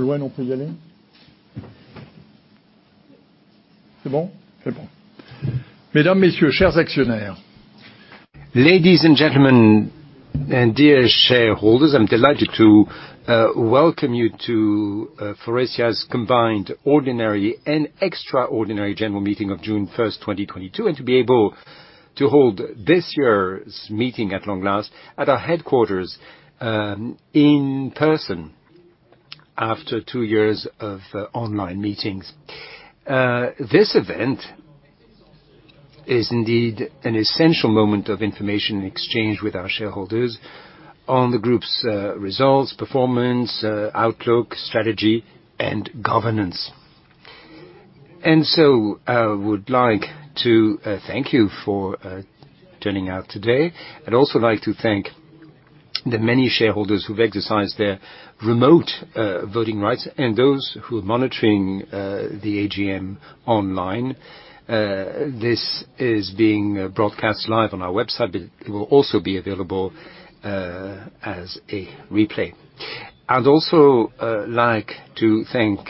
Ladies and gentlemen and dear shareholders, I'm delighted to welcome you to Faurecia's combined ordinary and extraordinary general meeting of June first, 2022, and to be able to hold this year's meeting at long last at our headquarters in person after two years of online meetings. This event is indeed an essential moment of information exchange with our shareholders on the group's results, performance, outlook, strategy, and governance. I would like to thank you for turning out today. I'd also like to thank the many shareholders who've exercised their remote voting rights and those who are monitoring the AGM online. This is being broadcast live on our website, but it will also be available as a replay. I'd also like to thank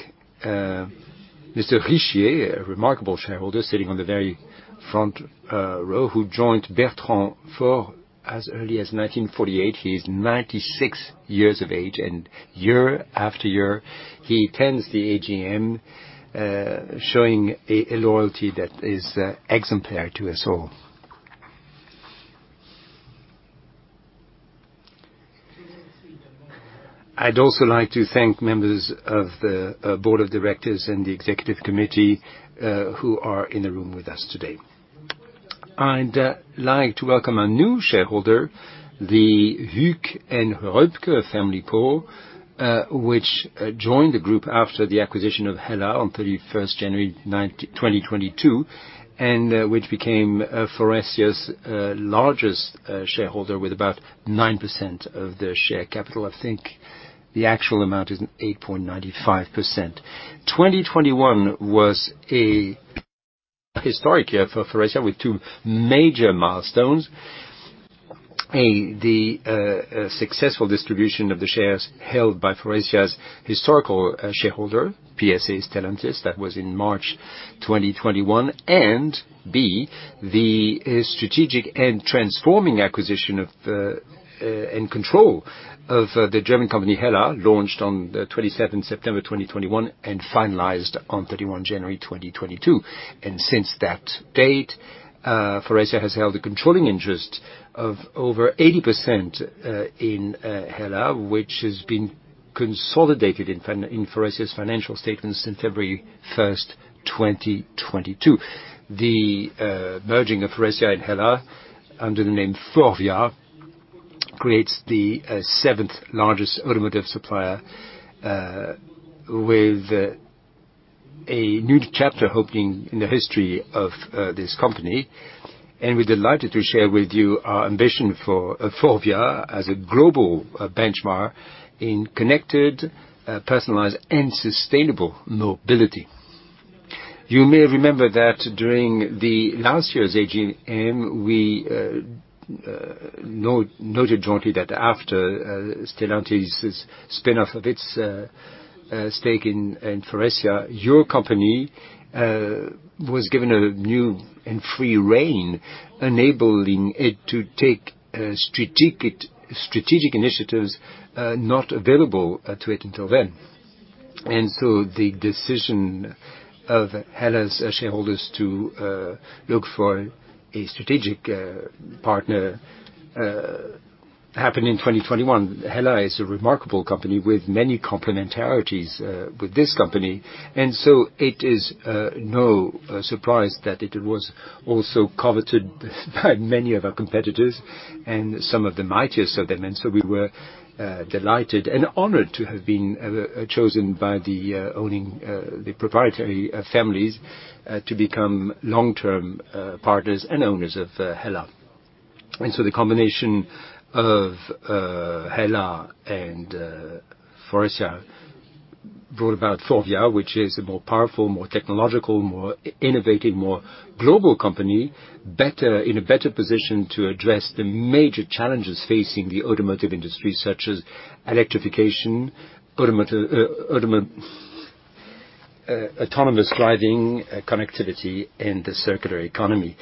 Mr. Richier, a remarkable shareholder sitting on the very front row, who joined Bertrand Faure as early as 1948. He is 96 years of age, and year after year, he attends the AGM, showing a loyalty that is exemplary to us all. I'd also like to thank members of the board of directors and the executive committee, who are in the room with us today. I'd like to welcome our new shareholder, the Hueck and Röpke family core, which joined the group after the acquisition of HELLA on 31 January 2022, and which became Faurecia's largest shareholder with about 9% of the share capital. I think the actual amount is 8.95%. 2021 was a historic year for Faurecia with two major milestones. A, the successful distribution of the shares held by Faurecia's historical shareholder, PSA Stellantis, that was in March 2021. B, the strategic and transforming acquisition of and control of the German company HELLA, launched on the 27th September 2021 and finalized on 31 January 2022. Since that date, Faurecia has held a controlling interest of over 80% in HELLA, which has been consolidated in Faurecia's financial statements since February 1, 2022. The merging of Faurecia and HELLA under the name FORVIA creates the seventh-largest automotive supplier with a new chapter opening in the history of this company. We're delighted to share with you our ambition for FORVIA as a global benchmark in connected, personalized, and sustainable mobility. You may remember that during the last year's AGM, we noted jointly that after Stellantis' spin-off of its stake in Faurecia, your company was given a new and free rein, enabling it to take strategic initiatives not available to it until then. The decision of HELLA's shareholders to look for a strategic partner happened in 2021. HELLA is a remarkable company with many complementarities with this company. It is no surprise that it was also coveted by many of our competitors and some of the mightiest of them. We were delighted and honored to have been chosen by the owning proprietary families to become long-term partners and owners of HELLA. The combination of HELLA and Faurecia brought about FORVIA, which is a more powerful, more technological, more innovative, more global company in a better position to address the major challenges facing the automotive industry, such as electrification, autonomous driving, connectivity, and the circular economy.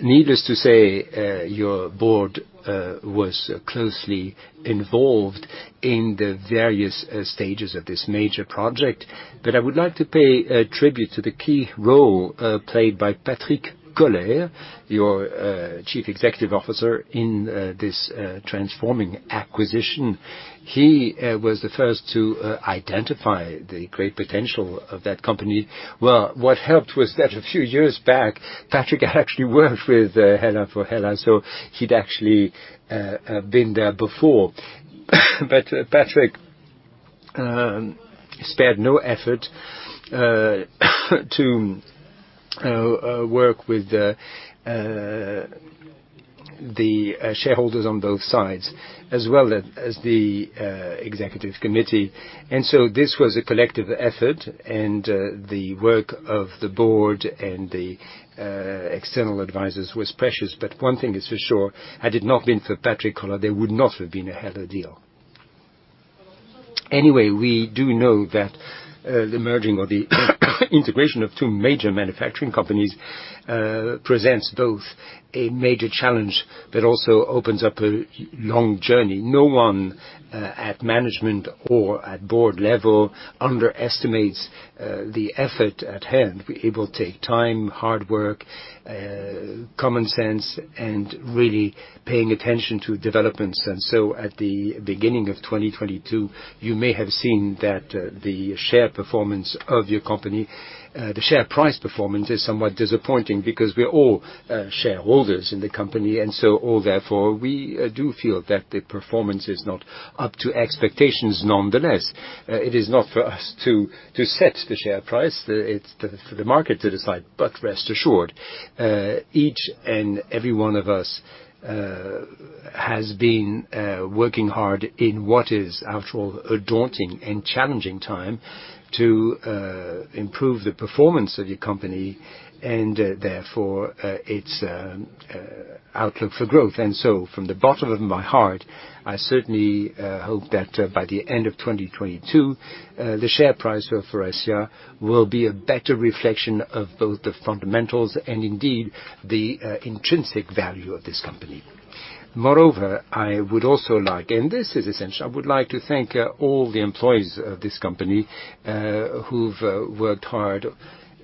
Needless to say, your board was closely involved in the various stages of this major project. I would like to pay tribute to the key role played by Patrick Koller, your Chief Executive Officer in this transforming acquisition. He was the first to identify the great potential of that company. Well, what helped was that a few years back, Patrick had actually worked with HELLA for HELLA, so he'd actually been there before. Patrick spared no effort to work with the shareholders on both sides as well as the executive committee. This was a collective effort, and the work of the board and the external advisors was precious. One thing is for sure, had it not been for Patrick Koller, there wouldnot have been a HELLA deal. Anyway, we do know that the merging or the integration of two major manufacturing companies presents both a major challenge but also opens up a long journey. No one at management or at board level underestimates the effort at hand. It will take time, hard work, common sense, and really paying attention to developments. At the beginning of 2022, you may have seen that the share performance of your company, the share price performance is somewhat disappointing because we're all shareholders in the company. All therefore, we do feel that the performance is not up to expectations. Nonetheless, it is not for us to set the share price. It's for the market to decide. Rest assured, each and every one of us has been working hard in what is, after all, a daunting and challenging time to improve the performance of the company and therefore its outlook for growth. From the bottom of my heart, I certainly hope that, by the end of 2022, the share price of Faurecia will be a better reflection of both the fundamentals and indeed the intrinsic value of this company. Moreover, I would also like, and this is essential, I would like to thank all the employees of this company who've worked hard.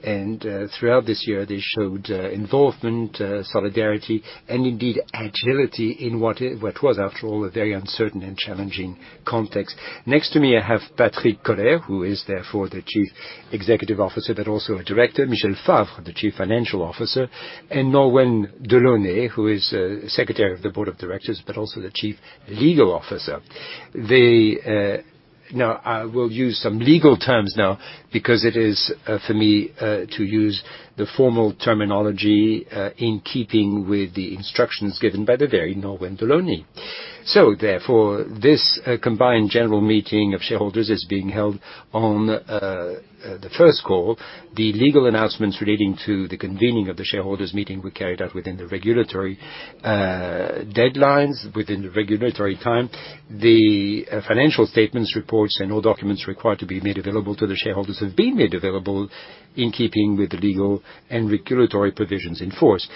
Throughout this year, they showed involvement, solidarity, and indeed agility in what was, after all, a very uncertain and challenging context. Next to me, I have Patrick Koller, who is therefore the Chief Executive Officer, but also a director. Michel Favre, the Chief Financial Officer. Nolwenn Delaunay, who is Secretary of the Board of Directors, but also the Chief Legal Officer. They Now, I will use some legal terms now because it is for me to use the formal terminology in keeping with the instructions given by the very Nolwenn Delaunay. Therefore, this combined general meeting of shareholders is being held on the first call. The legal announcements relating to the convening of the shareholders' meeting were carried out within the regulatory deadlines, within the regulatory time. The financial statements, reports, and all documents required to be made available to the shareholders have been made available in keeping with the legal and regulatory provisions in force.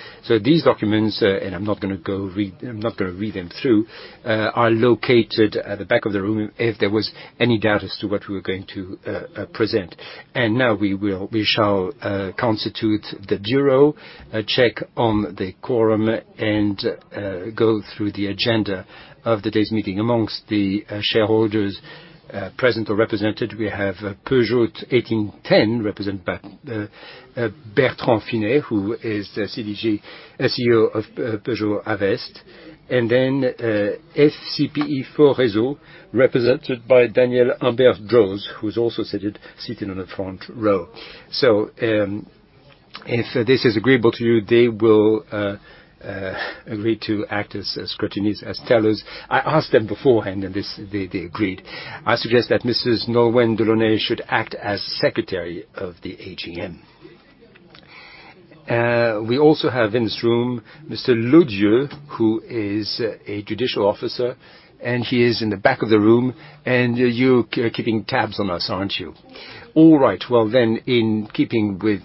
These documents, and I'm not gonna read them through, are located at the back of the room if there was any doubt as to what we were going to present. Now we will. We shall constitute the bureau, check on the quorum, and go through the agenda of today's meeting. Among the shareholders present or represented, we have Peugeot 1810, represented by Bertrand Finet, who is the CEO of Peugeot Invest. Then FCPE Faurecia, represented by Daniel Humbert-Droz, who's also seated on the front row. If this is agreeable to you, they will agree to act as scrutineers, as tellers. I asked them beforehand, and they agreed. I suggest that Mrs. Nolwenn Delaunay should act as Secretary of the AGM. We also have in this room Mr. Loudieu, who is a judicial officer, and he is in the back of the room. You're keeping tabs on us, aren't you? All right. Well, then, in keeping with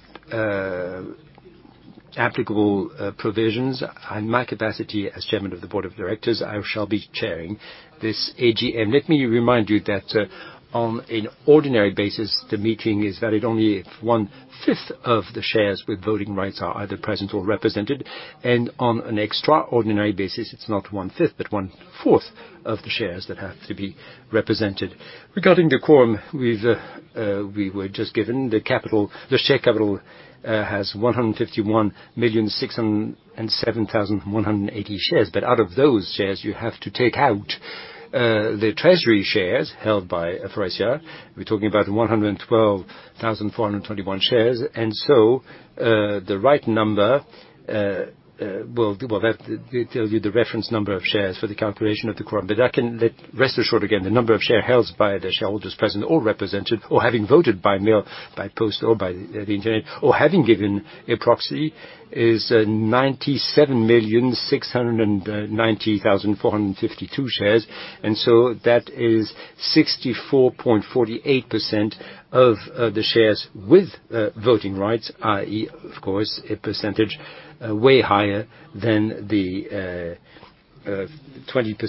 applicable provisions, in my capacity as Chairman of the Board of Directors, I shall be chairing this AGM. Let me remind you that on an ordinary basis, the meeting is valid only if one-fifth of the shares with voting rights are either present or represented, and on an extraordinary basis, it's not one-fifth but one-fourth of the shares that have to be represented. Regarding the quorum we were just given, the capital, the share capital has 151,657,180 shares. But out of those shares, you have to take out the treasury shares held by Faurecia. We're talking about 112,421 shares. The right number will have. It'll tell you the reference number of shares for the calculation of the quorum. Rest assured again, the number of shares held by the shareholders present or represented or having voted by mail, by post, or by the internet, or having given a proxy is 97,690,452 shares. That is 64.48% of the shares with voting rights, i.e., of course, a percentage way higher than the 20%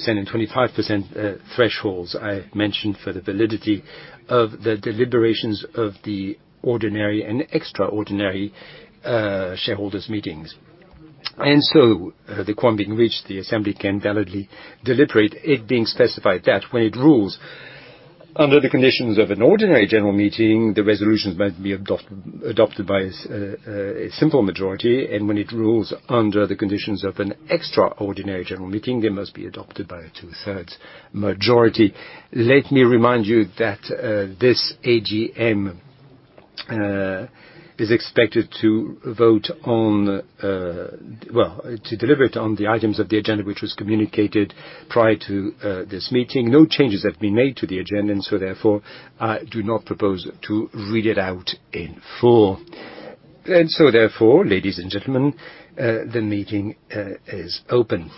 and 25% thresholds I mentioned for the validity of the deliberations of the ordinary and extraordinary shareholders' meetings. The quorum being reached, the assembly can validly deliberate. It being specified that when it rules under the conditions of an ordinary general meeting, the resolutions must be adopted by a simple majority, and when it rules under the conditions of an extraordinary general meeting, they must be adopted by a two-thirds majority. Let me remind you that this AGM is expected to vote on, well, to deliberate on the items of the agenda, which was communicated prior to this meeting. No changes have been made to the agenda, and so therefore, I do not propose to read it out in full. Ladies and gentlemen, the meeting is open.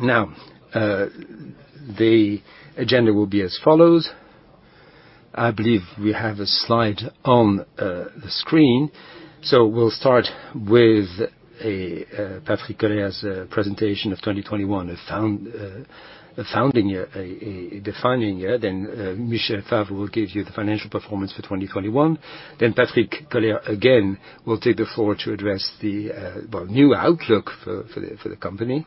Now, the agenda will be as follows. I believe we have a slide on the screen. We'll start with Patrick Koller's presentation of 2021, a founding year, a defining year. Michel Favre will give you the financial performance for 2021. Patrick Koller again will take the floor to address the new outlook for the company.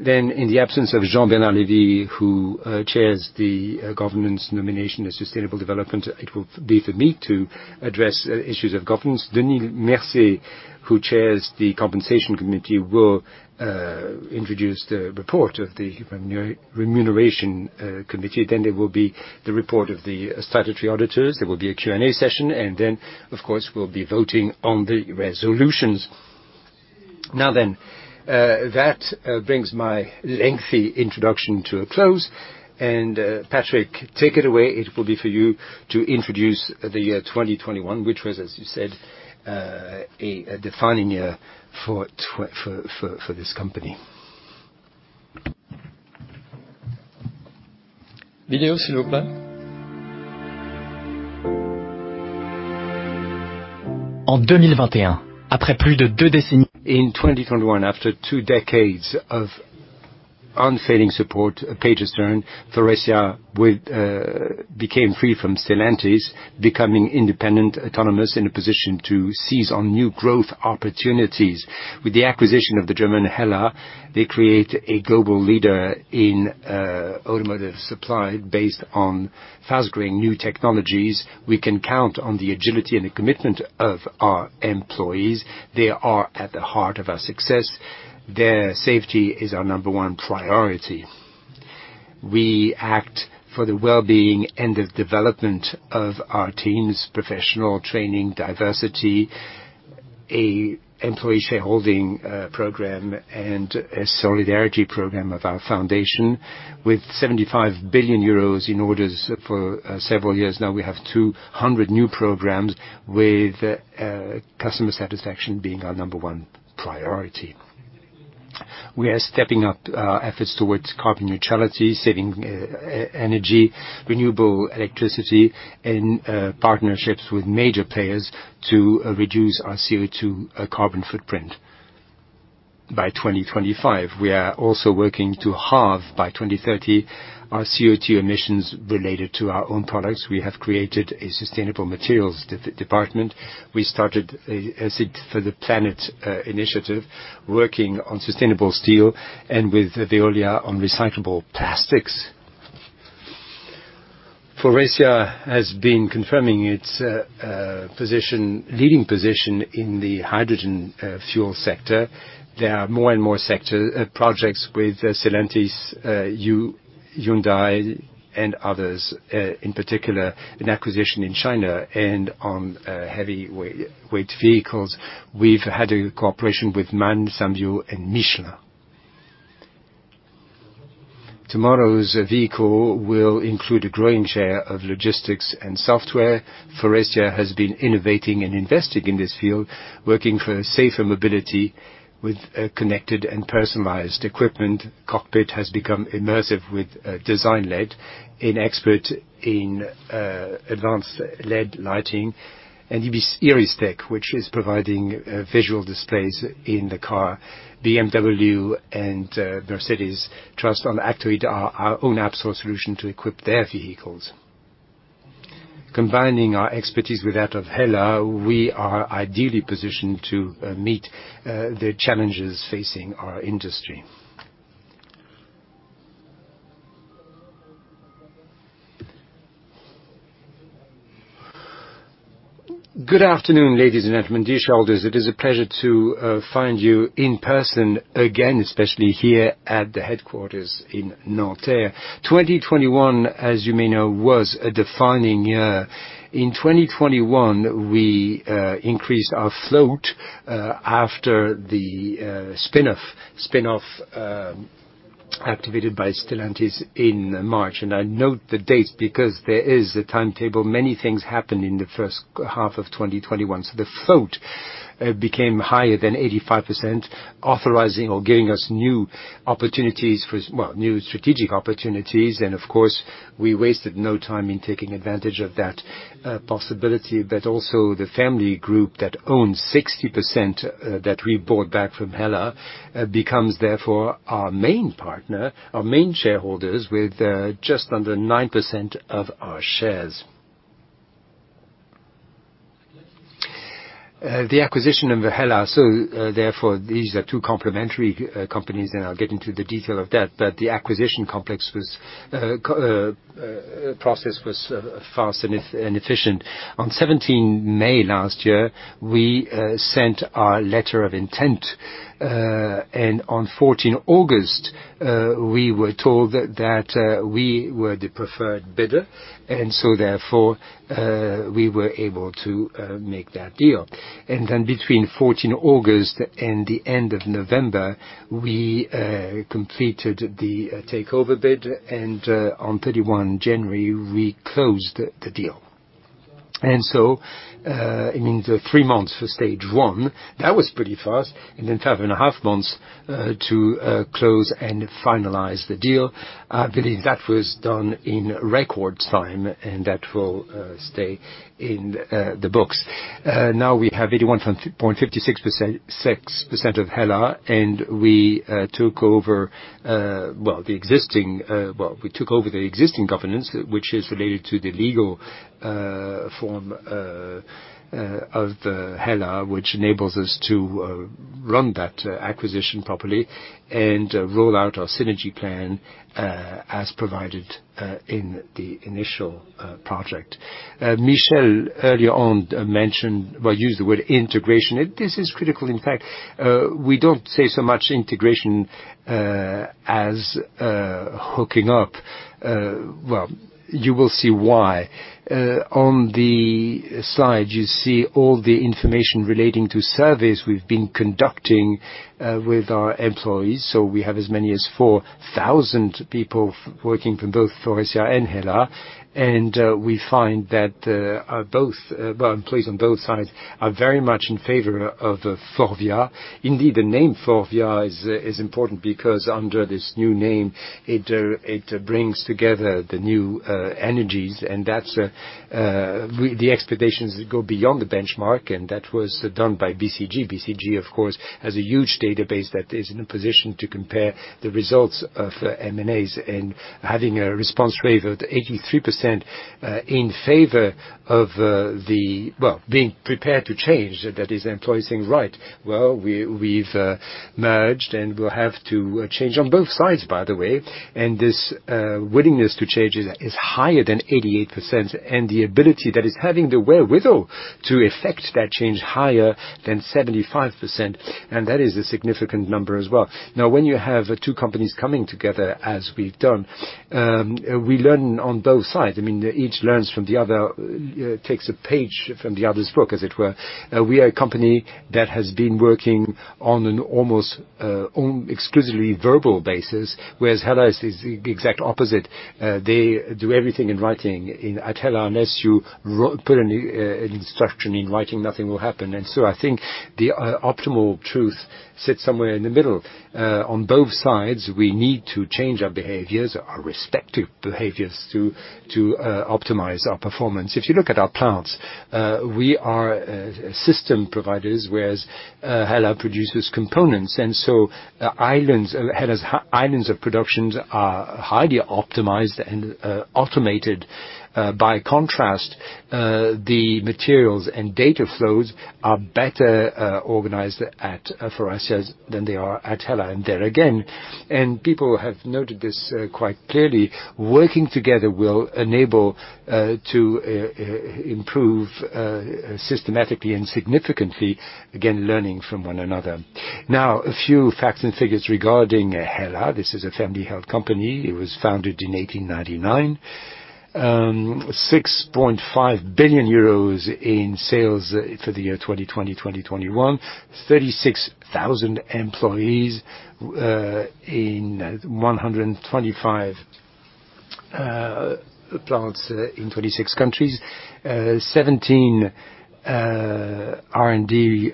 In the absence of Jean-Bernard Lévy, who chairs the Governance, Nominations and Sustainability, it will be for me to address issues of governance. Denis Mercier, who chairs the Compensation Committee, will introduce the report of the Remuneration Committee. There will be the report of the statutory auditors. There will be a Q&A session, and then, of course, we'll be voting on the resolutions. Now then, that brings my lengthy introduction to a close. Patrick, take it away. It will be for you to introduce the year 2021, which was, as you said, a defining year for this company. Video, s'il vous plaît. In 2021, after two decades of unfailing support, a page is turned. Faurecia would became free from Stellantis, becoming independent, autonomous, in a position to seize on new growth opportunities. With the acquisition of the German HELLA, they create a global leader in automotive supply based on fast-growing new technologies. We can count on the agility and the commitment of our employees. They are at the heart of our success. Their safety is our number one priority. We act for the well-being and the development of our teams' professional training, diversity, an employee shareholding program, and a solidarity program of our foundation. With 75 billion euros in orders for several years now, we have 200 new programs, with customer satisfaction being our number one priority. We are stepping up efforts towards carbon neutrality, saving energy, renewable electricity, and partnerships with major players to reduce our CO2 carbon footprint by 2025. We are also working to halve by 2030 our CO2 emissions related to our own products. We have created a sustainable materials department. We started a Act for the Planet initiative, working on sustainable steel and with Veolia on recyclable plastics. Faurecia has been confirming its leading position in the hydrogen fuel sector. There are more and more sector projects with Stellantis, Hyundai and others, in particular an acquisition in China and on heavyweight vehicles. We've had a cooperation with MAN, Symbio, and Michelin. Tomorrow's vehicle will include a growing share of logistics and software. Faurecia has been innovating and investing in this field, working for safer mobility with connected and personalized equipment. Cockpit has become immersive with designLED, an expert in advanced LED lighting, and IRYStec, which is providing visual displays in the car. BMW and Mercedes trust on Aptoide, our own apps or solution to equip their vehicles. Combining our expertise with that of HELLA, we are ideally positioned to meet the challenges facing our industry. Good afternoon, ladies and gentlemen, dear shareholders. It is a pleasure to find you in person again, especially here at the headquarters in Nanterre. 2021, as you may know, was a defining year. In 2021, we increased our float after the spin-off activated by Stellantis in March. I note the date because there is a timetable. Many things happened in the first half of 2021. The float became higher than 85%, authorizing or giving us new opportunities for, well, new strategic opportunities. Of course, we wasted no time in taking advantage of that possibility. Also, the family group that owns 60%, that we bought back from HELLA, becomes therefore our main partner, our main shareholders, with just under 9% of our shares. The acquisition of HELLA, so therefore, these are two complementary companies, and I'll get into the detail of that. The acquisition process was fast and efficient. On 17 May last year, we sent our letter of intent. On 14 August, we were told that we were the preferred bidder, and so therefore, we were able to make that deal. Then between 14 August and the end of November, we completed the takeover bid, and on 31 January, we closed the deal. So, I mean, the 3 months for stage one, that was pretty fast. Then 5.5 months to close and finalize the deal. I believe that was done in record time, and that will stay in the books. Now we have 81.56%, 6% of HELLA, and we took over the existing governance, which is related to the legal form of HELLA, which enables us to run that acquisition properly and roll out our synergy plan as provided in the initial project. Michel earlier on mentioned. Well, used the word integration. This is critical. In fact, we don't say so much integration as hooking up. Well, you will see why. On the slide, you see all the information relating to surveys we've been conducting with our employees. We have as many as 4,000 people working from both Faurecia and HELLA. We find that, well, employees on both sides are very much in favor of FORVIA. Indeed, the name Forvia is important because under this new name, it brings together the new energies, and that's the expectations go beyond the benchmark, and that was done by BCG. BCG, of course, has a huge database that is in a position to compare the results of M&As. Having a response rate of 83% in favor of the, well, being prepared to change. That is employees saying, "Right, well, we've merged, and we'll have to change on both sides, by the way." This willingness to change is higher than 88%. The ability that is having the wherewithal to effect that change higher than 75%, and that is a significant number as well. Now, when you have two companies coming together as we've done, we learn on both sides. I mean, each learns from the other, takes a page from the other's book, as it were. We are a company that has been working on an almost exclusively verbal basis, whereas HELLA is the exact opposite. They do everything in writing. In HELLA, unless you put an instruction in writing, nothing will happen. I think the optimal truth sits somewhere in the middle. On both sides, we need to change our behaviors, our respective behaviors, to optimize our performance. If you look at our plants, we are system providers, whereas HELLA produces components. HELLA's islands of production are highly optimized and automated. By contrast, the materials and data flows are better organized at Faurecia's than they are at HELLA. There again, people have noted this quite clearly. Working together will enable to improve systematically and significantly, again, learning from one another. Now, a few facts and figures regarding HELLA. This is a family-held company. It was founded in 1899. 6.5 billion euros in sales for the year 2020-2021. 36,000 employees in 125 plants in 26 countries. 17 R&D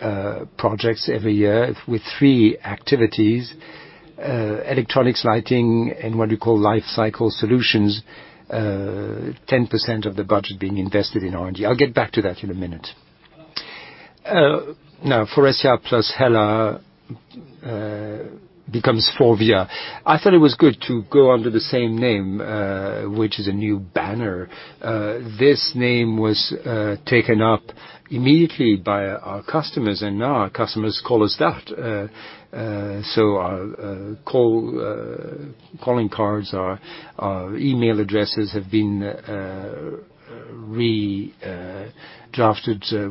projects every year with three activities, electronics, lighting, and what we call Lifecycle Solutions. 10% of the budget being invested in R&D. I'll get back to that in a minute. Now Faurecia + HELLA becomes FORVIA. I thought it was good to go under the same name, which is a new banner. This name was taken up immediately by our customers, and now our customers call us that. Our calling cards, our email addresses have been redrafted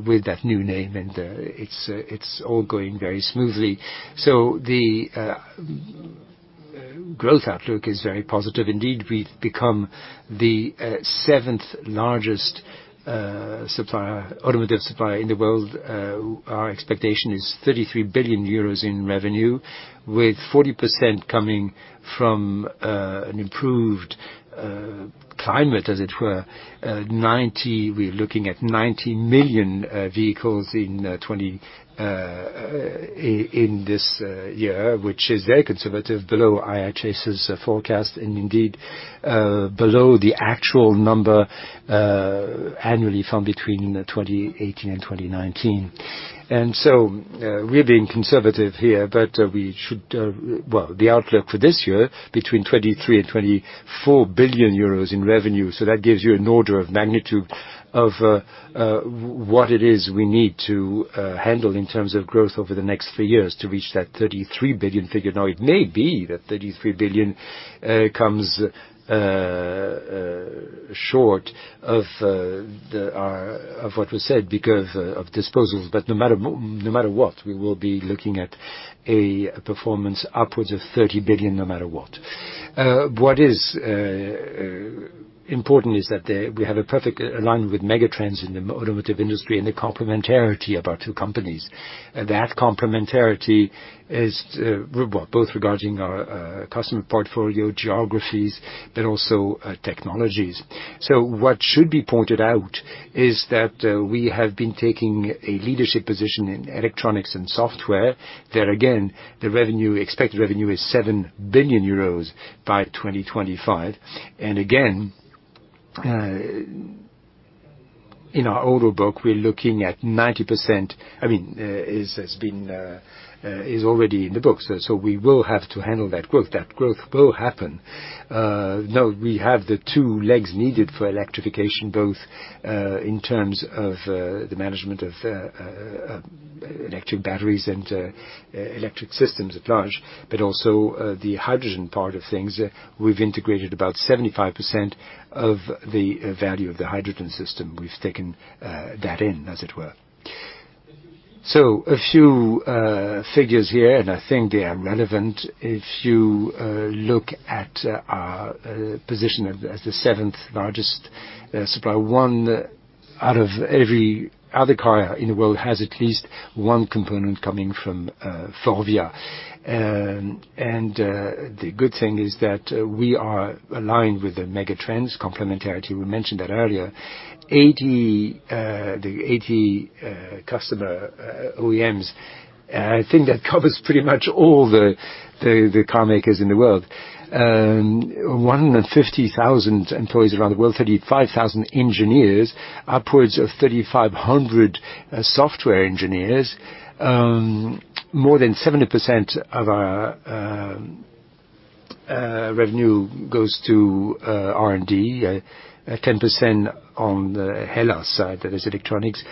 with that new name, and it's all going very smoothly. The growth outlook is very positive. Indeed, we've become the seventh-largest automotive supplier in the world. Our expectation is 33 billion euros in revenue, with 40% coming from an improved climate, as it were. We're looking at 90 million vehicles in 2024 in this year, which is very conservative, below IHS's forecast and indeed below the actual number annually from between 2018 and 2019. We're being conservative here, but the outlook for this year between 23 billion and 24 billion euros in revenue. That gives you an order of magnitude of what it is we need to handle in terms of growth over the next three years to reach that 33 billion figure. Now, it may be that 33 billion comes short of what was said because of disposals. No matter what, we will be looking at a performance upwards of 30 billion, no matter what. What is important is that we have a perfect alignment with megatrends in the automotive industry and the complementarity of our two companies. That complementarity is both regarding our customer portfolio geographies, but also technologies. What should be pointed out is that, we have been taking a leadership position in electronics and software. There again, the revenue, expected revenue is 7 billion euros by 2025. In our order book, we're looking at 90% is already in the books, so we will have to handle that growth. That growth will happen. Now we have the two legs needed for electrification, both in terms of the management of electric batteries and electric systems at large, but also the hydrogen part of things. We've integrated about 75% of the value of the hydrogen system. We've taken that in, as it were. A few figures here, and I think they are relevant. If you look at our position as the seventh-largest supplier. One out of every other car in the world has at least one component coming from Forvia. The good thing is that we are aligned with the megatrends complementarity. We mentioned that earlier. 80 customer OEMs I think that covers pretty much all the carmakers in the world. One in 50,000 employees around the world, 35,000 engineers, upwards of 3,500 software engineers. More than 70% of our revenue goes to R&D, 10% on the HELLA side, that is electronics.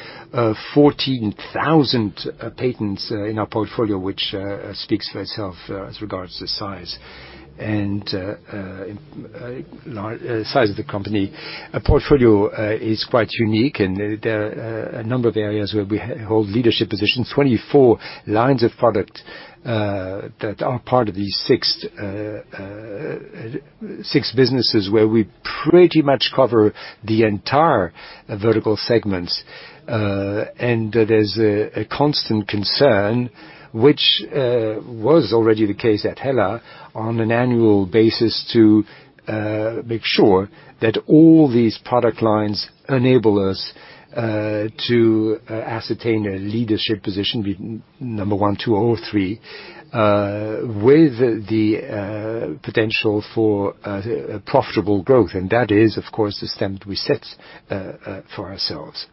14,000 patents in our portfolio, which speaks for itself as regards to size. Size of the company. Our portfolio is quite unique, and there are a number of areas where we hold leadership positions, 24 lines of product that are part of these six businesses where we pretty much cover the entire vertical segments. There's a constant concern, which was already the case at HELLA on an annual basis to make sure that all these product lines enable us to ascertain a leadership position, be number one, two or three with the potential for profitable growth. That is, of course, the standard we set for ourselves.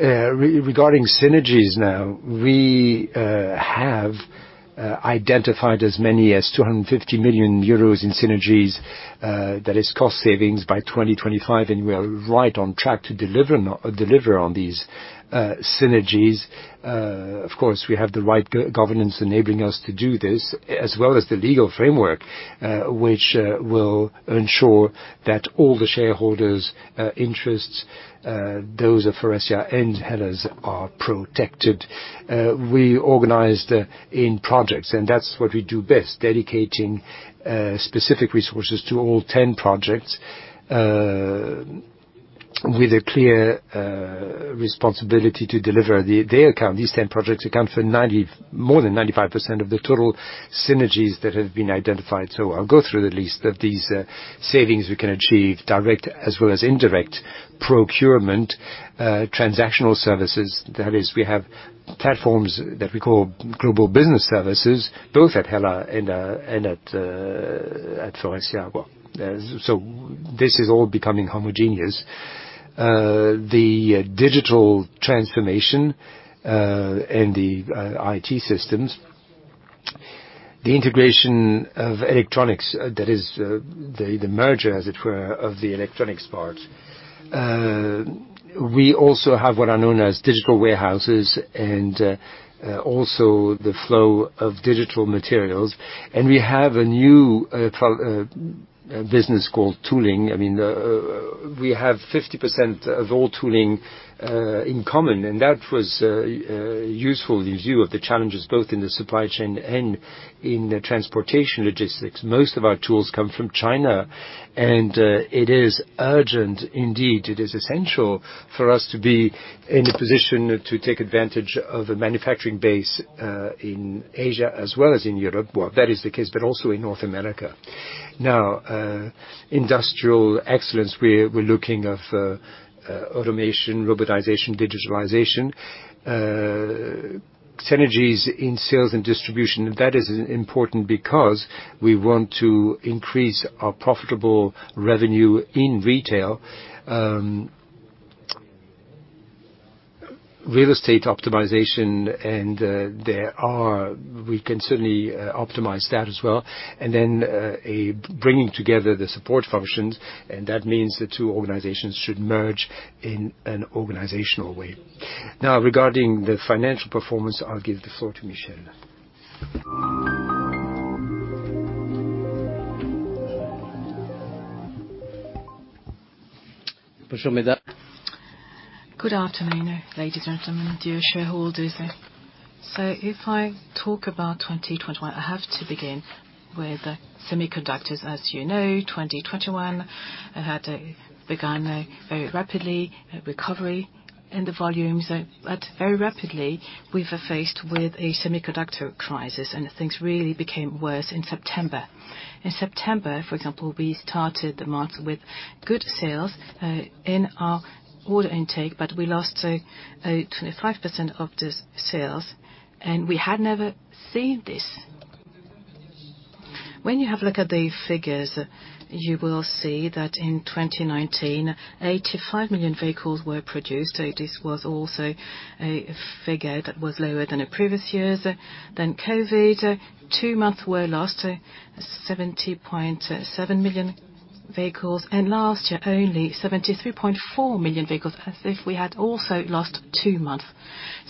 Regarding synergies now, we have identified as many as 250 million euros in synergies, that is cost savings by 2025, and we are right on track to deliver on these synergies. Of course, we have the right governance enabling us to do this, as well as the legal framework, which will ensure that all the shareholders' interests, those of Faurecia and HELLA's are protected. We organized in projects, and that's what we do best, dedicating specific resources to all 10 projects with a clear responsibility to deliver. These 10 projects account for 90, more than 95% of the total synergies that have been identified. I'll go through the list of these savings we can achieve, direct as well as indirect procurement, transactional services. That is, we have platforms that we call global business services, both at HELLA and at Faurecia. Well, this is all becoming homogeneous. The digital transformation and the IT systems. The integration of electronics, that is, the merger, as it were, of the electronics part. We also have what are known as digital warehouses and also the flow of digital materials. We have a new business called tooling. I mean, we have 50% of all tooling in common, and that was useful in view of the challenges both in the supply chain and in transportation logistics. Most of our tools come from China, and it is urgent, indeed, it is essential for us to be in a position to take advantage of the manufacturing base in Asia as well as in Europe. Well, that is the case, but also in North America. Now, industrial excellence, we're looking of automation, robotization, digitalization. Synergies in sales and distribution, that is important because we want to increase our profitable revenue in retail. Real estate optimization and we can certainly optimize that as well. Bringing together the support functions, and that means the two organizations should merge in an organizational way. Now regarding the financial performance, I'll give the floor to Michel. Good afternoon, ladies and gentlemen, dear shareholders. If I talk about 2021, I have to begin with the semiconductors. As you know, 2021 had begun very rapidly a recovery in the volumes. Very rapidly, we were faced with a semiconductor crisis, and things really became worse in September. In September, for example, we started the month with good sales in our order intake, but we lost 25% of the sales, and we had never seen this. When you have a look at the figures, you will see that in 2019, 85 million vehicles were produced. This was also a figure that was lower than the previous years. Then COVID, two months were lost, 70.7 million vehicles. Last year, only 73.4 million vehicles, as if we had also lost two months.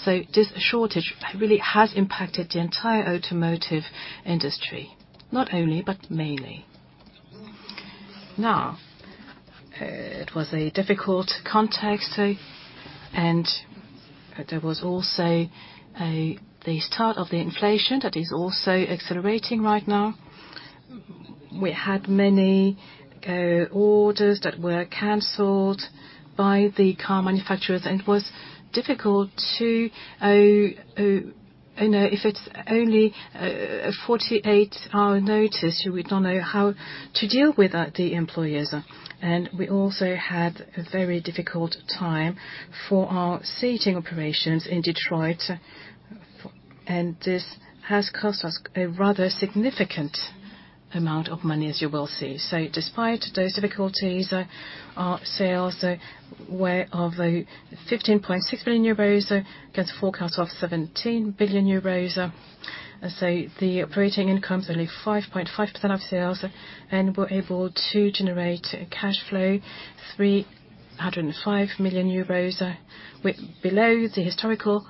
This shortage really has impacted the entire automotive industry, not only, but mainly. Now, it was a difficult context, and there was also the start of the inflation that is also accelerating right now. We had many orders that were canceled by the car manufacturers, and it was difficult. You know, if it's only a 48-hour notice, we don't know how to deal with the employees. We also had a very difficult time for our seating operations in Detroit, and this has cost us a rather significant amount of money, as you will see. Despite those difficulties, our sales were 15.6 billion euros against a forecast of 17 billion euros. The operating income's only 5.5% of sales, and we're able to generate cash flow, 305 million euros, below the historical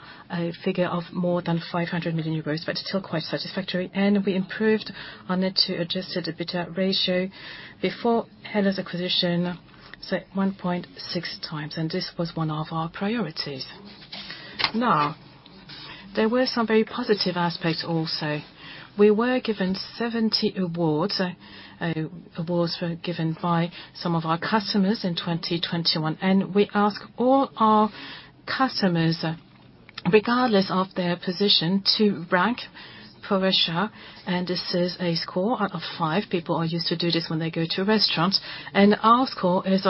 figure of more than 500 million euros, but still quite satisfactory. We improved our net to adjusted EBITDA ratio before HELLA acquisition, so 1.6 times, and this was one of our priorities. Now, there were some very positive aspects also. We were given 70 awards. Awards were given by some of our customers in 2021, and we ask all our customers, regardless of their position, to rank Faurecia, and this is a score out of five. People are used to do this when they go to restaurants. Our score is,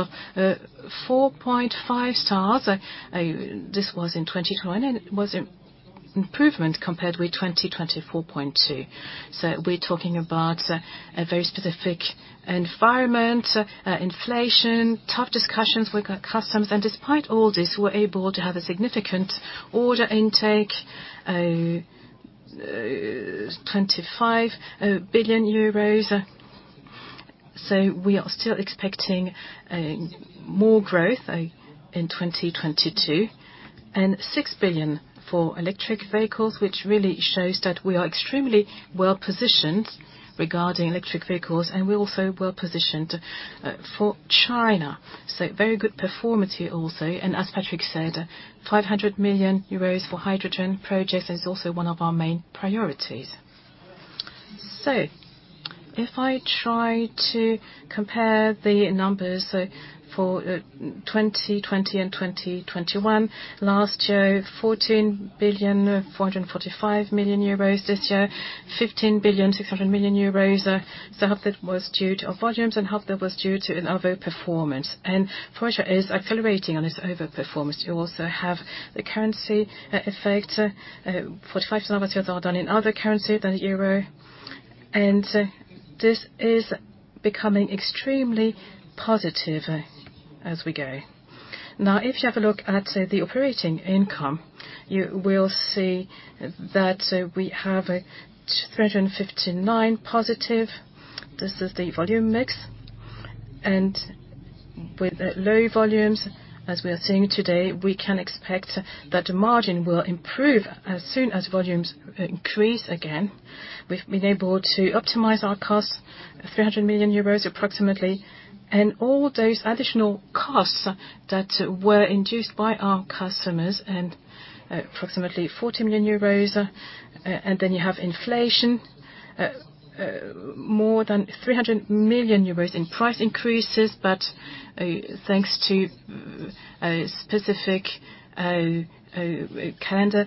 four point five stars. This was in 2021, and it was an improvement compared with 2020 4.2. We're talking about a very specific environment, inflation, tough discussions with our customers, and despite all this, we're able to have a significant order intake, 25 billion euros. We are still expecting more growth in 2022, and 6 billion for electric vehicles, which really shows that we are extremely well-positioned regarding electric vehicles, and we're also well-positioned for China. Very good performance here also. As Patrick said, 500 million euros for hydrogen projects is also one of our main priorities. If I try to compare the numbers for 2020 and 2021, last year, 14.445 billion. This year, 15.6 billion. Half that was due to volumes, and half that was due to an overperformance. Faurecia is accelerating on its overperformance. You also have the currency effect. 45% are done in other currency than the euro. This is becoming extremely positive as we go. Now, if you have a look at the operating income, you will see that we have 359 positive. This is the volume mix. With low volumes, as we are seeing today, we can expect that the margin will improve as soon as volumes increase again. We've been able to optimize our costs, approximately 300 million euros, and all those additional costs that were induced by our customers, and approximately 40 million euros. Then you have inflation, more than 300 million euros in price increases. Thanks to a specific calendar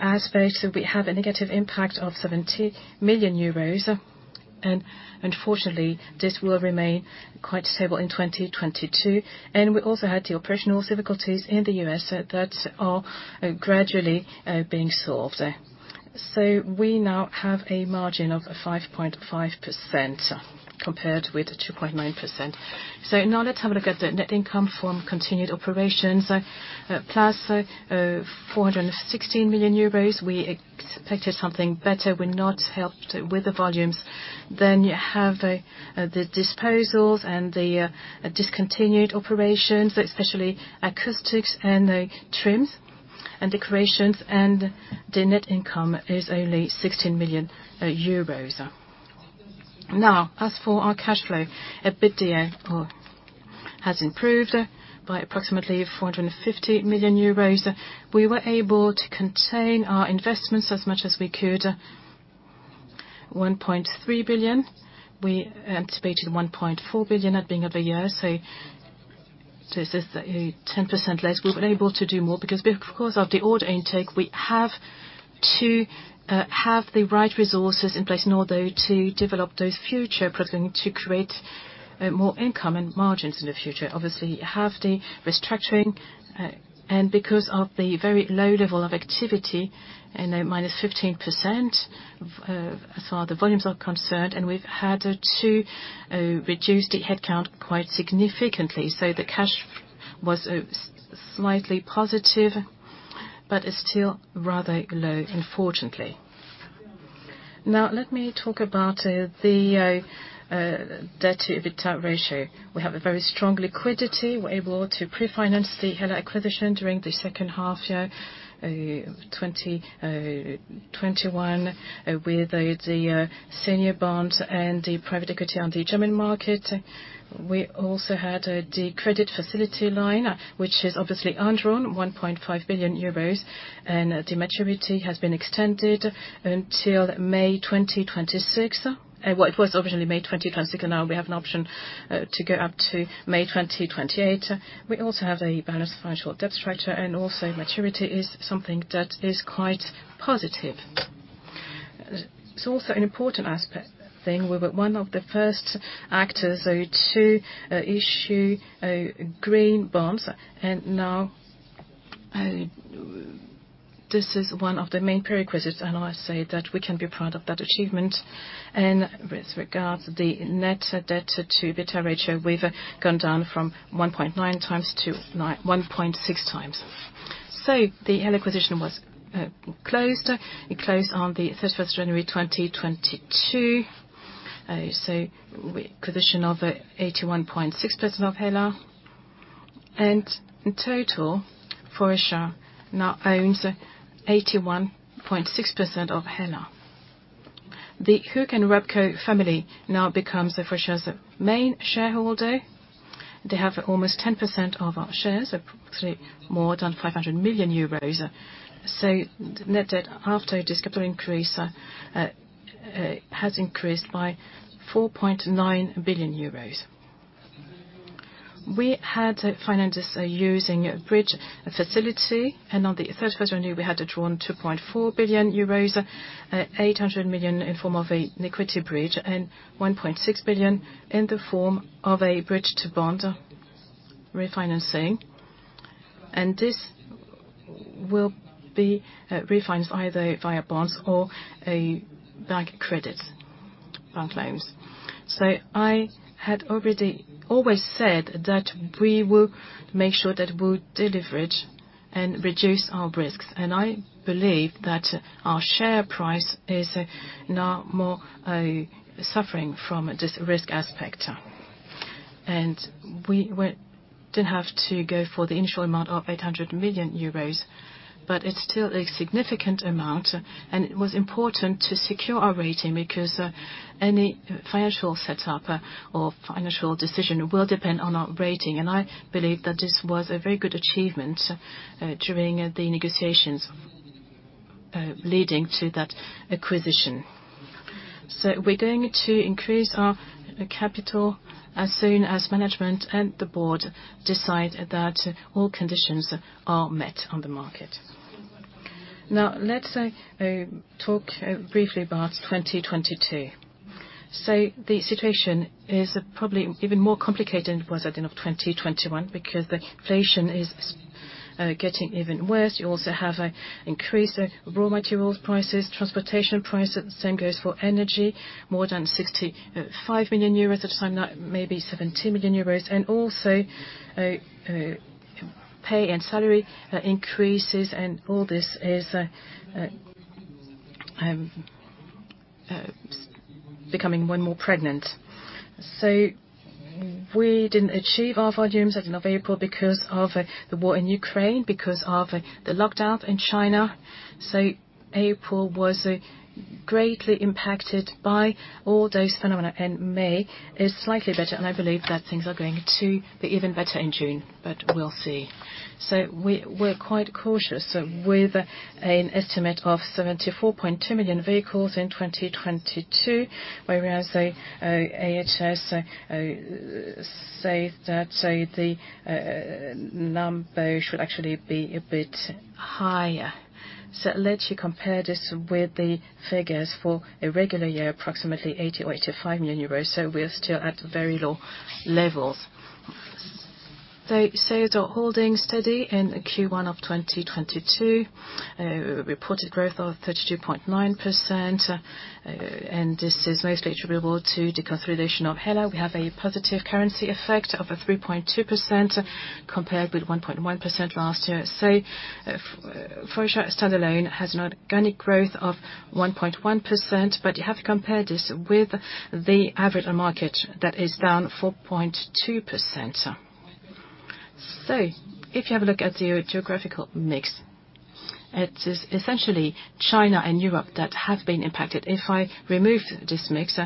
aspect, we have a negative impact of 70 million euros. Unfortunately, this will remain quite stable in 2022. We also had the operational difficulties in the U.S. that are gradually being solved. We now have a margin of 5.5% compared with 2.9%. Now let's have a look at the net income from continued operations. Plus 416 million euros, we expected something better. We're not helped with the volumes. You have the disposals and the discontinued operations, especially acoustics and the trims and decorations, and the net income is only 16 million euros. Now, as for our cash flow, EBITDA has improved by approximately 450 million euros. We were able to contain our investments as much as we could, 1.3 billion. We anticipated 1.4 billion at beginning of the year, so this is 10% less. We were able to do more because, of course, of the order intake, we have to have the right resources in place in order to develop those future products to create more income and margins in the future. Obviously, have the restructuring and because of the very low level of activity, you know, -15%, as far as the volumes are concerned, and we've had to reduce the headcount quite significantly. The cash was slightly positive, but is still rather low, unfortunately. Now, let me talk about the debt-to-EBITDA ratio. We have a very strong liquidity. We're able to pre-finance the HELLA acquisition during the second half year 2021, with the senior bonds and the private equity on the German market. We also had the credit facility line, which is obviously undrawn, 1.5 billion euros, and the maturity has been extended until May 2026. It was originally May 2026. Now we have an option to go up to May 2028. We also have a balanced financial debt structure, and also maturity is something that is quite positive. It's also an important aspect, thing. We were one of the first actors to issue green bonds. Now this is one of the main prerequisites, and I say that we can be proud of that achievement. With regard to the net debt-to-EBITDA ratio, we've gone down from 1.9x-1.6x. The HELLA acquisition was closed. It closed on the 31st January 2022. Acquisition of 81.6% of HELLA. In total, Faurecia now owns 81.6% of HELLA. The Hueck and Röpke family now becomes Faurecia's main shareholder. They have almost 10% of our shares, approximately more than 500 million euros. Net debt after this capital increase has increased by EUR 4.9 billion. We financed using a bridge facility, and on the 31st of January, we had to draw on 2.4 billion euros, 800 million in form of an equity bridge, and 1.6 billion in the form of a bridge to bond refinancing. This will be refinanced either via bonds or a bank credit, bank loans. I had already always said that we will make sure that we'll deleverage and reduce our risks. I believe that our share price is now more suffering from this risk aspect. We didn't have to go for the initial amount of 800 million euros, but it's still a significant amount. It was important to secure our rating because any financial setup or financial decision will depend on our rating. I believe that this was a very good achievement during the negotiations leading to that acquisition. We're going to increase our capital as soon as management and the board decide that all conditions are met on the market. Now, let's talk briefly about 2022. The situation is probably even more complicated than it was at the end of 2021, because the inflation is getting even worse. You also have an increase of raw materials prices, transportation prices, same goes for energy, more than 65 million euros at the time, now it may be EUR 70 million. Pay and salary increases, and all this is becoming more and more pressing. We didn't achieve our volumes as of April because of the war in Ukraine, because of the lockdown in China. April was greatly impacted by all those phenomena. May is slightly better, and I believe that things are going to be even better in June, but we'll see. We're quite cautious with an estimate of 74.2 million vehicles in 2022, whereas IHS say that the number should actually be a bit higher. Let's compare this with the figures for a regular year, approximately 80 or 85 million vehicles. We're still at very low levels. Sales are holding steady in Q1 of 2022. Reported growth of 32.9%, and this is mostly attributable to the consolidation of HELLA. We have a positive currency effect of 3.2% compared with 1.1% last year. Faurecia standalone has an organic growth of 1.1%, but you have to compare this with the average market that is down 4.2%. If you have a look at the geographical mix, it is essentially China and Europe that have been impacted. If I remove this mix,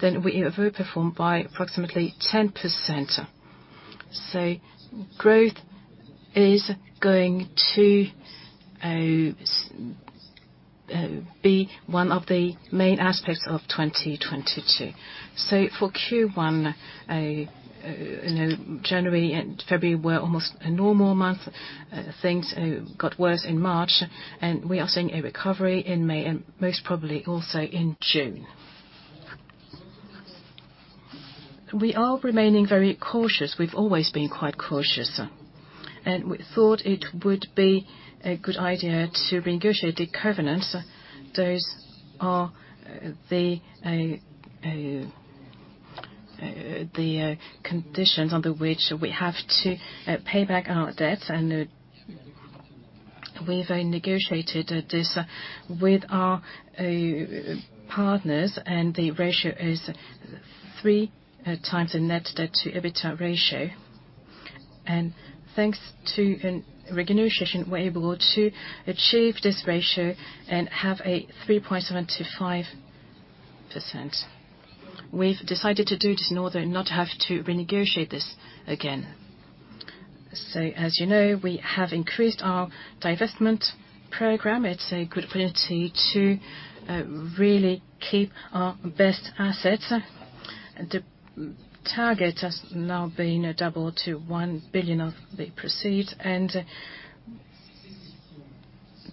then we have overperformed by approximately 10%. Growth is going to be one of the main aspects of 2022. For Q1, you know, January and February were almost a normal month. Things got worse in March, and we are seeing a recovery in May and most probably also in June. We are remaining very cautious. We've always been quite cautious, and we thought it would be a good idea to renegotiate the covenants. Those are the conditions under which we have to pay back our debts. We have negotiated this with our partners, and the ratio is 3x the net debt to EBITDA ratio. Thanks to a renegotiation, we're able to achieve this ratio and have a 3.7%-5%. As you know, we have increased our divestment program. It's a good opportunity to really keep our best assets. The target has now been doubled to 1 billion of the proceeds.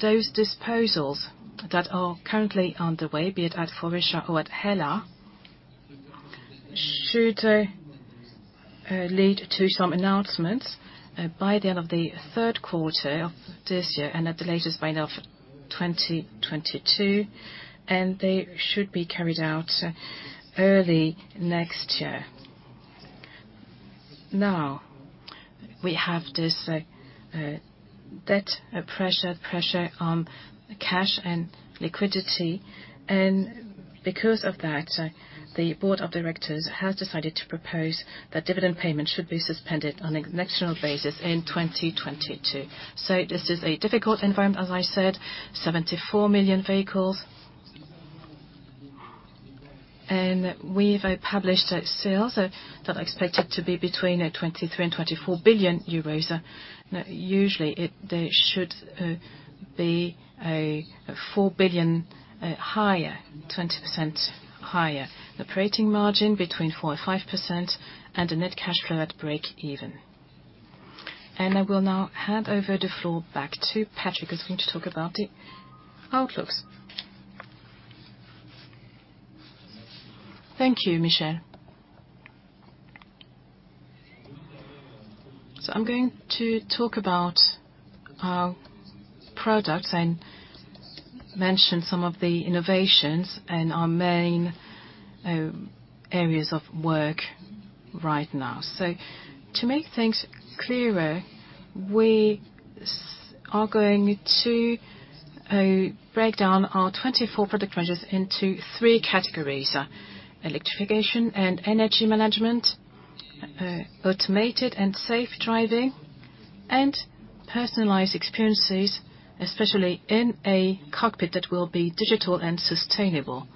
Those disposals that are currently underway, be it at Faurecia or at HELLA, should lead to some announcements by the end of the third quarter of this year and at the latest by end of 2022, and they should be carried out early next year. Now, we have this debt pressure on cash and liquidity, and because of that, the board of directors has decided to propose that dividend payment should be suspended on an exceptional basis in 2022. This is a difficult environment, as I said, 74 million vehicles. We have published our sales that are expected to be between 23 billion and 24 billion euros. Usually they should be 4 billion higher, 20% higher. Operating margin between 4% and 5% and a net cash flow at break even. I will now hand over the floor back to Patrick, who's going to talk about the outlooks. Thank you, Michel. I'm going to talk about our products and mention some of the innovations and our main areas of work right now. To make things clearer, we are going to break down our 24 product ranges into three categories, electrification and energy management, automated and safe driving, and personalized experiences, especially in a cockpit that will be digital and sustainable.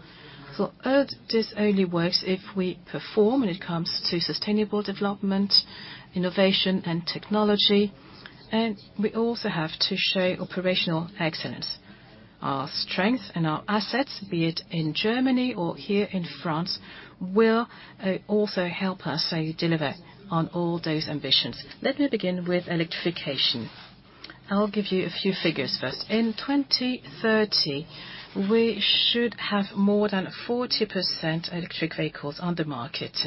For us, this only works if we perform when it comes to sustainable development, innovation, and technology, and we also have to show operational excellence. Our strength and our assets, be it in Germany or here in France, will also help us deliver on all those ambitions. Let me begin with electrification. I'll give you a few figures first. In 2030, we should have more than 40% electric vehicles on the market.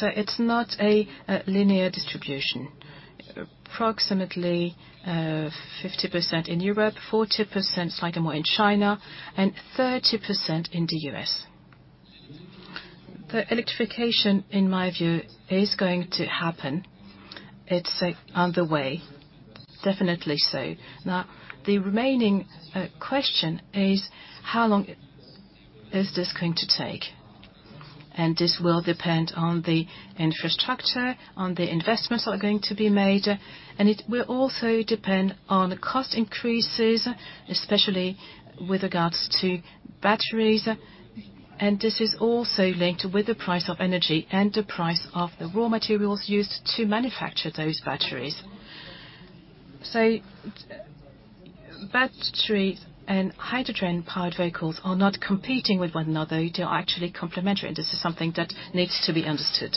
It's not a linear distribution. Approximately, 50% in Europe, 40%, slightly more in China, and 30% in the US. Electrification, in my view, is going to happen. It's on the way, definitely so. Now, the remaining question is how long is this going to take? This will depend on the infrastructure, on the investments that are going to be made, and it will also depend on the cost increases, especially with regards to batteries, and this is also linked with the price of energy and the price of the raw materials used to manufacture those batteries. Batteries and hydrogen-powered vehicles are not competing with one another. They are actually complementary, and this is something that needs to be understood.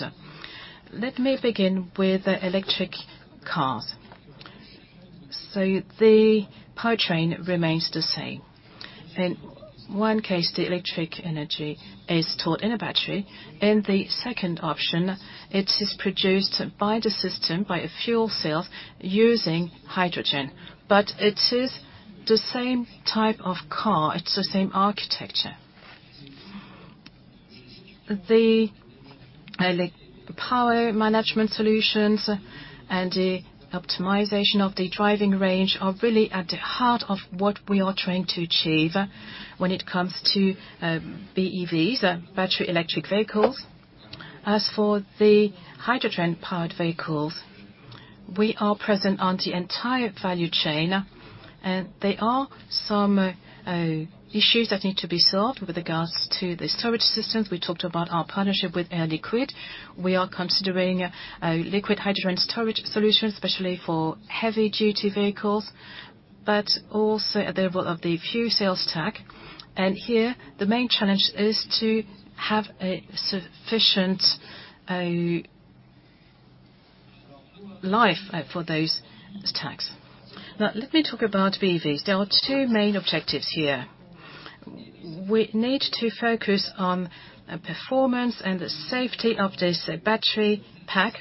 Let me begin with the electric cars. The powertrain remains the same. In one case, the electric energy is stored in a battery. In the second option, it is produced by the system, by a fuel cell using hydrogen. It is the same type of car. It's the same architecture. The power management solutions and the optimization of the driving range are really at the heart of what we are trying to achieve when it comes to BEVs, battery electric vehicles. As for the hydrogen-powered vehicles, we are present on the entire value chain, and there are some issues that need to be solved with regards to the storage systems. We talked about our partnership with Air Liquide. We are considering a liquid hydrogen storage solution, especially for heavy duty vehicles, but also at the level of the fuel cells stack. Here the main challenge is to have a sufficient life for those stacks. Now let me talk about BEVs. There are two main objectives here. We need to focus on performance and the safety of this battery pack.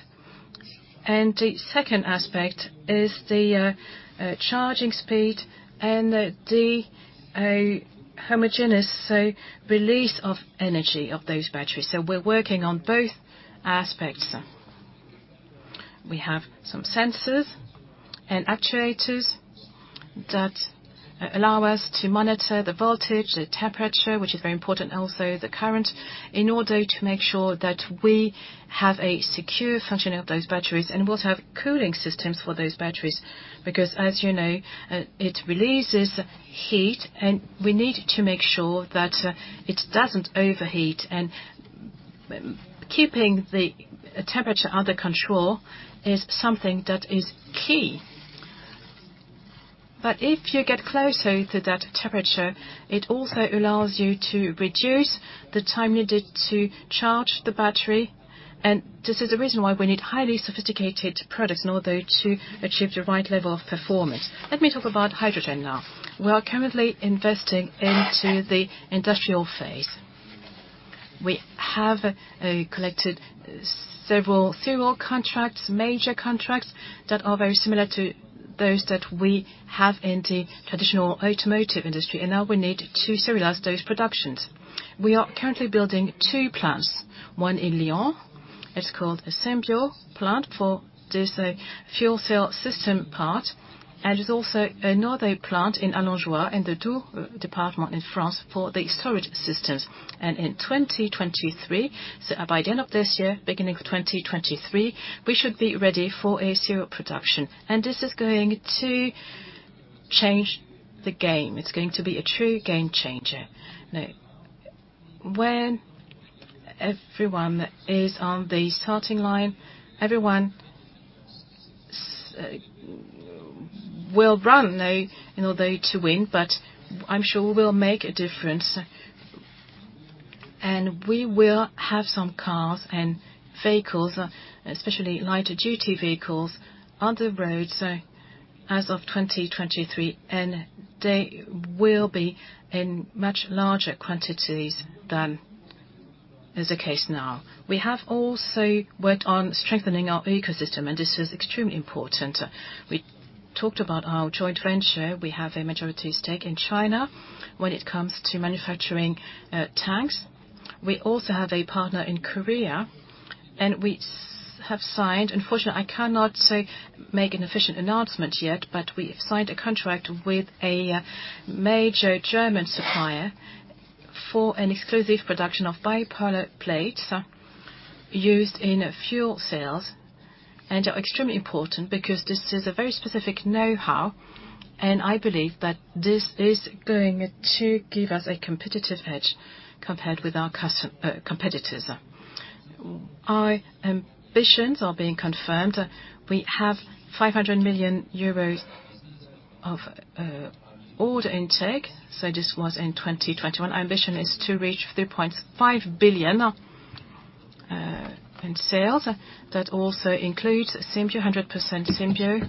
The second aspect is the charging speed and the homogeneous release of energy of those batteries. We're working on both aspects. We have some sensors and actuators that allow us to monitor the voltage, the temperature, which is very important, also the current, in order to make sure that we have a secure functioning of those batteries and we also have cooling systems for those batteries. Because as you know, it releases heat and we need to make sure that it doesn't overheat. Keeping the temperature under control is something that is key. If you get closer to that temperature, it also allows you to reduce the time needed to charge the battery. This is the reason why we need highly sophisticated products in order to achieve the right level of performance. Let me talk about hydrogen now. We are currently investing into the industrial phase. We have collected several serial contracts, major contracts that are very similar to those that we have in the traditional automotive industry. Now we need to serialize those productions. We are currently building 2 plants, 1 in Lyon. It's called Symbio plant for this fuel cell system part, and there's also another plant in Allenjoie, in the Doubs department in France for the storage systems. In 2023, so by the end of this year, beginning of 2023, we should be ready for a serial production. This is going to change the game. It's going to be a true game changer. Now, when everyone is on the starting line, everyone will run in order to win, but I'm sure we will make a difference. We will have some cars and vehicles, especially lighter duty vehicles, on the road. As of 2023, and they will be in much larger quantities than is the case now. We have also worked on strengthening our ecosystem, and this is extremely important. We talked about our joint venture. We have a majority stake in China when it comes to manufacturing, tanks. We also have a partner in Korea, and we have signed. Unfortunately, I cannot make an official announcement yet, but we have signed a contract with a major German supplier for an exclusive production of bipolar plates used in fuel cells. Extremely important, because this is a very specific know-how, and I believe that this is going to give us a competitive edge compared with our competitors. Our ambitions are being confirmed. We have 500 million euros of order intake, so this was in 2021. Our ambition is to reach 3.5 billion in sales. That also includes Symbio, 100% Symbio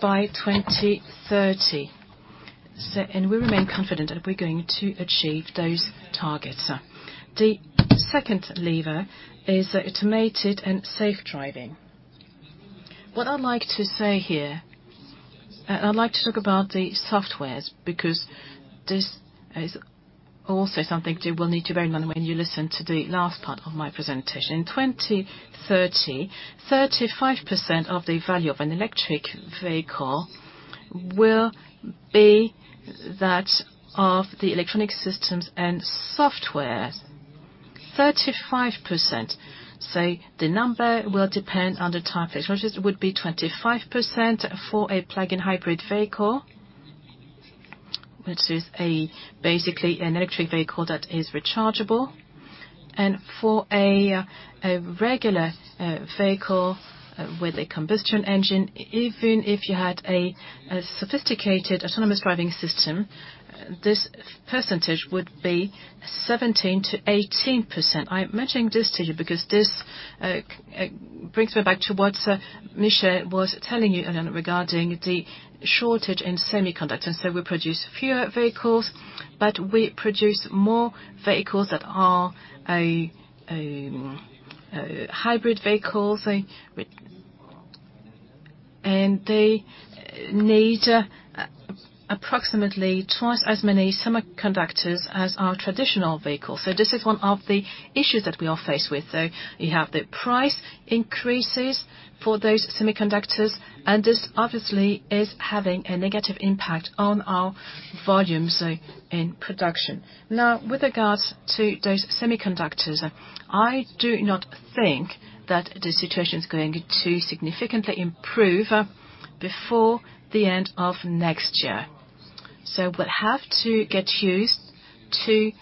by 2030. We remain confident that we're going to achieve those targets. The second lever is automated and safe driving. What I'd like to say here, I'd like to talk about the software, because this is also something you will need to bear in mind when you listen to the last part of my presentation. In 2030, 35% of the value of an electric vehicle will be that of the electronic systems and software. 35%. The number will depend on the type of technology. It would be 25% for a plug-in hybrid vehicle, which is basically an electric vehicle that is rechargeable. For a regular vehicle with a combustion engine, even if you had a sophisticated autonomous driving system, this percentage would be 17%-18%. I'm mentioning this to you because this brings me back to what Michel was telling you regarding the shortage in semiconductors. We produce fewer vehicles, but we produce more vehicles that are a hybrid vehicle, and they need approximately twice as many semiconductors as our traditional vehicles. This is one of the issues that we are faced with. You have the price increases for those semiconductors, and this obviously is having a negative impact on our volumes in production. Now, with regards to those semiconductors, I do not think that the situation is going to significantly improve before the end of next year. We'll have to get used to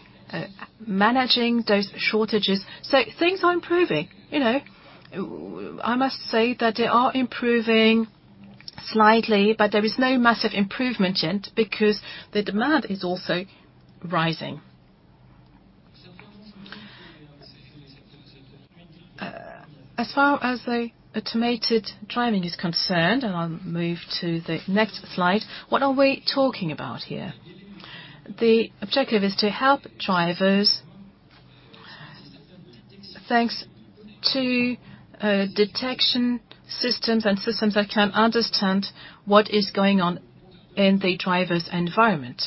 managing those shortages. Things are improving. You know, I must say that they are improving slightly, but there is no massive improvement yet because the demand is also rising. As far as the automated driving is concerned, and I'll move to the next slide, what are we talking about here? The objective is to help drivers, thanks to, detection systems and systems that can understand what is going on in the driver's environment.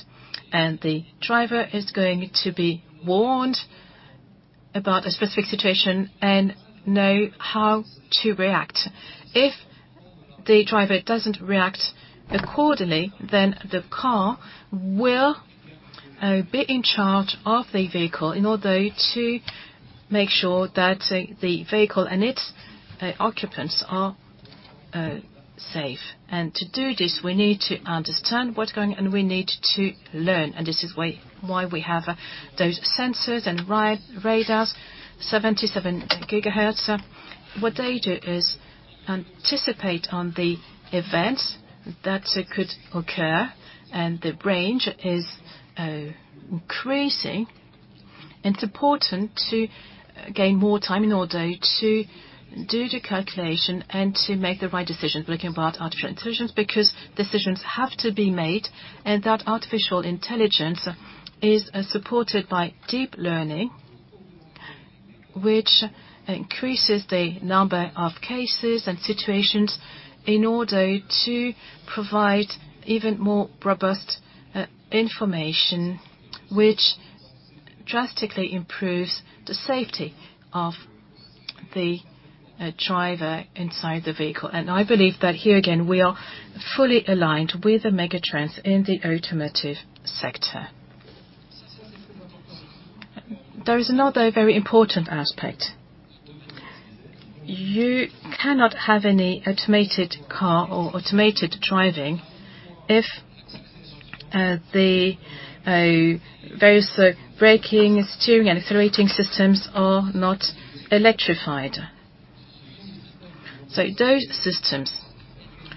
The driver is going to be warned about a specific situation and know how to react. If the driver doesn't react accordingly, then the car will be in charge of the vehicle in order to make sure that the vehicle and its occupants are safe. To do this, we need to understand what's going, and we need to learn. This is why we have those sensors and radars, 77 GHz. What they do is anticipate on the events that could occur, and the range is increasing. It's important to gain more time in order to do the calculation and to make the right decisions. Speaking about artificial intelligence, because decisions have to be made, and that artificial intelligence is supported by deep learning, which increases the number of cases and situations in order to provide even more robust information, which drastically improves the safety of the driver inside the vehicle. I believe that here again, we are fully aligned with the megatrends in the automotive sector. There is another very important aspect. You cannot have any automated car or automated driving if the various braking, steering, and accelerating systems are not electrified. Those systems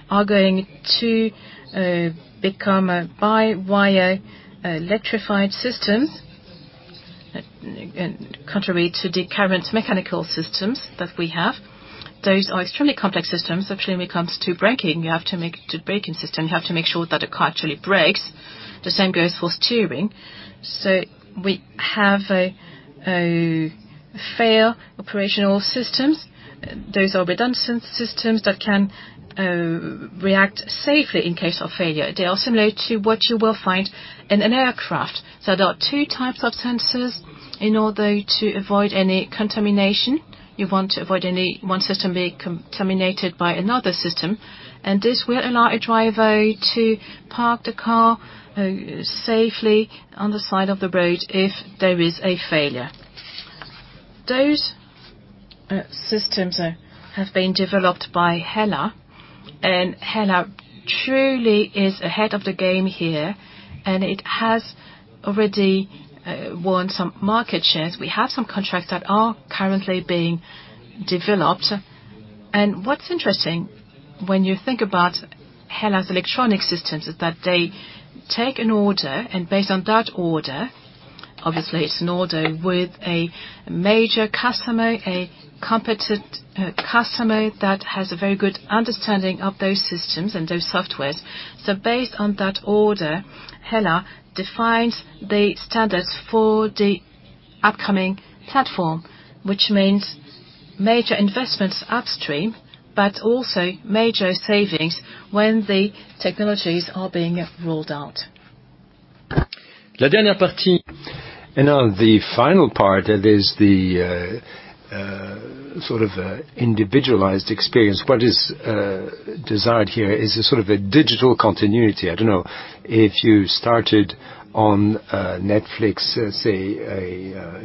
are going to become a by-wire electrified system, and contrary to the current mechanical systems that we have. Those are extremely complex systems, especially when it comes to braking. You have to make the braking system, you have to make sure that the car actually brakes. The same goes for steering. We have a fail-operational systems. Those are redundant systems that can react safely in case of failure. They are similar to what you will find in an aircraft. There are two types of sensors in order to avoid any contamination. You want to avoid any one system being contaminated by another system. This will allow a driver to park the car safely on the side of the road if there is a failure. Those systems have been developed by HELLA, and HELLA truly is ahead of the game here, and it has already won some market shares. We have some contracts that are currently being developed. What's interesting when you think about HELLA's electronic systems is that they take an order, and based on that order, obviously it's an order with a major customer, a competent customer that has a very good understanding of those systems and those softwares. Based on that order, HELLA defines the standards for the upcoming platform, which means major investments upstream, but also major savings when the technologies are being rolled out. On the final part, there's the sort of individualized experience. What is desired here is a sort of a digital continuity. I don't know if you started on Netflix, say,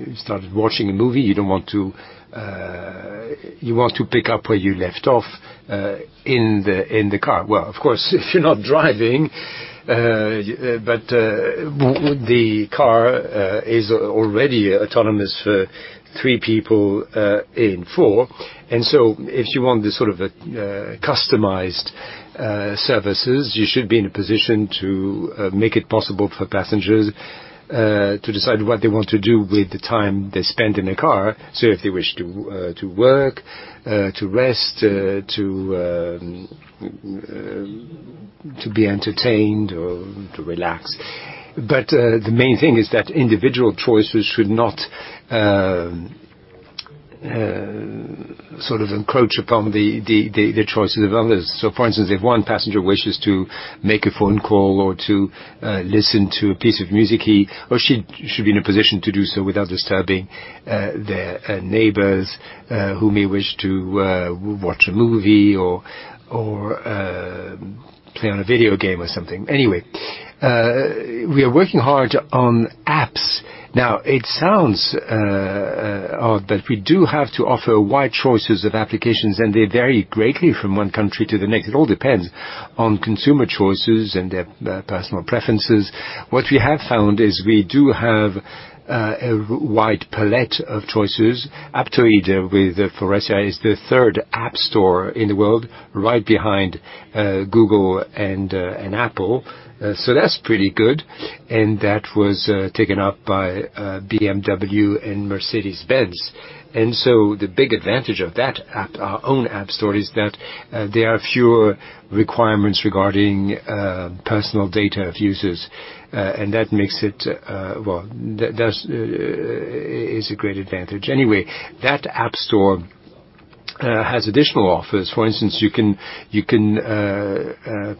you started watching a movie. You want to pick up where you left off in the car. Well, of course, if you're not driving, but the car is already autonomous for three people and four. If you want this sort of customized services, you should be in a position to make it possible for passengers to decide what they want to do with the time they spend in a car. If they wish to work, to rest, to be entertained or to relax. The main thing is that individual choices should not sort of encroach upon the choices of others. For instance, if one passenger wishes to make a phone call or to listen to a piece of music, he or she should be in a position to do so without disturbing their neighbors, who may wish to watch a movie or play on a video game or something. Anyway, we are working hard on apps. Now, it sounds odd, but we do have to offer wide choices of applications, and they vary greatly from one country to the next. It all depends on consumer choices and their personal preferences. What we have found is we do have a wide palette of choices. Aptoide with Faurecia is the third app store in the world, right behind Google and Apple. That's pretty good, and that was taken up by BMW and Mercedes-Benz. The big advantage of that app, our own app store, is that there are fewer requirements regarding personal data of users, and that makes it. Well, that's a great advantage. Anyway, that app store has additional offers. For instance, you can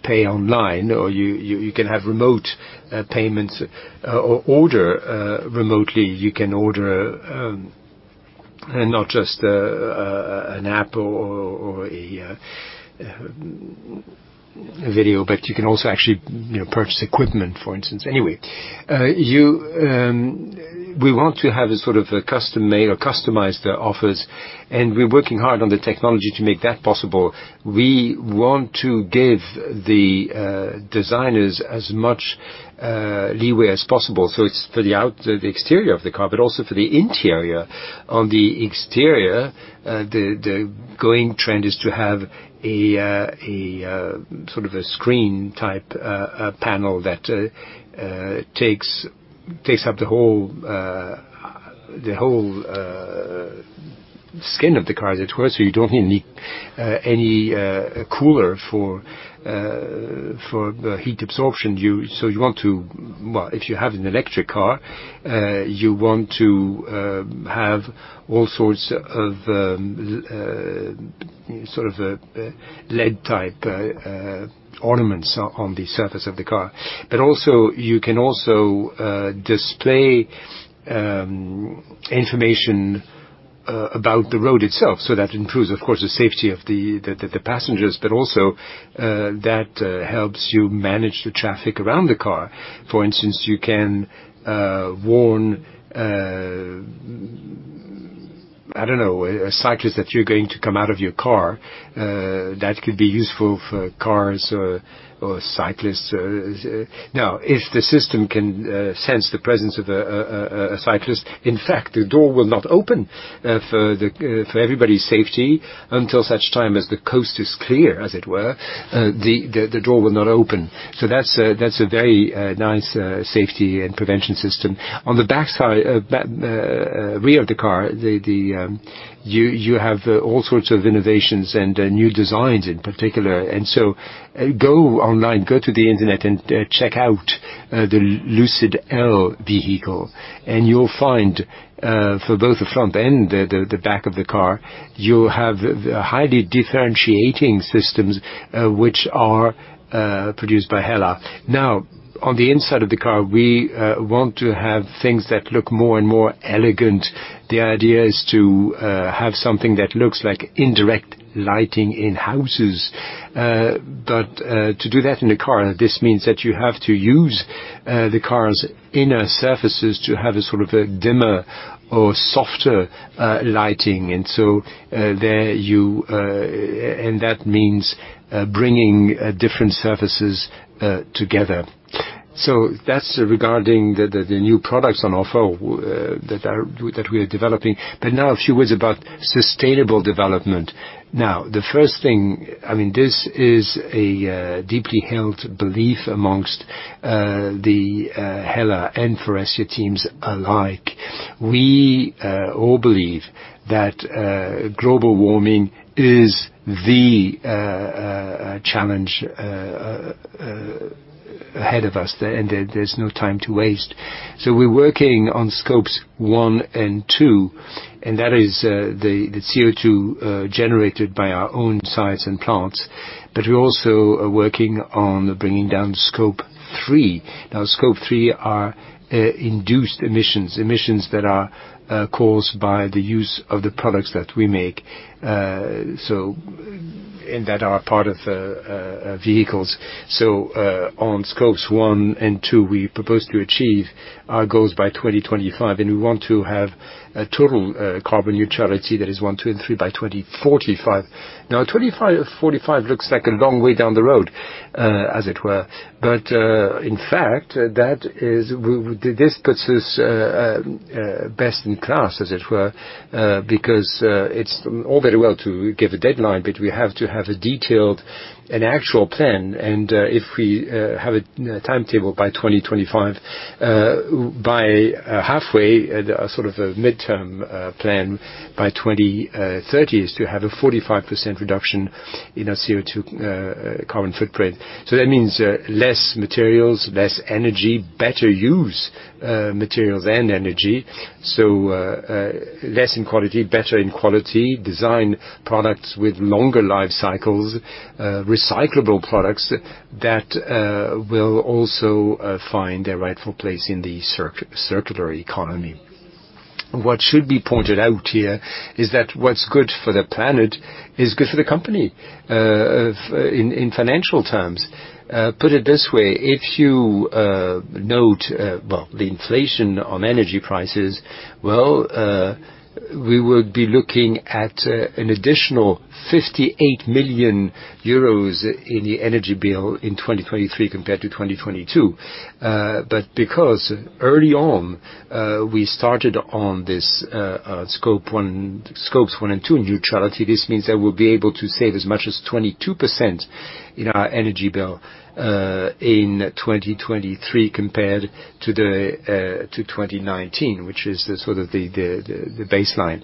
pay online, or you can have remote payments, or order remotely. You can order not just an app or a video, but you can also actually, you know, purchase equipment, for instance. We want to have a sort of a custom-made or customized offers, and we're working hard on the technology to make that possible. We want to give the designers as much leeway as possible, so it's for the exterior of the car, but also for the interior. On the exterior, the going trend is to have a sort of a screen-type panel that takes up the whole skin of the car, as it were, so you don't need any cooler for the heat absorption. You want to, well, if you have an electric car, you want to have all sorts of sort of LED-type ornaments on the surface of the car. You can also display information about the road itself, so that improves, of course, the safety of the passengers, but also that helps you manage the traffic around the car. For instance, you can warn, I don't know, a cyclist that you're going to come out of your car. That could be useful for cars or cyclists. Now, if the system can sense the presence of a cyclist, in fact, the door will not open for everybody's safety until such time as the coast is clear, as it were. The door will not open. So that's a very nice safety and prevention system. On the rear of the car, you have all sorts of innovations and new designs in particular. Go online to the internet and check out the Lucid Air vehicle, and you'll find for both the front and the back of the car, you have highly differentiating systems which are produced by HELLA. Now, on the inside of the car, we want to have things that look more and more elegant. The idea is to have something that looks like indirect lighting in houses. But to do that in a car, this means that you have to use the car's inner surfaces to have a sort of a dimmer or softer lighting. That means bringing different surfaces together. That's regarding the new products on offer that we are developing. Now a few words about sustainable development. The first thing, I mean, this is a deeply held belief amongst the HELLA and Faurecia teams alike. We all believe that global warming is the challenge ahead of us, and there's no time to waste. We're working on Scope 1 and Scope 2, and that is the CO2 generated by our own sites and plants. We also are working on bringing down Scope 3. Scope 3 are induced emissions that are caused by the use of the products that we make, so, and that are part of the vehicles. On Scope 1 and Scope 2, we propose to achieve our goals by 2025, and we want to have a total carbon neutrality, that is Scope 1, Scope 2, and Scope 3, by 2045. Now, 2025-2045 looks like a long way down the road, as it were. In fact, this puts us best in class, as it were, because it's all very well to give a deadline, but we have to have a detailed and actual plan. If we have a timetable by 2025, by halfway, the sort of a midterm plan by 2030 is to have a 45% reduction in our CO2 carbon footprint. That means less materials, less energy, better use materials and energy. Less in quantity, better in quality, design products with longer life cycles, recyclable products that will also find a rightful place in the circular economy. What should be pointed out here is that what's good for the planet is good for the company in financial terms. Put it this way, if you note the inflation on energy prices, we would be looking at an additional 58 million euros in the energy bill in 2023 compared to 2022. Because early on we started on this Scope 1 and Scope 2 neutrality, this means that we'll be able to save as much as 22% in our energy bill in 2023 compared to 2019, which is sort of the baseline.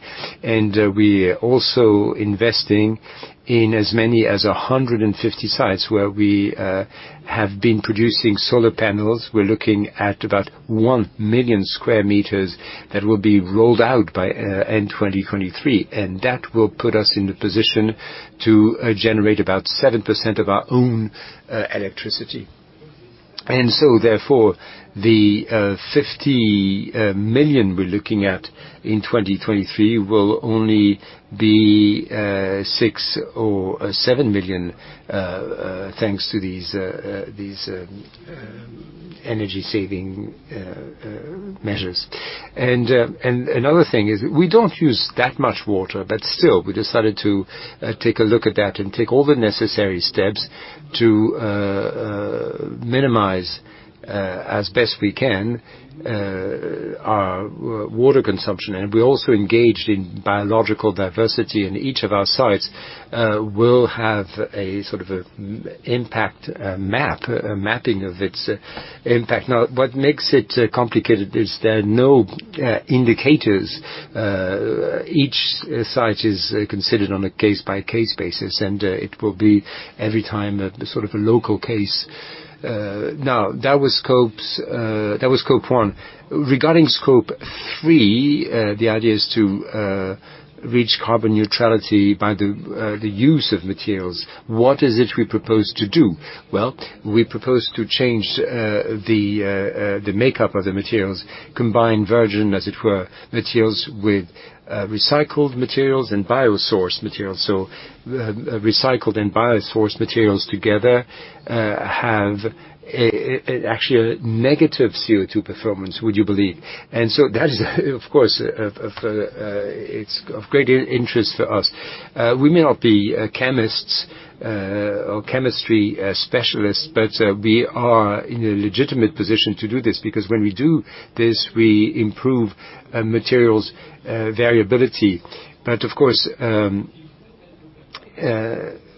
We are also investing in as many as 150 sites where we have been producing solar panels. We're looking at about 1 million square meters that will be rolled out by end 2023, and that will put us in the position to generate about 7% of our own electricity. Therefore, the 50 million we're looking at in 2023 will only be 6 or 7 million thanks to these energy-saving measures. Another thing is we don't use that much water, but still, we decided to take a look at that and take all the necessary steps to minimize, as best we can, our water consumption. We also engaged in biological diversity, and each of our sites will have a sort of a biodiversity impact map, a mapping of its impact. Now, what makes it complicated is there are no indicators. Each site is considered on a case-by-case basis, and it will be every time a sort of a local case. That was Scope 1. Regarding Scope 3, the idea is to reach carbon neutrality by the use of materials. What is it we propose to do? Well, we propose to change the makeup of the materials, combine virgin, as it were, materials with recycled materials and biosourced materials. So recycled and biosourced materials together have actually a negative CO2 performance, would you believe. That is of course, it's of great interest for us. We may not be chemists or chemistry specialists, but we are in a legitimate position to do this, because when we do this, we improve materials' variability. Of course,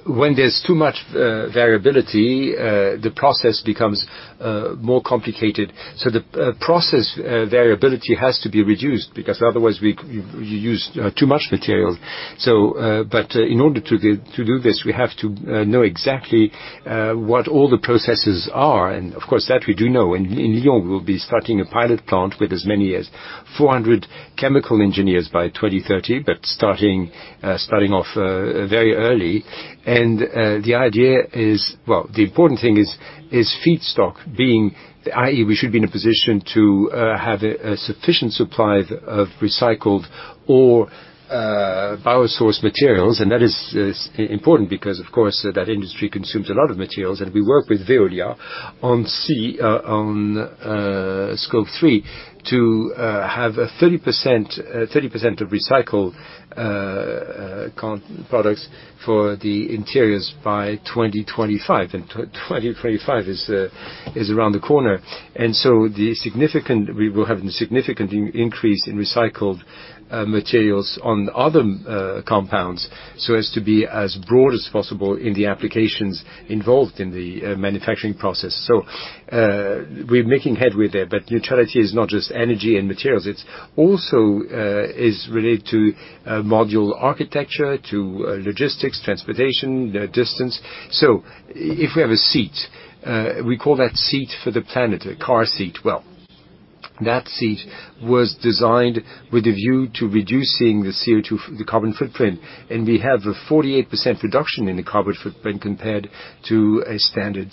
when there's too much variability, the process becomes more complicated. The process variability has to be reduced because otherwise we use too much material. In order to do this, we have to know exactly what all the processes are. Of course, that we do know. In Lyon, we'll be starting a pilot plant with as many as 400 chemical engineers by 2030, but starting off very early. The idea is... The important thing is feedstock, i.e., we should be in a position to have a sufficient supply of recycled or biosourced materials. That is important because, of course, that industry consumes a lot of materials, and we work with Veolia on Scope 3 to have a 30% of recycled content products for the interiors by 2025. 2025 is around the corner. We will have a significant increase in recycled materials on other compounds so as to be as broad as possible in the applications involved in the manufacturing process. We're making headway there. Neutrality is not just energy and materials. It's also related to module architecture, to logistics, transportation, distance. If we have a seat, we call that Seat for the Planet, a car seat. Well, that seat was designed with a view to reducing the carbon footprint, and we have a 48% reduction in the carbon footprint compared to a standard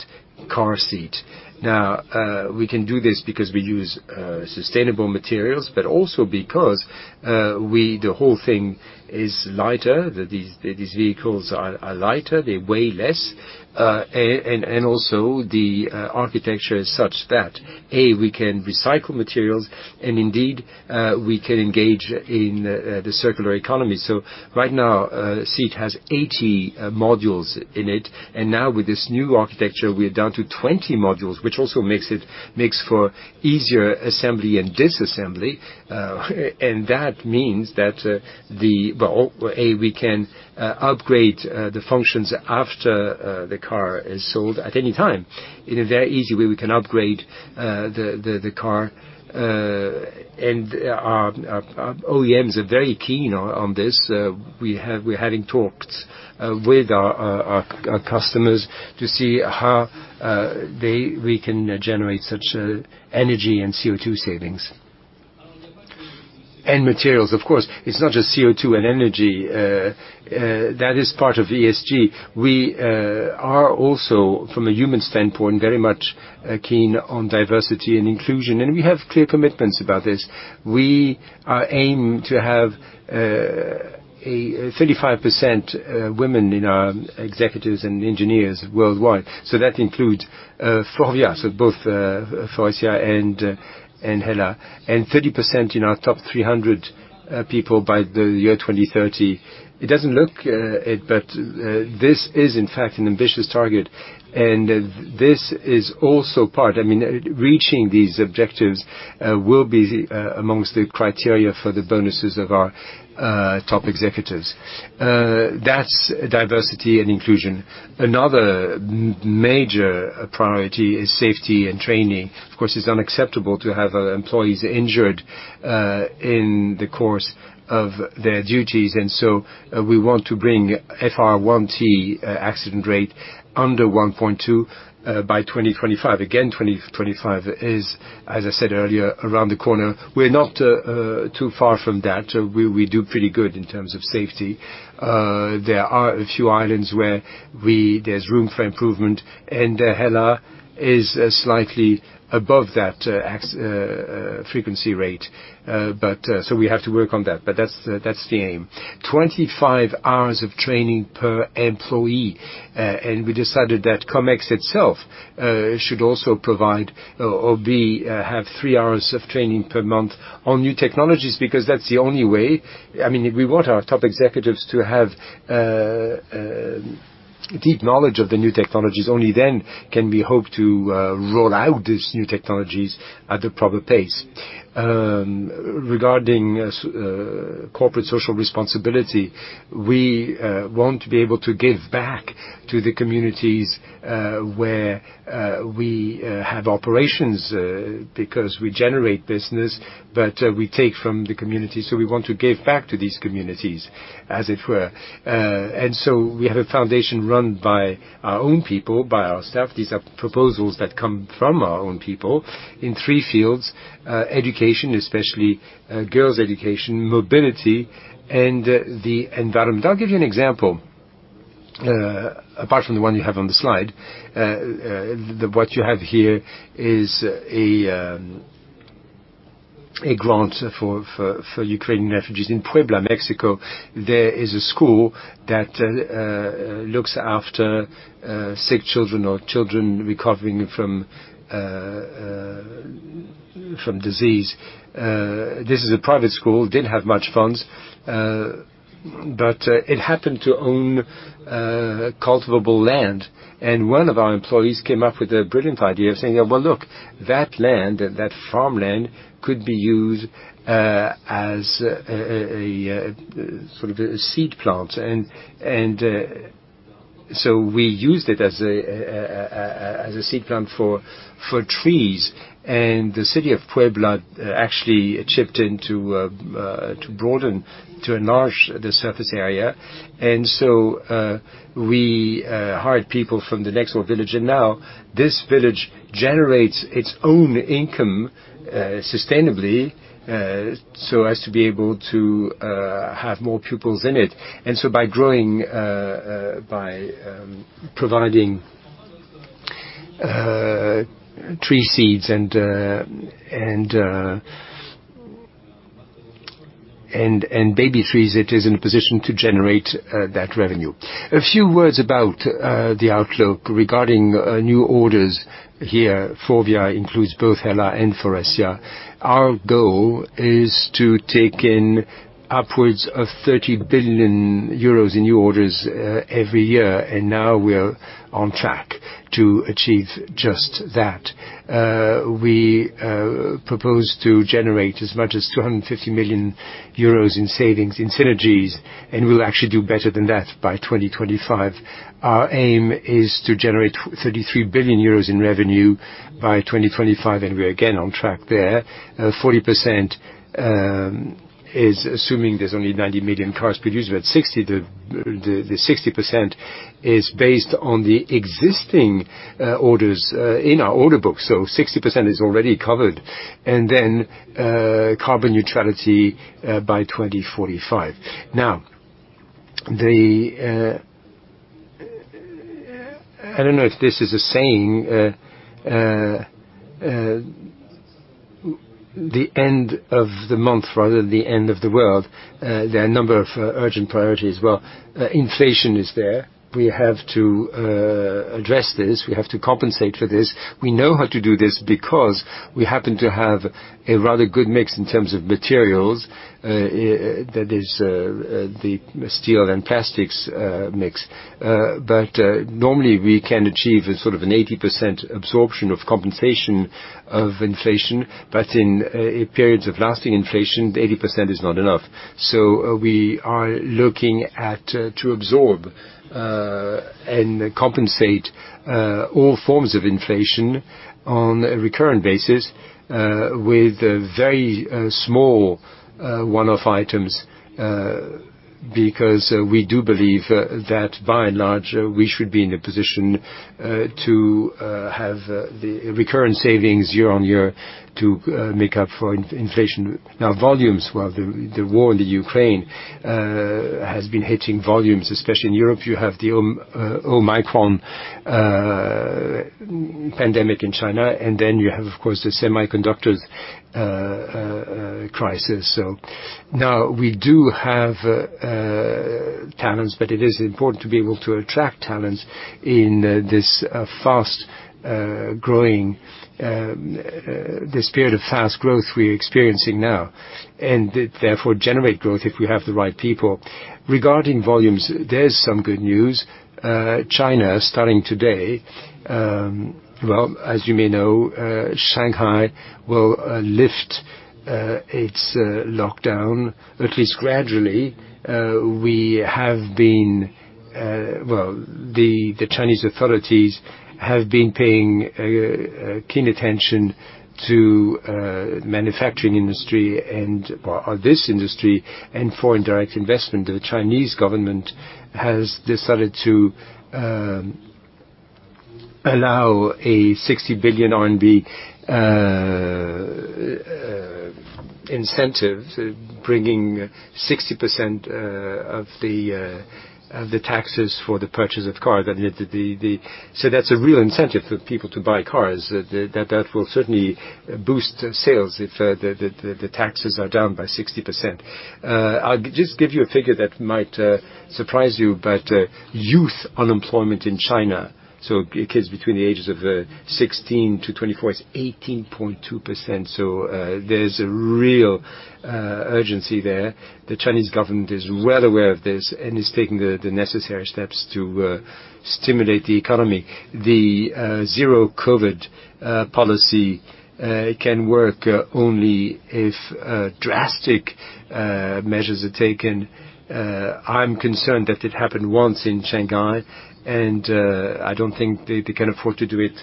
car seat. Now, we can do this because we use sustainable materials, but also because the whole thing is lighter. These vehicles are lighter, they weigh less. And also the architecture is such that we can recycle materials, and indeed, we can engage in the circular economy. Right now, a seat has 80 modules in it, and now with this new architecture, we're down to 20 modules, which also makes for easier assembly and disassembly. And that means that the Well, we can upgrade the functions after the car is sold at any time. In a very easy way, we can upgrade the car. Our OEMs are very keen on this. We're having talks with our customers to see how we can generate such energy and CO2 savings. Materials, of course. It's not just CO2 and energy. That is part of ESG. We are also from a human standpoint very much keen on diversity and inclusion, and we have clear commitments about this. We aim to have a 35% women in our executives and engineers worldwide. That includes FORVIA, so both Faurecia and HELLA. 30% in our top 300 people by the year 2030. It doesn't look. This is in fact an ambitious target. This is also part. I mean, reaching these objectives will be amongst the criteria for the bonuses of our top executives. That's diversity and inclusion. Another major priority is safety and training. Of course, it's unacceptable to have our employees injured in the course of their duties, and so we want to bring FR2 accident rate under 1.2 by 2025. Again, 2025 is, as I said earlier, around the corner. We're not too far from that. We do pretty good in terms of safety. There are a few islands where there's room for improvement, and HELLA is slightly above that frequency rate. We have to work on that. That's the aim. 25 hours of training per employee. We decided that Comex itself should also have 3 hours of training per month on new technologies, because that's the only way. I mean, we want our top executives to have deep knowledge of the new technologies. Only then can we hope to roll out these new technologies at the proper pace. Regarding corporate social responsibility, we want to be able to give back to the communities where we have operations because we generate business, but we take from the community, so we want to give back to these communities, as it were. We have a foundation run by our own people, by our staff. These are proposals that come from our own people in three fields, education, especially girls' education, mobility, and the environment. I'll give you an example apart from the one you have on the slide. What you have here is a grant for Ukrainian refugees. In Puebla, Mexico, there is a school that looks after sick children or children recovering from disease. This is a private school [that] didn't have much funds, but it happened to own cultivable land. One of our employees came up with a brilliant idea of saying, "Well, look, that land, that farmland could be used as sort of a seed plant." We used it as a seed plant for trees. The city of Puebla actually chipped in to broaden, to enlarge the surface area. We hired people from the next village. Now this village generates its own income sustainably, so as to be able to have more pupils in it. By growing, by providing tree seeds and baby trees, it is in a position to generate that revenue. A few words about the outlook regarding new orders here, Forvia includes both HELLA and Faurecia. Our goal is to take in upwards of 30 billion euros in new orders every year, and now we're on track to achieve just that. We propose to generate as much as 250 million euros in savings in synergies, and we'll actually do better than that by 2025. Our aim is to generate 33 billion euros in revenue by 2025, and we're again on track there. 40% is assuming there's only 90 million cars produced, but 60% is based on the existing orders in our order book. So 60% is already covered. Carbon neutrality by 2045. Now, I don't know if this is a saying, the end of the month rather the end of the world, there are a number of urgent priorities. Well, inflation is there. We have to address this. We have to compensate for this. We know how to do this because we happen to have a rather good mix in terms of materials, that is, the steel and plastics mix. Normally we can achieve a sort of an 80% absorption or compensation for inflation, but in periods of lasting inflation, 80% is not enough. We are looking to absorb and compensate all forms of inflation on a recurrent basis with a very small one-off items. Because we do believe that by and large, we should be in a position to have the recurrent savings year on year to make up for inflation. Volumes, well, the war in Ukraine has been hitting volumes, especially in Europe. You have the Omicron pandemic in China, and then you have, of course, the semiconductor crisis. Now, we do have talents, but it is important to be able to attract talents in this fast-growing period of fast growth we're experiencing now, and it therefore generate growth if we have the right people. Regarding volumes, there's some good news. China, starting today, well, as you may know, Shanghai will lift its lockdown, at least gradually. We have been, well, the Chinese authorities have been paying keen attention to manufacturing industry and, well, or this industry and foreign direct investment. The Chinese government has decided to allow a 60 billion RMB incentive, bringing 60% of the taxes for the purchase of cars. I mean, that's a real incentive for people to buy cars. That will certainly boost sales if the taxes are down by 60%. I'll just give you a figure that might surprise you, but youth unemployment in China, so kids between the ages of 16 to 24, is 18.2%. There's a real urgency there. The Chinese government is well aware of this and is taking the necessary steps to stimulate the economy. The zero COVID policy can work only if drastic measures are taken. I'm concerned that it happened once in Shanghai, and I don't think they can afford to do it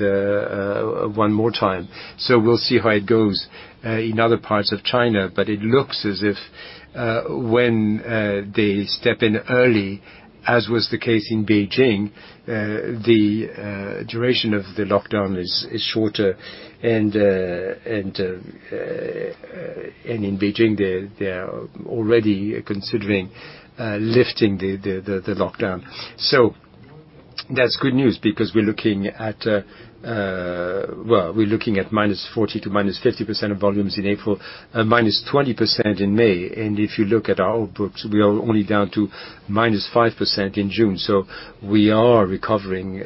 one more time. We'll see how it goes in other parts of China. It looks as if when they step in early, as was the case in Beijing, the duration of the lockdown is shorter. In Beijing, they're already considering lifting the lockdown. That's good news because we're looking at -40%-50% of volumes in April, and -20% in May. If you look at our order books, we are only down to -5% in June. We are recovering.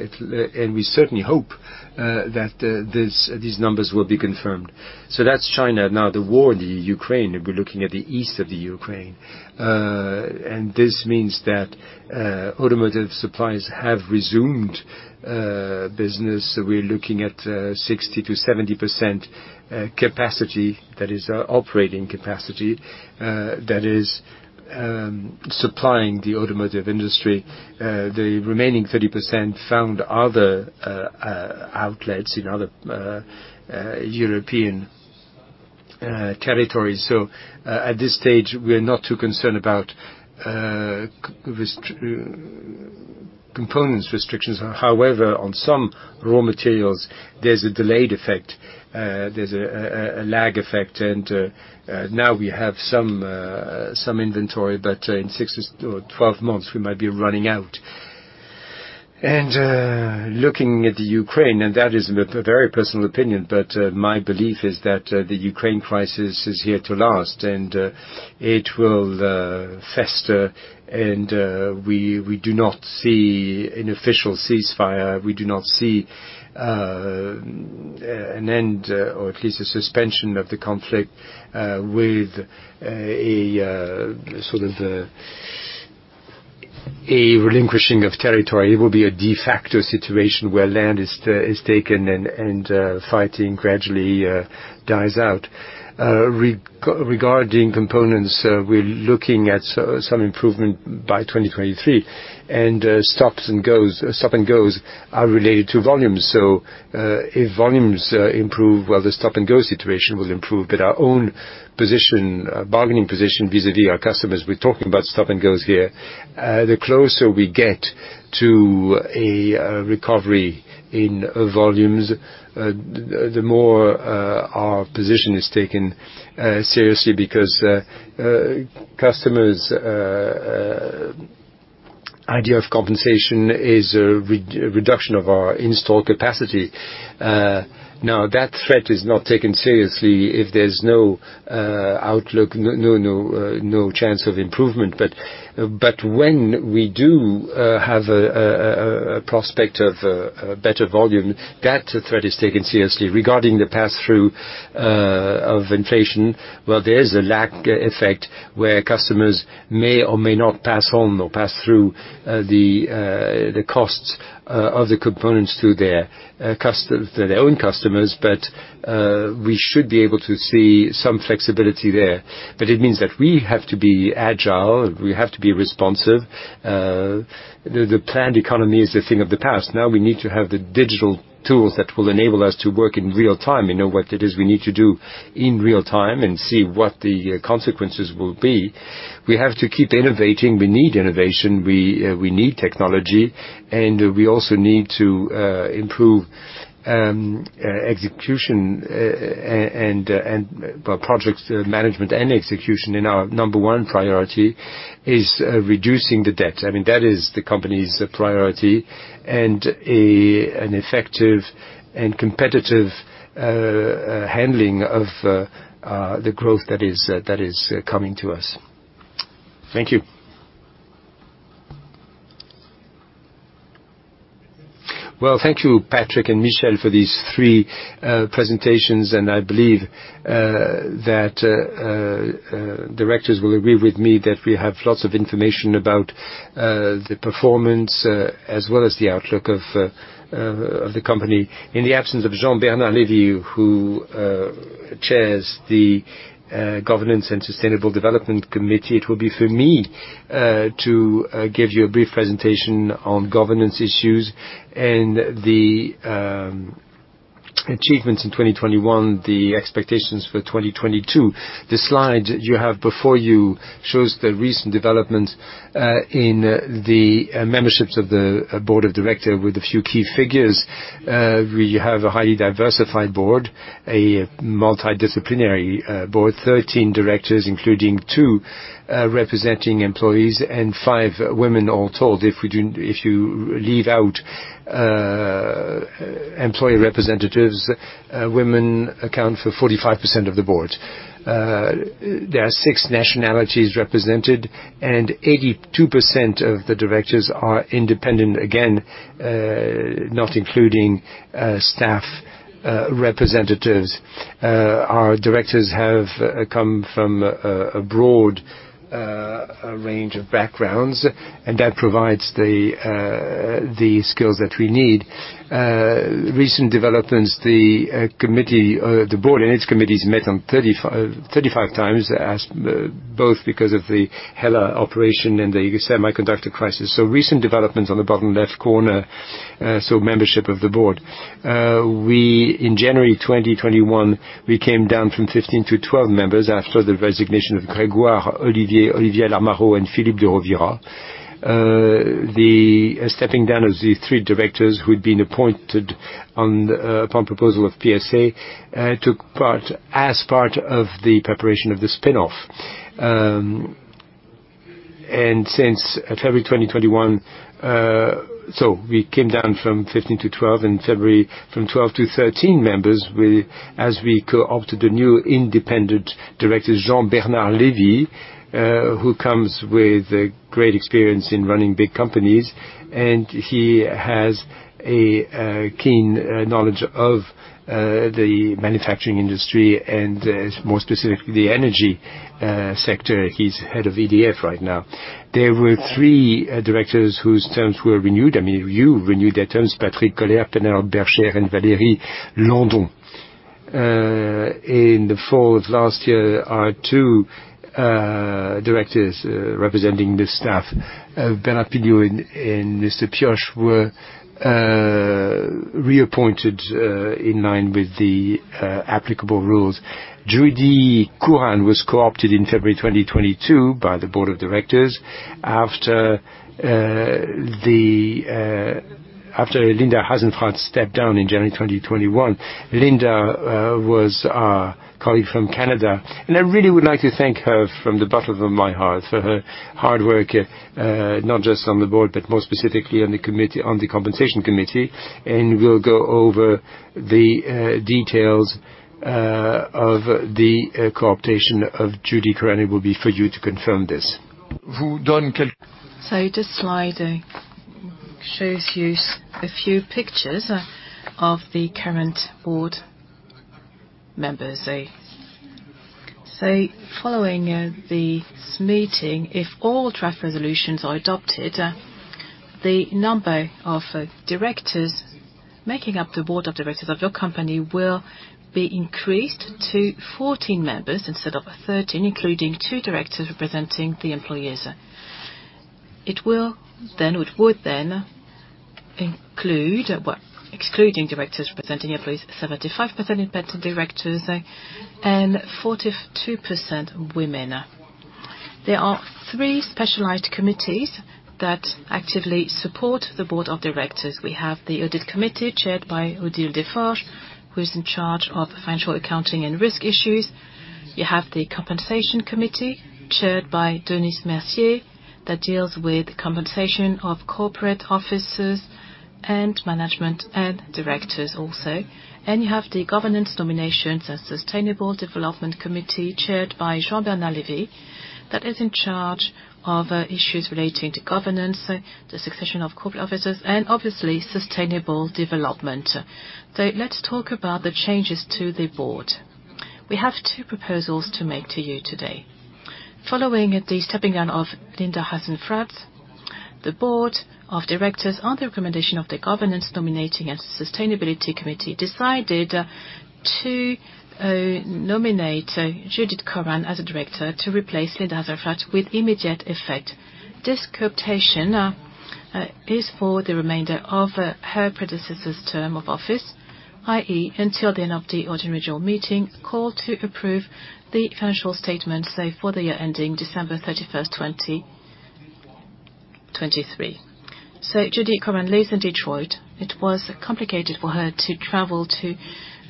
We certainly hope that these numbers will be confirmed. That's China. Now, the war in the Ukraine, and we're looking at the east of the Ukraine. This means that automotive suppliers have resumed business. We're looking at 60%-70% capacity. That is operating capacity that is supplying the automotive industry. The remaining 30% found other outlets in other European territories. At this stage, we're not too concerned about components restrictions. However, on some raw materials, there's a delayed effect. There's a lag effect. Now we have some inventory, but in six or twelve months, we might be running out. Looking at the Ukraine, that is a very personal opinion, but my belief is that the Ukraine crisis is here to last, and it will fester. We do not see an official ceasefire. We do not see an end, or at least a suspension of the conflict, with a sort of a relinquishing of territory. It will be a de facto situation where land is taken and fighting gradually dies out. Regarding components, we're looking at some improvement by 2023. Stop and goes are related to volumes. If volumes improve, well, the stop-and-go situation will improve. Our own position, bargaining position vis-à-vis our customers, we're talking about stop and goes here. The closer we get to a recovery in volumes, the more our position is taken seriously because customers' idea of compensation is a reduction of our installed capacity. Now, that threat is not taken seriously if there's no outlook, no chance of improvement. When we do have a prospect of a better volume, that threat is taken seriously. Regarding the pass-through of inflation, well, there is a lag effect where customers may or may not pass on or pass through the costs of the components to their own customers. We should be able to see some flexibility there. It means that we have to be agile, we have to be responsive. The planned economy is a thing of the past. Now we need to have the digital tools that will enable us to work in real-time. We know what it is we need to do in real-time and see what the consequences will be. We have to keep innovating. We need innovation, we need technology, and we also need to improve execution and, well, project management and execution. Our number one priority is reducing the debt. I mean, that is the company's priority and an effective and competitive handling of the growth that is coming to us. Thank you. Well, thank you, Patrick and Michel, for these three presentations. I believe that directors will agree with me that we have lots of information about the performance as well as the outlook of the company. In the absence of Jean-Bernard Lévy, who chairs the Governance and Sustainable Development Committee, it will be for me to give you a brief presentation on governance issues and the achievements in 2021, the expectations for 2022. The slide you have before you shows the recent developments in the memberships of the board of directors with a few key figures. We have a highly diversified board, a multidisciplinary board, 13 directors, including two representing employees and five women all told. If you leave out employee representatives, women account for 45% of the board. There are six nationalities represented, and 82% of the directors are independent. Again, not including staff representatives. Our directors have come from a broad range of backgrounds, and that provides the skills that we need. Recent developments, the board and its committees met 35x, as both because of the HELLA operation and the semiconductor crisis. Recent developments on the bottom left corner, so membership of the board. In January 2021, we came down from 15-12 members after the resignation of Grégoire Olivier, Olivia Larmaraud, and Philippe de Rovira. The stepping down of the three directors who had been appointed on, upon proposal of PSA, took part as part of the preparation of the spin-off. Since February 2021, so we came down from 15 to 12, in February from 12 to 13 members, we, as we co-opted a new independent director, Jean-Bernard Lévy, who comes with great experience in running big companies, and he has a, keen, knowledge of, the manufacturing industry and, more specifically, the energy, sector. He's head of EDF right now. There were three, directors whose terms were renewed. I mean, you renewed their terms, Patrick Koller, Penelope Herscher, and Valérie Landon. In the fall of last year, our two, directors representing the staff, Bernard Pignaud and Mr. Pioche were reappointed in line with the applicable rules. Judith Curran was co-opted in February 2022 by the board of directors after Linda Hasenfratz stepped down in January 2021. Linda was our colleague from Canada, and I really would like to thank her from the bottom of my heart for her hard work not just on the board, but more specifically on the committee, on the Compensation Committee. We'll go over the details of the co-optation of Judith Curran. It will be for you to confirm this. This slide shows you a few pictures of the current board members. Following this meeting, if all draft resolutions are adopted, the number of directors making up the board of directors of your company will be increased to 14 members instead of 13, including 2 directors representing the employees. It would then include, excluding directors representing at least 75% independent directors, and 42% women. There are three specialized committees that actively support the board of directors. We have the Audit Committee, chaired by Odile Desforges, who is in charge of financial accounting and risk issues. You have the Compensation Committee, chaired by Denis Mercier, that deals with compensation of corporate officers and management and directors also. You have the Governance Nominations and Sustainable Development Committee, chaired by Jean-Bernard Lévy, that is in charge of issues relating to governance, the succession of corporate officers, and obviously sustainable development. Let's talk about the changes to the board. We have two proposals to make to you today. Following the stepping down of Linda Hasenfratz, the board of directors, on the recommendation of the Governance Nominating and Sustainability Committee, decided to nominate Judith Curran as a director to replace Linda Hasenfratz with immediate effect. This co-optation is for the remainder of her predecessor's term of office, i.e., until the end of the ordinary annual meeting, called to approve the financial statements, say, for the year ending December 31st, 2023. Judith Curran lives in Detroit. It was complicated for her to travel to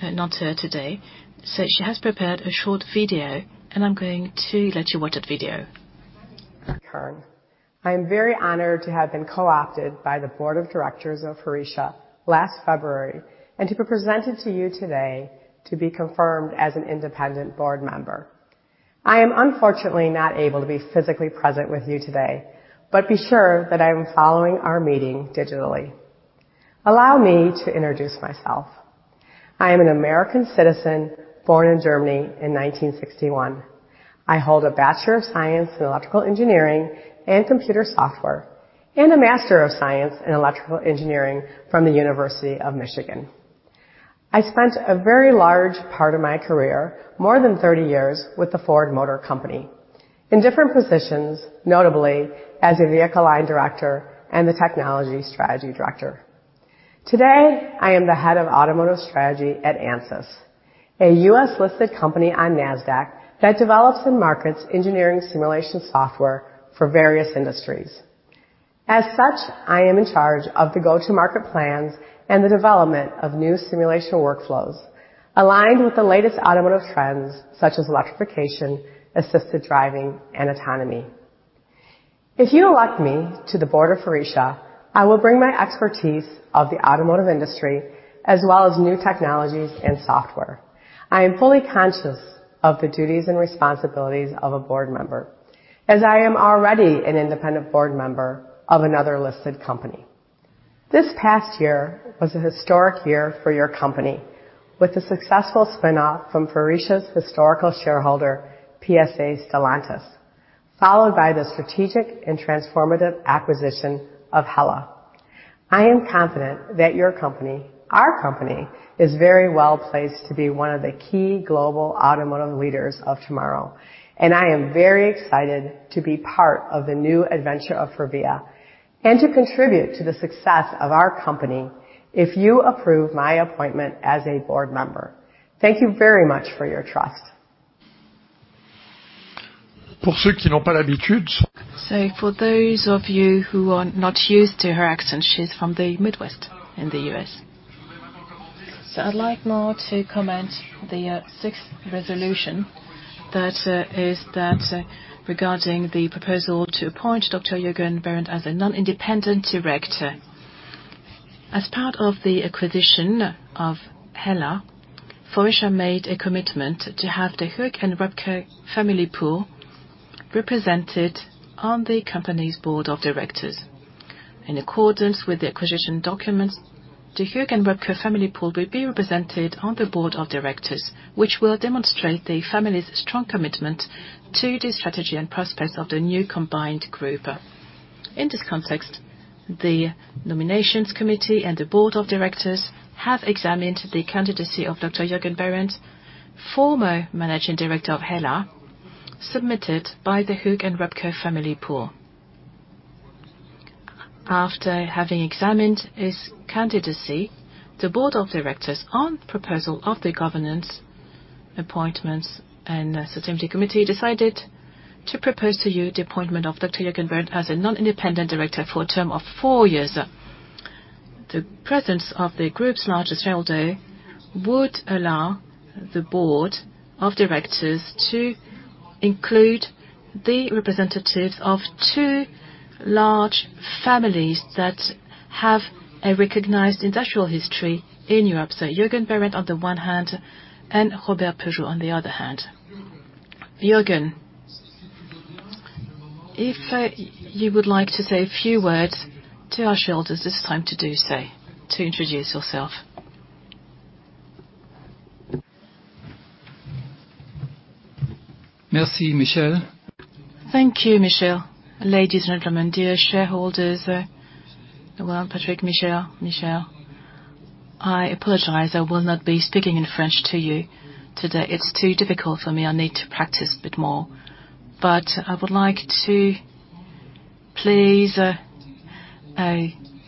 Nanterre today. She has prepared a short video, and I'm going to let you watch that video. Curran. I am very honored to have been co-opted by the board of directors of Faurecia last February, and to be presented to you today to be confirmed as an independent board member. I am unfortunately not able to be physically present with you today, but be sure that I'm following our meeting digitally. Allow me to introduce myself. I am an American citizen, born in Germany in 1961. I hold a Bachelor of Science in Electrical Engineering and Computer Software, and a Master of Science in Electrical Engineering from the University of Michigan. I spent a very large part of my career, more than 30 years, with the Ford Motor Company in different positions, notably as a vehicle line director and the technology strategy director. Today, I am the Head of Automotive Strategy at Ansys, a U.S.-listed company on Nasdaq that develops and markets engineering simulation software for various industries. As such, I am in charge of the go-to-market plans and the development of new simulation workflows aligned with the latest automotive trends such as electrification, assisted driving, and autonomy. If you elect me to the board of Faurecia, I will bring my expertise of the automotive industry as well as new technologies and software. I am fully conscious of the duties and responsibilities of a board member, as I am already an independent board member of another listed company. This past year was a historic year for your company, with the successful spin-off from Faurecia's historical shareholder, Stellantis, followed by the strategic and transformative acquisition of HELLA. I am confident that your company, our company, is very well-placed to be one of the key global automotive leaders of tomorrow. I am very excited to be part of the new adventure of Faurecia, and to contribute to the success of our company if you approve my appointment as a board member. Thank you very much for your trust. For those of you who are not used to her accent, she's from the Midwest in the US. I'd like now to comment the sixth resolution that is that regarding the proposal to appoint Dr. Jürgen Behrend as a non-independent director. As part of the acquisition of HELLA, Faurecia made a commitment to have the Hueck and Röpke family pool represented on the company's board of directors. In accordance with the acquisition documents, the Hueck and Röpke family pool will be represented on the board of directors, which will demonstrate the family's strong commitment to the strategy and prospects of the new combined group. In this context, the nominations committee and the board of directors have examined the candidacy of Dr. Jürgen Behrend, former Managing Director of HELLA, submitted by the Hueck and Röpke family pool. After having examined his candidacy, the board of directors, on proposal of the Governance, Nominations and Sustainability Committee, decided to propose to you the appointment of Dr. Jürgen Behrend as a non-independent director for a term of four years. The presence of the group's largest shareholder would allow the board of directors to include the representatives of two large families that have a recognized industrial history in Europe. Jürgen Behrend on the one hand, and Robert Peugeot on the other hand. Jürgen, if you would like to say a few words to our shareholders, this is the time to do so, to introduce yourself. Michel. Thank you, Michel. Ladies and gentlemen, dear shareholders, well, Patrick, Michel, I apologize, I will not be speaking in French to you today. It's too difficult for me. I need to practice a bit more. I would like to please,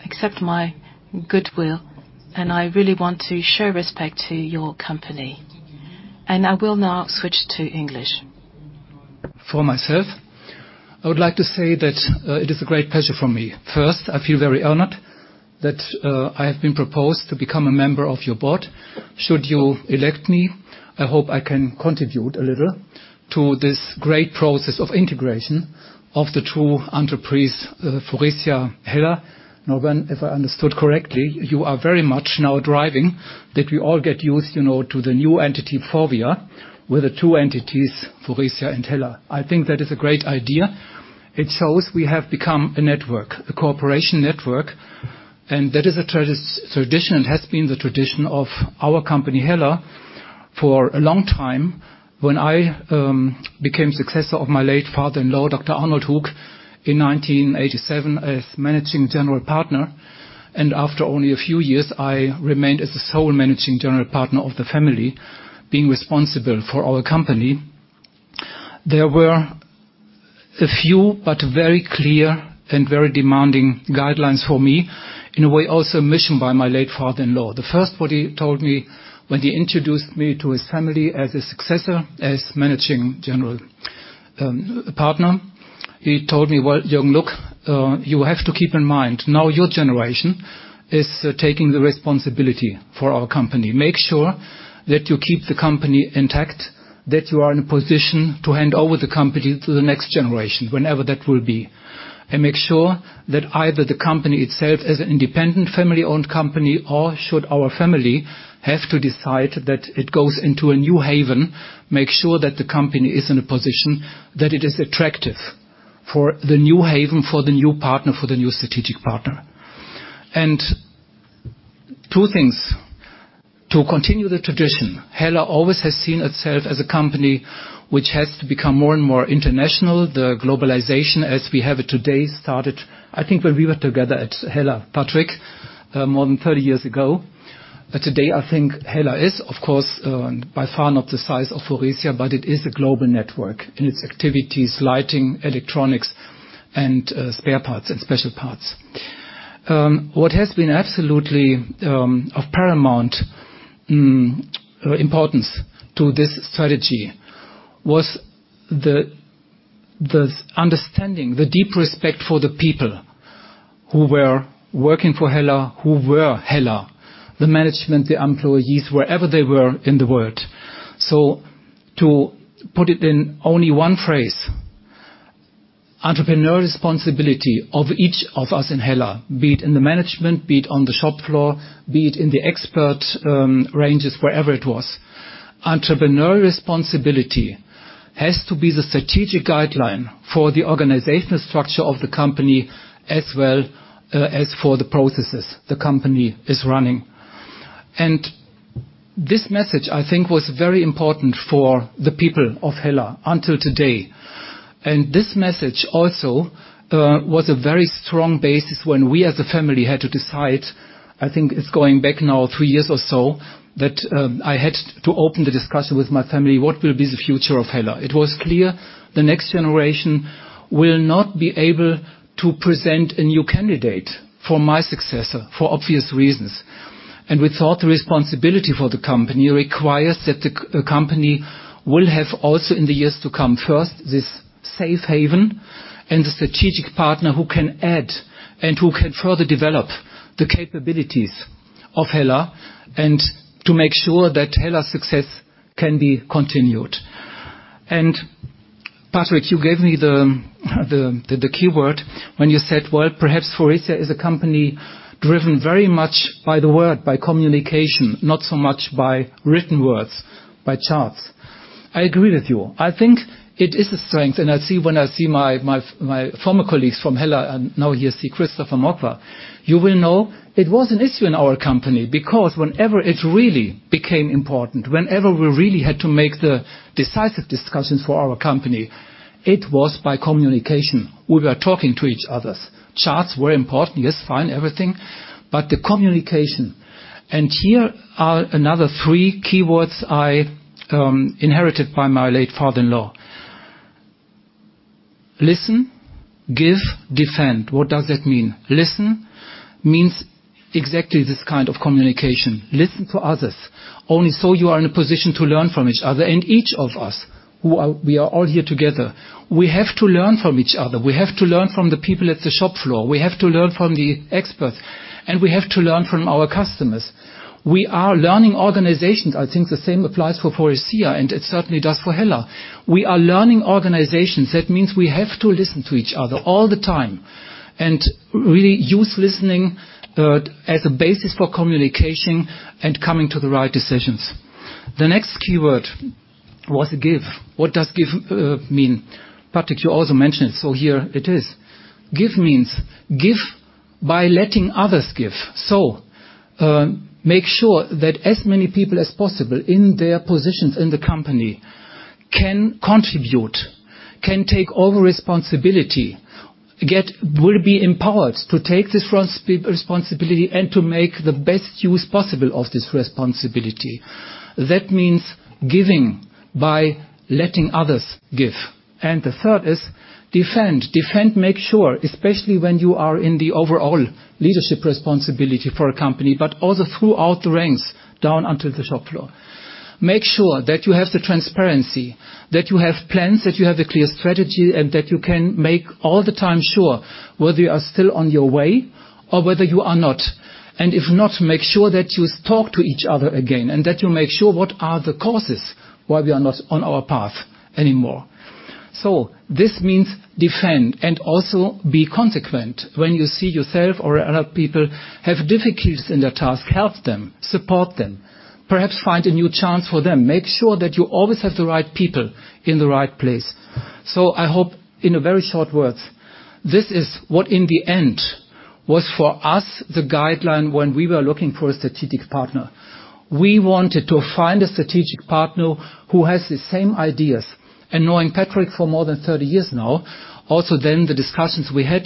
accept my goodwill, and I really want to show respect to your company. I will now switch to English. For myself, I would like to say that, it is a great pleasure for me. First, I feel very honored that, I have been proposed to become a member of your board. Should you elect me, I hope I can contribute a little to this great process of integration of the two enterprises, Faurecia, HELLA. Now, if I understood correctly, you are very much now driving that we all get used, you know, to the new entity, Faurecia, with the two entities, Faurecia and HELLA. I think that is a great idea. It shows we have become a network, a cooperation network, and that is a tradition. It has been the tradition of our company, HELLA, for a long time. When I became successor of my late father-in-law, Dr. Arnold Hueck, in 1987 as managing general partner, and after only a few years, I remained as the sole managing general partner of the family, being responsible for our company. There were a few, but very clear and very demanding guidelines for me, in a way, also a mission by my late father-in-law. The first what he told me when he introduced me to his family as his successor, as managing general partner, he told me, "Well, Jürgen, look, you have to keep in mind, now your generation is taking the responsibility for our company. Make sure that you keep the company intact, that you are in a position to hand over the company to the next generation, whenever that will be. Make sure that either the company itself as an independent family-owned company or should our family have to decide that it goes into a new haven, make sure that the company is in a position that it is attractive for the new haven, for the new partner, for the new strategic partner. Two things. To continue the tradition, HELLA always has seen itself as a company which has to become more and more international. The globalization as we have it today started, I think, when we were together at HELLA, Patrick, more than 30 years ago. Today, I think HELLA is, of course, by far not the size of Faurecia, but it is a global network in its activities, lighting, electronics and spare parts and special parts. What has been absolutely of paramount importance to this strategy was the understanding, the deep respect for the people who were working for HELLA, who were HELLA. The management, the employees, wherever they were in the world. To put it in only one phrase, entrepreneurial responsibility of each of us in HELLA, be it in the management, be it on the shop floor, be it in the expert ranges, wherever it was. Entrepreneurial responsibility has to be the strategic guideline for the organizational structure of the company as well as for the processes the company is running. This message, I think, was very important for the people of Hella until today. This message also was a very strong basis when we as a family had to decide, I think it's going back now three years or so, that I had to open the discussion with my family, what will be the future of Hella? It was clear the next generation will not be able to present a new candidate for my successor for obvious reasons. We thought the responsibility for the company requires that the company will have also in the years to come first, this safe haven and the strategic partner who can add and who can further develop the capabilities of Hella and to make sure that Hella's success can be continued. Patrick, you gave me the keyword when you said, "Well, perhaps Faurecia is a company driven very much by the word, by communication, not so much by written words, by charts." I agree with you. I think it is a strength. I see, when I see my former colleagues from HELLA and now here see Christopher Mokwa, you will know it was an issue in our company because whenever it really became important, whenever we really had to make the decisive discussions for our company, it was by communication. We were talking to each other. Charts were important. Yes, fine, everything. But the communication. Here are another three keywords I inherited from my late father-in-law. Listen, give, defend. What does that mean? Listen means exactly this kind of communication. Listen to others. Only so you are in a position to learn from each other. Each of us we are all here together. We have to learn from each other. We have to learn from the people at the shop floor. We have to learn from the experts, and we have to learn from our customers. We are learning organizations. I think the same applies for Faurecia, and it certainly does for HELLA. We are learning organizations. That means we have to listen to each other all the time and really use listening as a basis for communication and coming to the right decisions. The next keyword was give. What does give mean? Patrick, you also mentioned it, so here it is. Give means give by letting others give. Make sure that as many people as possible in their positions in the company can contribute, can take over responsibility, will be empowered to take this responsibility and to make the best use possible of this responsibility. That means giving by letting others give. The third is defend. Defend makes sure, especially when you are in the overall leadership responsibility for a company, but also throughout the ranks down onto the shop floor. Make sure that you have the transparency, that you have plans, that you have a clear strategy, and that you can make all the time sure whether you are still on your way or whether you are not. If not, make sure that you talk to each other again and that you make sure what are the causes why we are not on our path anymore. This means defend and also be consequent. When you see yourself or other people have difficulties in their task, help them, support them, perhaps find a new chance for them. Make sure that you always have the right people in the right place. I hope in a very short words, this is what in the end was for us the guideline when we were looking for a strategic partner. We wanted to find a strategic partner who has the same ideas. Knowing Patrick for more than 30 years now, also then the discussions we had,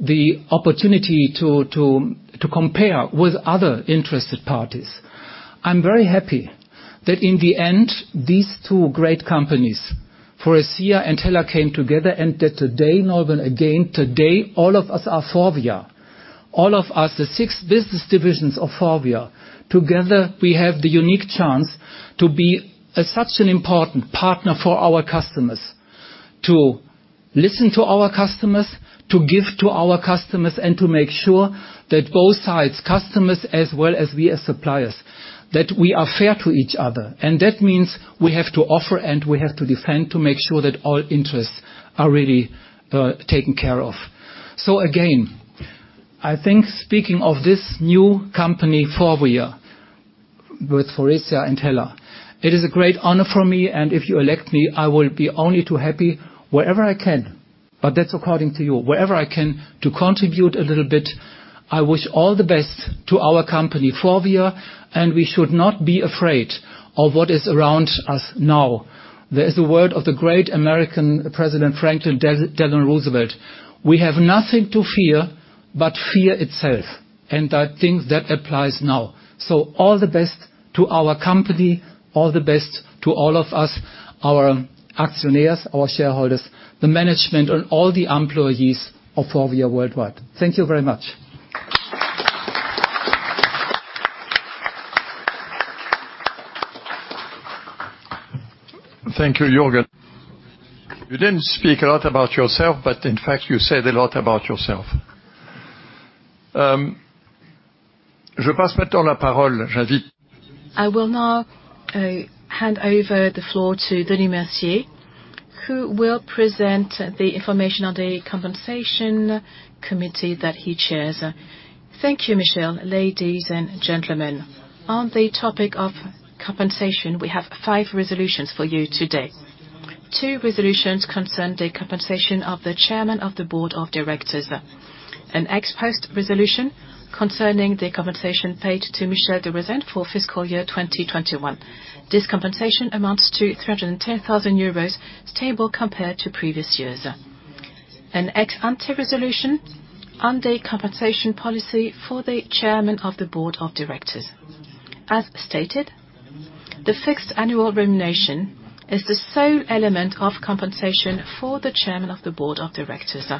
the opportunity to compare with other interested parties. I'm very happy that in the end, these two great companies, Faurecia and HELLA, came together and that today, Nolwenn, all of us are Forvia. All of us, the six business divisions of Forvia. Together, we have the unique chance to be a such an important partner for our customers. To listen to our customers, to give to our customers, and to make sure that both sides, customers as well as we as suppliers, that we are fair to each other. That means we have to offer and we have to defend to make sure that all interests are really taken care of. Again, I think speaking of this new company, Forvia, with Faurecia and HELLA, it is a great honor for me, and if you elect me, I will be only too happy wherever I can. That's according to you. Wherever I can to contribute a little bit. I wish all the best to our company, Forvia, and we should not be afraid of what is around us now. There is a word of the great American President Franklin D. Roosevelt, "We have nothing to fear but fear itself." I think that applies now. All the best to our company, all the best to all of us, our actionnaires, our shareholders, the management, and all the employees of Forvia worldwide. Thank you very much. Thank you, Jürgen. You didn't speak a lot about yourself, but in fact, you said a lot about yourself. I will now hand over the floor to Denis Mercier, who will present the information on the compensation committee that he chairs. Thank you, Michel de Rosen. Ladies and gentlemen. On the topic of compensation, we have five resolutions for you today. Two resolutions concern the compensation of the chairman of the board of directors. An ex-post resolution concerning the compensation paid to Michel de Rosen for fiscal year 2021. This compensation amounts to 310 thousand euros, stable compared to previous years. An ex-ante resolution on the compensation policy for the chairman of the board of directors. As stated, the fixed annual remuneration is the sole element of compensation for the chairman of the board of directors.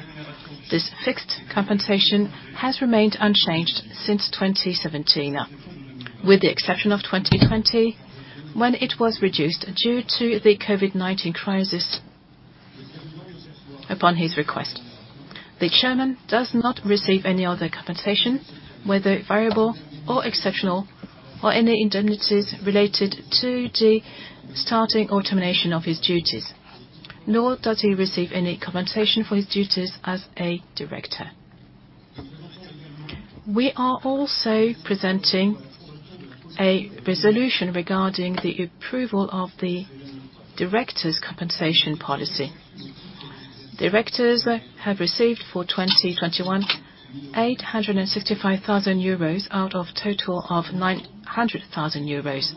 This fixed compensation has remained unchanged since 2017, with the exception of 2020, when it was reduced due to the COVID-19 crisis upon his request. The chairman does not receive any other compensation, whether variable or exceptional, or any indemnities related to the starting or termination of his duties, nor does he receive any compensation for his duties as a director. We are also presenting a resolution regarding the approval of the director's compensation policy. Directors have received for 2021, 865 thousand euros out of total of 900 thousand euros.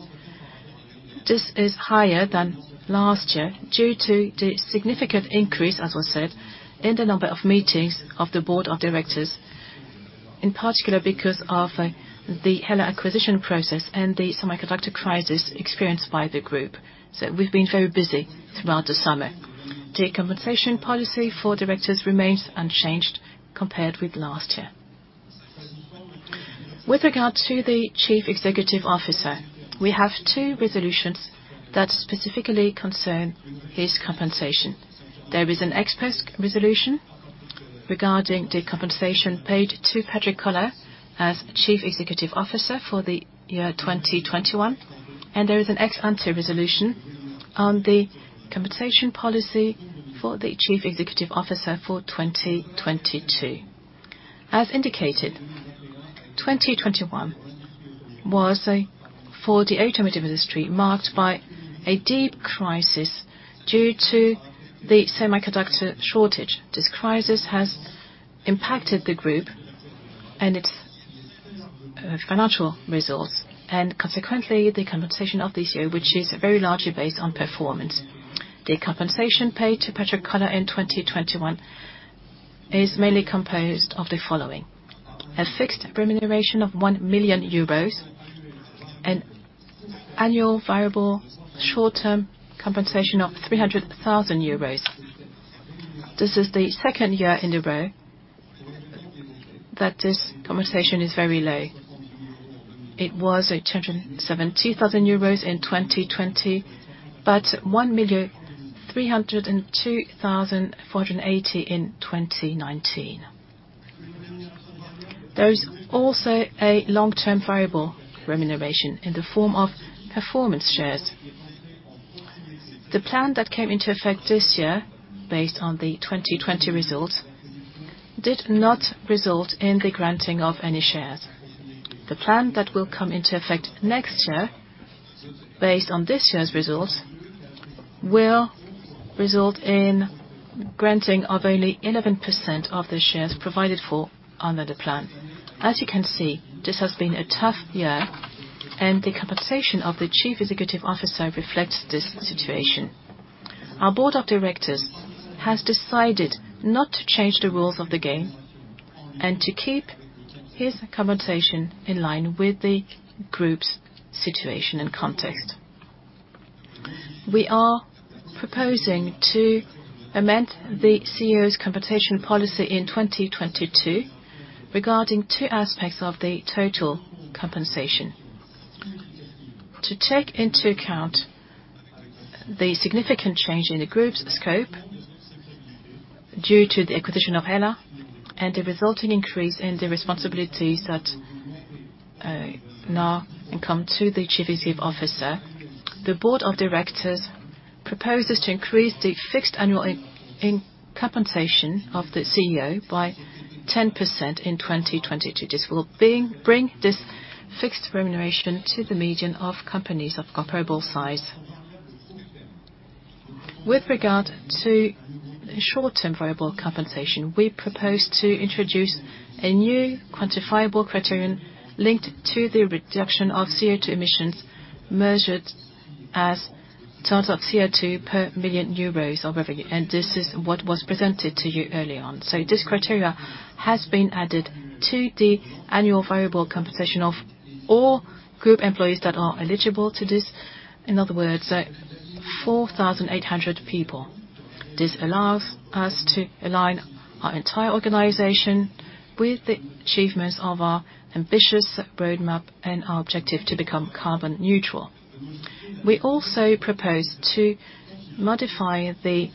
This is higher than last year due to the significant increase, as was said, in the number of meetings of the board of directors, in particular because of the HELLA acquisition process and the semiconductor crisis experienced by the group. We've been very busy throughout the summer. The compensation policy for directors remains unchanged compared with last year. With regard to the chief executive officer, we have two resolutions that specifically concern his compensation. There is an ex-post resolution regarding the compensation paid to Patrick Koller as Chief Executive Officer for the year 2021, and there is an ex-ante resolution on the compensation policy for the Chief Executive Officer for 2022. As indicated, 2021 was, for the automotive industry, marked by a deep crisis due to the semiconductor shortage. This crisis has impacted the group and its financial results, and consequently, the compensation of the CEO, which is very largely based on performance. The compensation paid to Patrick Koller in 2021 is mainly composed of the following: a fixed remuneration of 1 million euros, an annual variable short-term compensation of 300 thousand euros. This is the second year in a row that this compensation is very low. It was 270,000 euros in 2020, but 1,302,480 in 2019. There is also a long-term variable remuneration in the form of performance shares. The plan that came into effect this year, based on the 2020 results, did not result in the granting of any shares. The plan that will come into effect next year, based on this year's results, will result in granting of only 11% of the shares provided for under the plan. As you can see, this has been a tough year, and the compensation of the Chief Executive Officer reflects this situation. Our board of directors has decided not to change the rules of the game and to keep his compensation in line with the group's situation and context. We are proposing to amend the CEO's compensation policy in 2022 regarding two aspects of the total compensation. To take into account the significant change in the group's scope due to the acquisition of HELLA and the resulting increase in the responsibilities that now come to the Chief Executive Officer. The Board of Directors proposes to increase the fixed annual compensation of the CEO by 10% in 2022. This will bring this fixed remuneration to the median of companies of comparable size. With regard to short-term variable compensation, we propose to introduce a new quantifiable criterion linked to the reduction of CO2 emissions measured as tons of CO2 per 1 million euros of revenue, and this is what was presented to you earlier on. This criteria has been added to the annual variable compensation of all group employees that are eligible to this. In other words, 4,800 people. This allows us to align our entire organization with the achievements of our ambitious roadmap and our objective to become carbon neutral. We also propose to modify the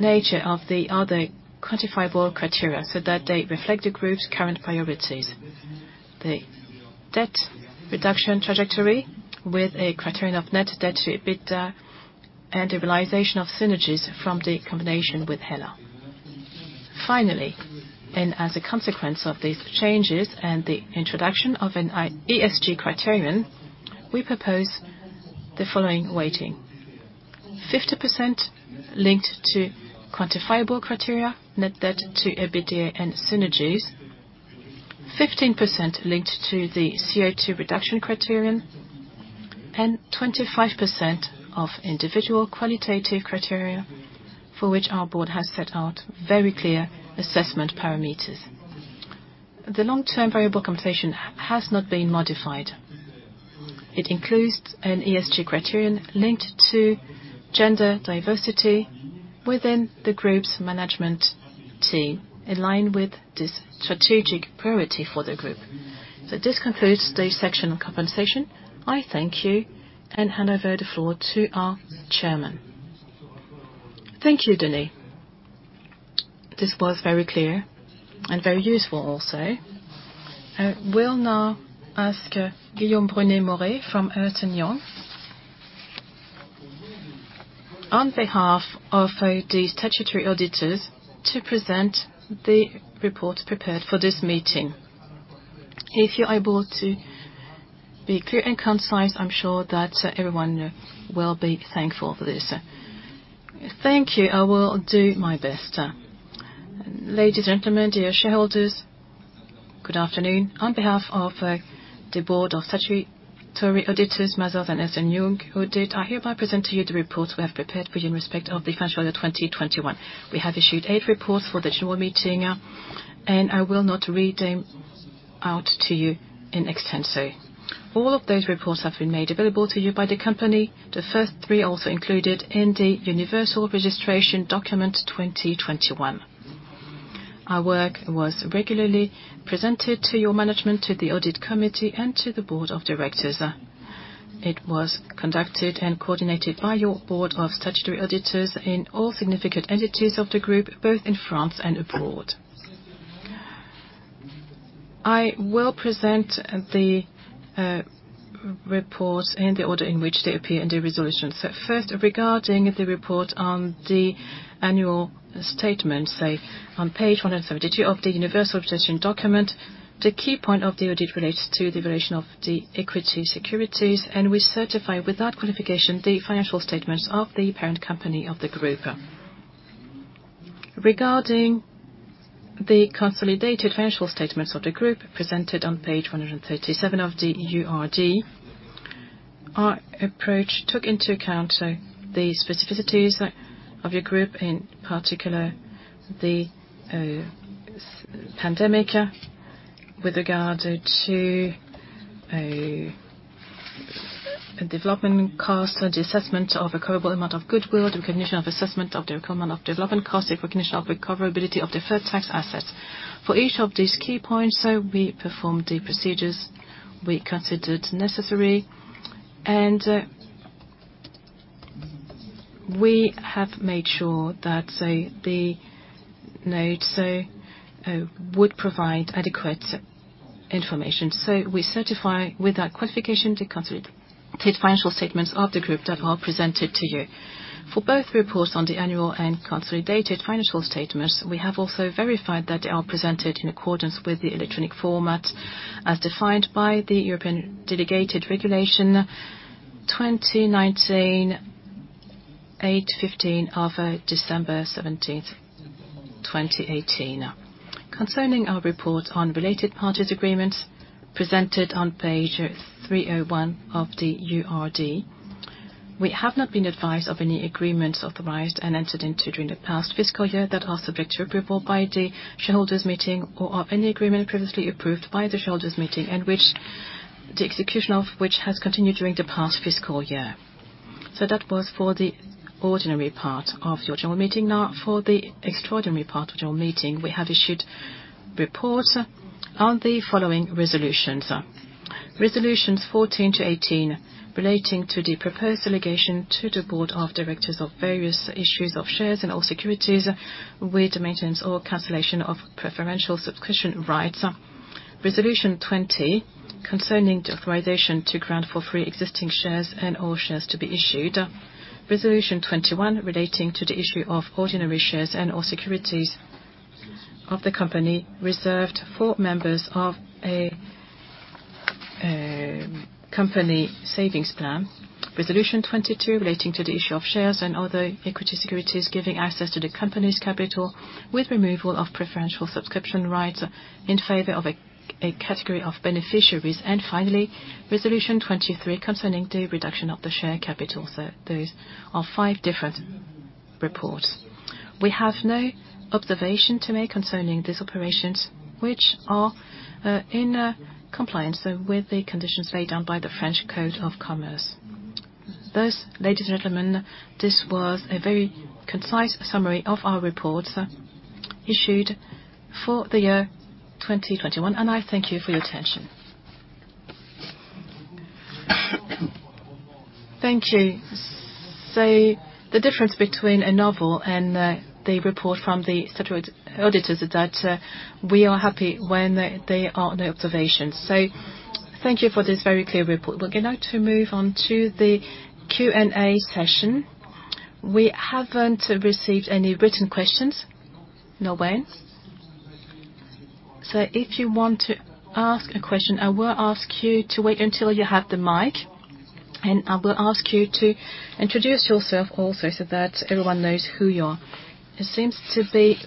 nature of the other quantifiable criteria so that they reflect the group's current priorities. The debt reduction trajectory with a criterion of net debt to EBITDA and the realization of synergies from the combination with HELLA. Finally, and as a consequence of these changes and the introduction of an ESG criterion, we propose the following weighting. 50% linked to quantifiable criteria, net debt to EBITDA and synergies. 15% linked to the CO2 reduction criterion, and 25% of individual qualitative criteria, for which our board has set out very clear assessment parameters. The long-term variable compensation has not been modified. It includes an ESG criterion linked to gender diversity within the group's management team, in line with the strategic priority for the group. This concludes the section on compensation. I thank you and hand over the floor to our chairman. Thank you, Denis. This was very clear and very useful also. We'll now ask Guillaume Brunet-Moret from Ernst & Young. On behalf of the statutory auditors to present the report prepared for this meeting. If you're able to be clear and concise, I'm sure that everyone will be thankful for this. Thank you. I will do my best. Ladies and gentlemen, dear shareholders, good afternoon. On behalf of the Board of Statutory Auditors, Mazars and Ernst & Young Audit, I hereby present to you the reports we have prepared for you in respect of the financial year 2021. We have issued 8 reports for the general meeting, and I will not read them out to you in extenso. All of those reports have been made available to you by the company, the first 3 also included in the Universal Registration Document 2021. Our work was regularly presented to your management, to the Audit Committee, and to the Board of Directors. It was conducted and coordinated by your Board of Statutory Auditors in all significant entities of the group, both in France and abroad. I will present the reports in the order in which they appear in the resolution. First, regarding the report on the annual statement, say on page 172 of the Universal Registration Document, the key point of the audit relates to the evaluation of the equity securities, and we certify without qualification the financial statements of the parent company of the group. Regarding the consolidated financial statements of the group presented on page 137 of the URD, our approach took into account the specificities of your group, in particular the pandemic, with regard to a development cost, the assessment of a probable amount of goodwill, recognition of assessment of the requirement of development costs, the recognition of recoverability of deferred tax assets. For each of these key points, we performed the procedures we considered necessary, and we have made sure that the notes would provide adequate information. We certify without qualification the consolidated financial statements of the group that are presented to you. For both reports on the annual and consolidated financial statements, we have also verified that they are presented in accordance with the electronic format as defined by the European Delegated Regulation 2019/815 of December 17, 2018. Concerning our report on related parties agreements presented on page 301 of the URD, we have not been advised of any agreements authorized and entered into during the past fiscal year that are subject to approval by the shareholders' meeting or of any agreement previously approved by the shareholders' meeting in which the execution of which has continued during the past fiscal year. That was for the ordinary part of your general meeting. Now, for the extraordinary part of your meeting, we have issued reports on the following resolutions. Resolutions 14-18 relating to the proposed allocation to the board of directors of various issues of shares and all securities with maintenance or cancellation of preferential subscription rights. Resolution 20 concerning the authorization to grant for free existing shares and all shares to be issued. Resolution 21 relating to the issue of ordinary shares and all securities of the company reserved for members of a company savings plan. Resolution 22 relating to the issue of shares and other equity securities giving access to the company's capital with removal of preferential subscription rights in favor of a category of beneficiaries. Finally, resolution 23 concerning the reduction of the share capital. Those are five different reports. We have no observation to make concerning these operations, which are in compliance with the conditions laid down by the French Code of Commerce. Thus, ladies and gentlemen, this was a very concise summary of our reports issued for the year 2021, and I thank you for your attention. Thank you. The difference between a novel and the report from the statutory auditors is that we are happy when there are no observations. Thank you for this very clear report. We're going now to move on to the Q&A session. We haven't received any written questions. Nobody? If you want to ask a question, I will ask you to wait until you have the mic, and I will ask you to introduce yourself also so that everyone knows who you are. There seems to be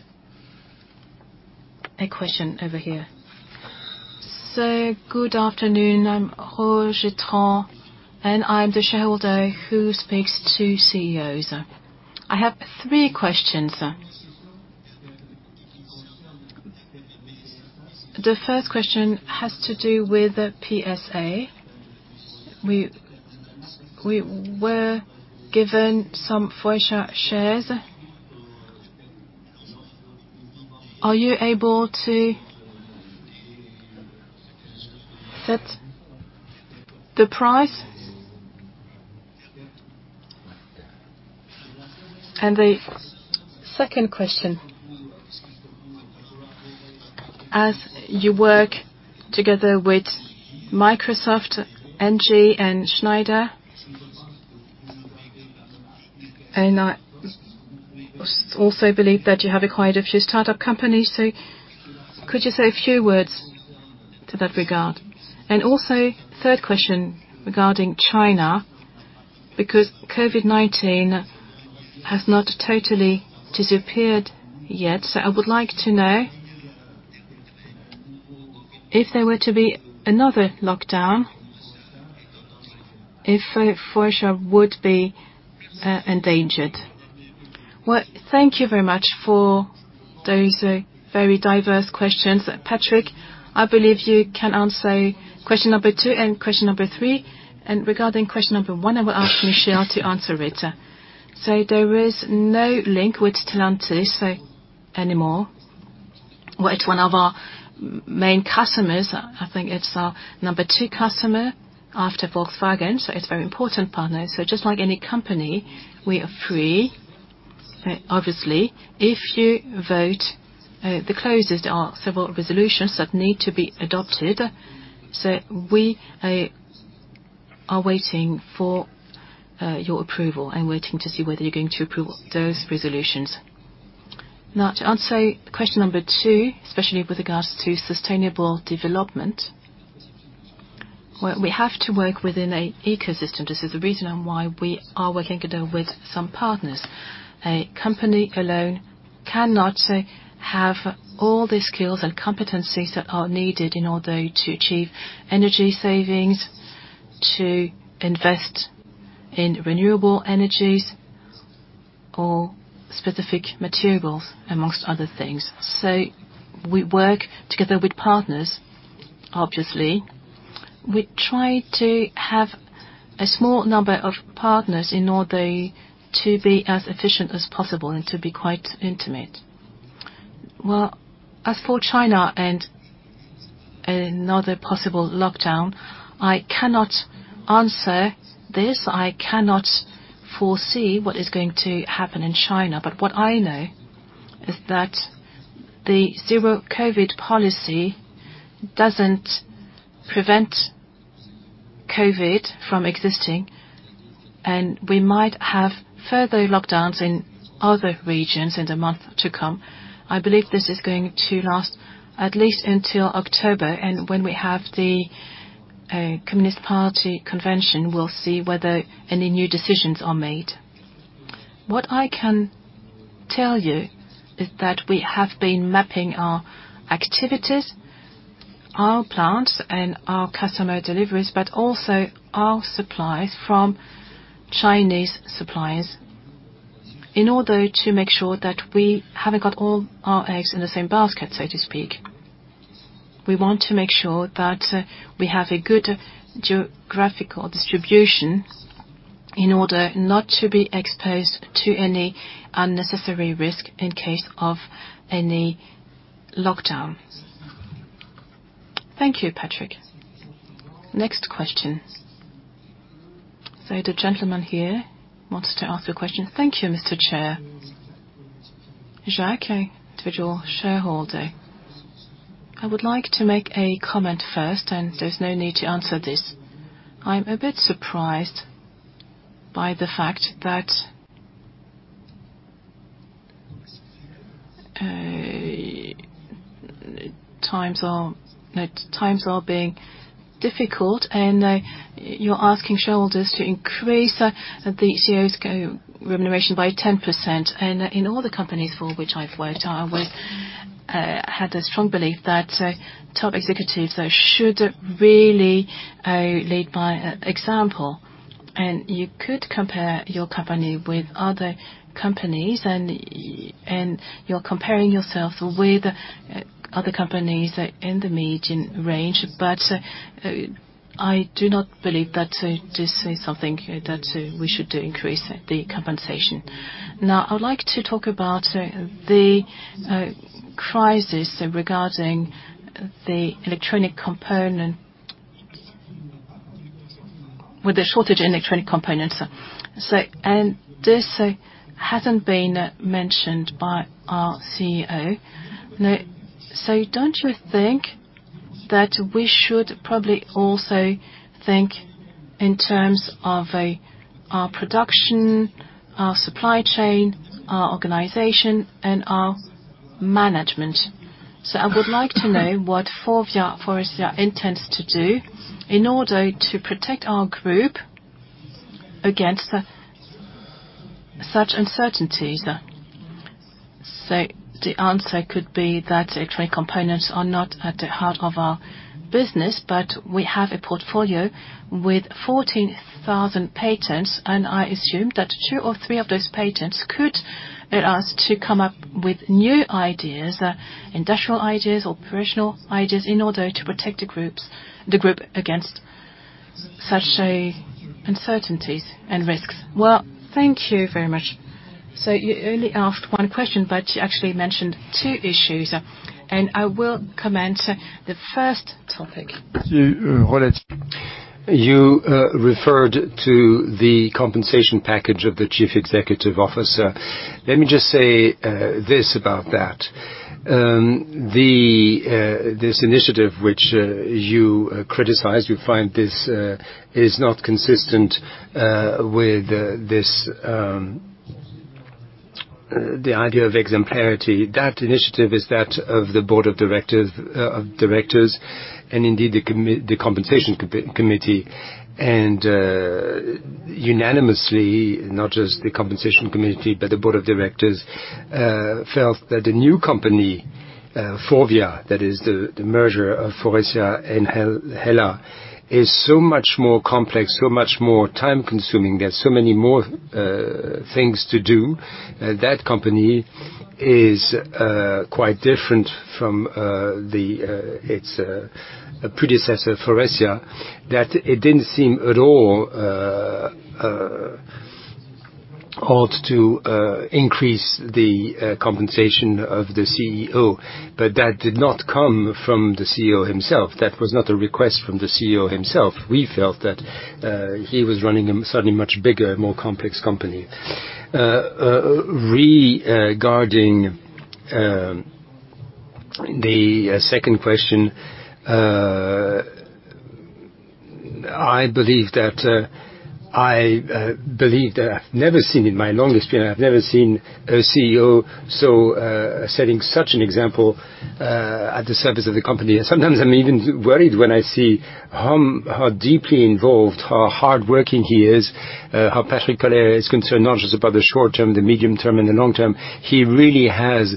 a question over here. Good afternoon. I'm Roger Tran, and I'm the shareholder who speaks to CEOs. I have three questions. The first question has to do with PSA. We were given some Faurecia shares. Are you able to set the price? The second question, as you work together with Microsoft, ENGIE, and Schneider, and I also believe that you have acquired a few startup companies, so could you say a few words in that regard? Third question regarding China, because COVID-19 has not totally disappeared yet. I would like to know, if there were to be another lockdown, if Faurecia would be endangered. Well, thank you very much for those very diverse questions. Patrick, I believe you can answer question number two and question number three. Regarding question number one, I will ask Michel to answer it. There is no link with Stellantis anymore. Well, it's one of our main customers. I think it's our number two customer after Volkswagen, so it's a very important partner. Just like any company, we are free. Obviously, if you vote, there are several resolutions that need to be adopted. We are waiting for your approval and waiting to see whether you're going to approve those resolutions. Now, to answer question number two, especially with regards to sustainable development, we have to work within an ecosystem. This is the reason why we are working together with some partners. A company alone cannot have all the skills and competencies that are needed in order to achieve energy savings, to invest in renewable energies or specific materials, among other things. We work together with partners, obviously. We try to have a small number of partners in order to be as efficient as possible and to be quite intimate. Well, as for China and another possible lockdown, I cannot answer this. I cannot foresee what is going to happen in China. What I know is that the zero-COVID policy doesn't prevent COVID from existing, and we might have further lockdowns in other regions in the month to come. I believe this is going to last at least until October, and when we have the Communist Party convention, we'll see whether any new decisions are made. What I can tell you is that we have been mapping our activities, our plants, and our customer deliveries, but also our supplies from Chinese suppliers in order to make sure that we haven't got all our eggs in the same basket, so to speak. We want to make sure that we have a good geographical distribution. In order not to be exposed to any unnecessary risk in case of any lockdown. Thank you, Patrick. Next question. So the gentleman here wants to ask a question. Thank you, Mr. Chair. Jacques, individual shareholder. I would like to make a comment first, and there's no need to answer this. I'm a bit surprised by the fact that times are being difficult, and you're asking shareholders to increase the CEO's remuneration by 10%. In all the companies for which I've worked, I would had a strong belief that top executives should really lead by example. You could compare your company with other companies, and you're comparing yourself with other companies in the median range. I do not believe that this is something that we should increase the compensation. Now, I would like to talk about the crisis regarding the electronic component. With the shortage in electronic components. This hasn't been mentioned by our CEO. Don't you think that we should probably also think in terms of our production, our supply chain, our organization, and our management? I would like to know what Forvia intends to do in order to protect our group against such uncertainties. The answer could be that electronic components are not at the heart of our business, but we have a portfolio with 14,000 patents, and I assume that two or three of those patents could allow us to come up with new ideas, industrial ideas or operational ideas, in order to protect the group against such uncertainties and risks. Well, thank you very much. You only asked one question, but you actually mentioned two issues. I will comment. The first topic. You referred to the compensation package of the chief executive officer. Let me just say this about that. This initiative which you criticize, you find this is not consistent with the idea of exemplarity. That initiative is that of the board of directors, and indeed, the compensation committee. Unanimously, not just the compensation committee, but the board of directors felt that the new company, Forvia, that is the merger of Faurecia and HELLA, is so much more complex, so much more time-consuming. There are so many more things to do. That company is quite different from its predecessor, Faurecia, that it didn't seem at all odd to increase the compensation of the CEO. That did not come from the CEO himself. That was not a request from the CEO himself. We felt that he was running a suddenly much bigger, more complex company. Regarding the second question, I believe that I've never seen in my longest career a CEO so setting such an example at the service of the company. Sometimes I'm even worried when I see how deeply involved, how hardworking he is, how Patrick Koller is concerned not just about the short term, the medium term, and the long term. He really has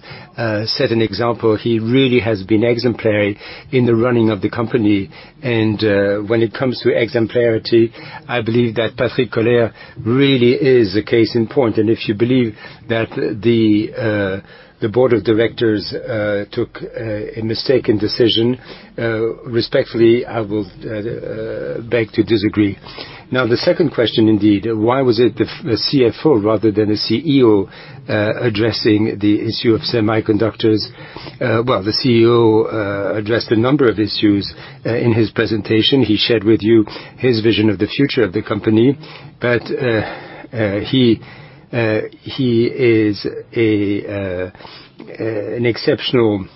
set an example. He really has been exemplary in the running of the company. When it comes to exemplarity, I believe that Patrick Koller really is a case in point. If you believe that the board of directors took a mistaken decision, respectfully, I will beg to disagree. Now, the second question indeed, why was it the CFO rather than the CEO addressing the issue of semiconductors? Well, the CEO addressed a number of issues in his presentation. He shared with you his vision of the future of the company. Well, he is an exceptional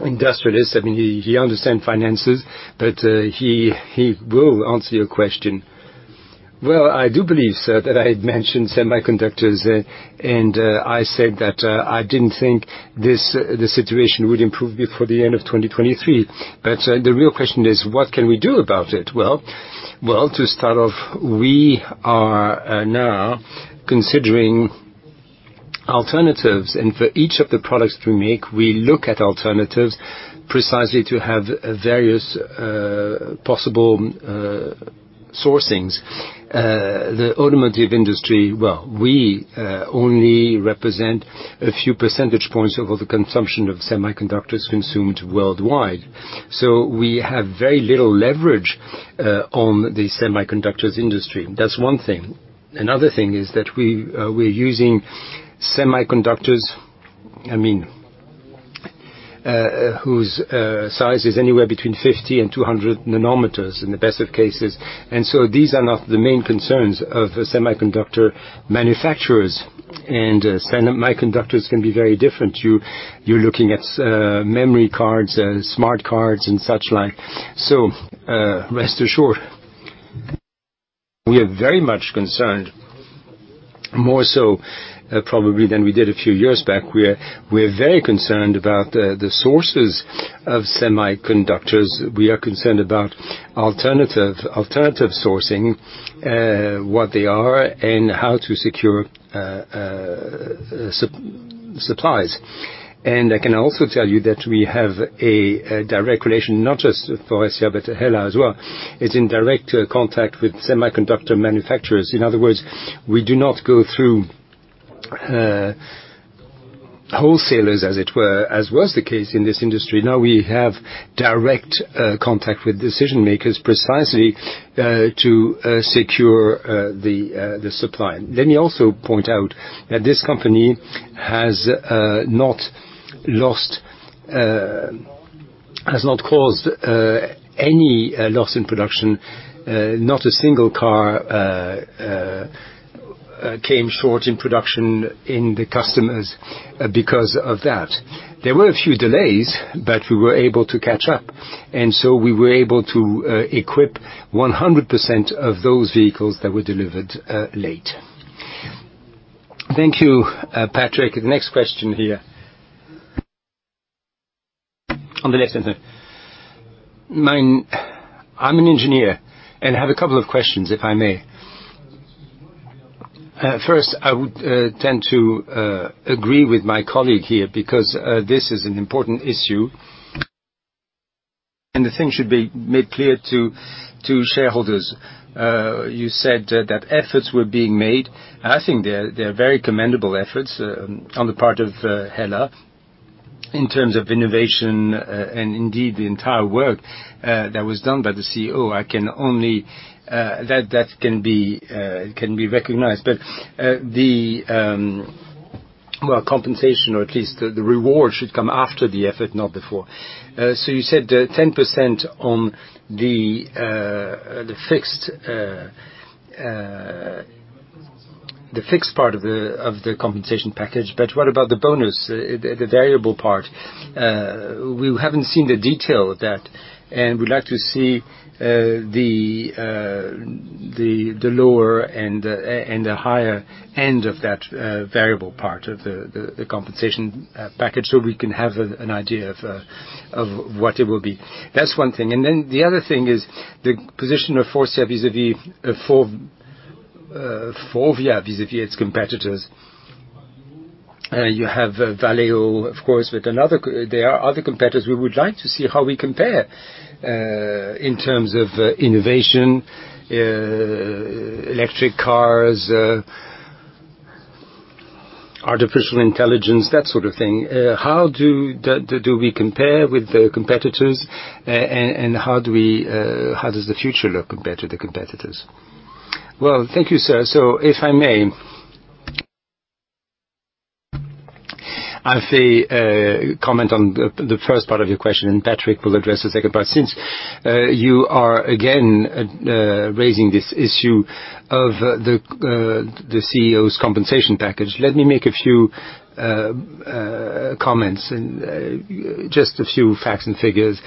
industrialist. I mean, he understands finances, but he will answer your question. Well, I do believe, sir, that I had mentioned semiconductors, and I said that I didn't think this, the situation would improve before the end of 2023. The real question is, what can we do about it? Well, to start off, we are now considering alternatives. For each of the products we make, we look at alternatives precisely to have various, possible, sourcings. The automotive industry, we only represent a few percentage points of all the consumption of semiconductors consumed worldwide. We have very little leverage on the semiconductors industry. That's one thing. Another thing is that we're using semiconductors whose size is anywhere between 50 and 200 nanometers in the best of cases. These are not the main concerns of semiconductor manufacturers. Semiconductors can be very different. You're looking at memory cards, smart cards and such like. Rest assured, we are very much concerned, more so, probably than we did a few years back. We're very concerned about the sources of semiconductors. We are concerned about alternative sourcing, what they are and how to secure supplies. I can also tell you that we have a direct relation, not just Faurecia, but HELLA as well, is in direct contact with semiconductor manufacturers. In other words, we do not go through wholesalers, as it were, as was the case in this industry. Now we have direct contact with decision-makers precisely to secure the supply. Let me also point out that this company has not caused any loss in production. Not a single car came short in production for the customers because of that. There were a few delays, but we were able to catch up, and so we were able to equip 100% of those vehicles that were delivered late. Thank you, Patrick. The next question here. On the left-hand side. I'm an engineer and have a couple of questions, if I may. First, I would tend to agree with my colleague here because this is an important issue, and the thing should be made clear to shareholders. You said that efforts were being made. I think they're very commendable efforts on the part of HELLA in terms of innovation and indeed the entire work that was done by the CEO. I can only that that can be recognized. Well, compensation or at least the reward should come after the effort, not before. You said 10% on the fixed part of the compensation package. What about the bonus, the variable part? We haven't seen the detail of that, and we'd like to see the lower and the higher end of that variable part of the compensation package, so we can have an idea of what it will be. That's one thing. The other thing is the position of Faurecia vis-à-vis Forvia, vis-à-vis its competitors. You have Valeo, of course, but another. There are other competitors. We would like to see how we compare in terms of innovation, electric cars, artificial intelligence, that sort of thing. How do we compare with the competitors, and how does the future look compared to the competitors? Well, thank you, sir. If I may, I'll comment on the first part of your question, and Patrick will address the second part. Since you are again raising this issue of the CEO's compensation package, let me make a few comments and just a few facts and figures.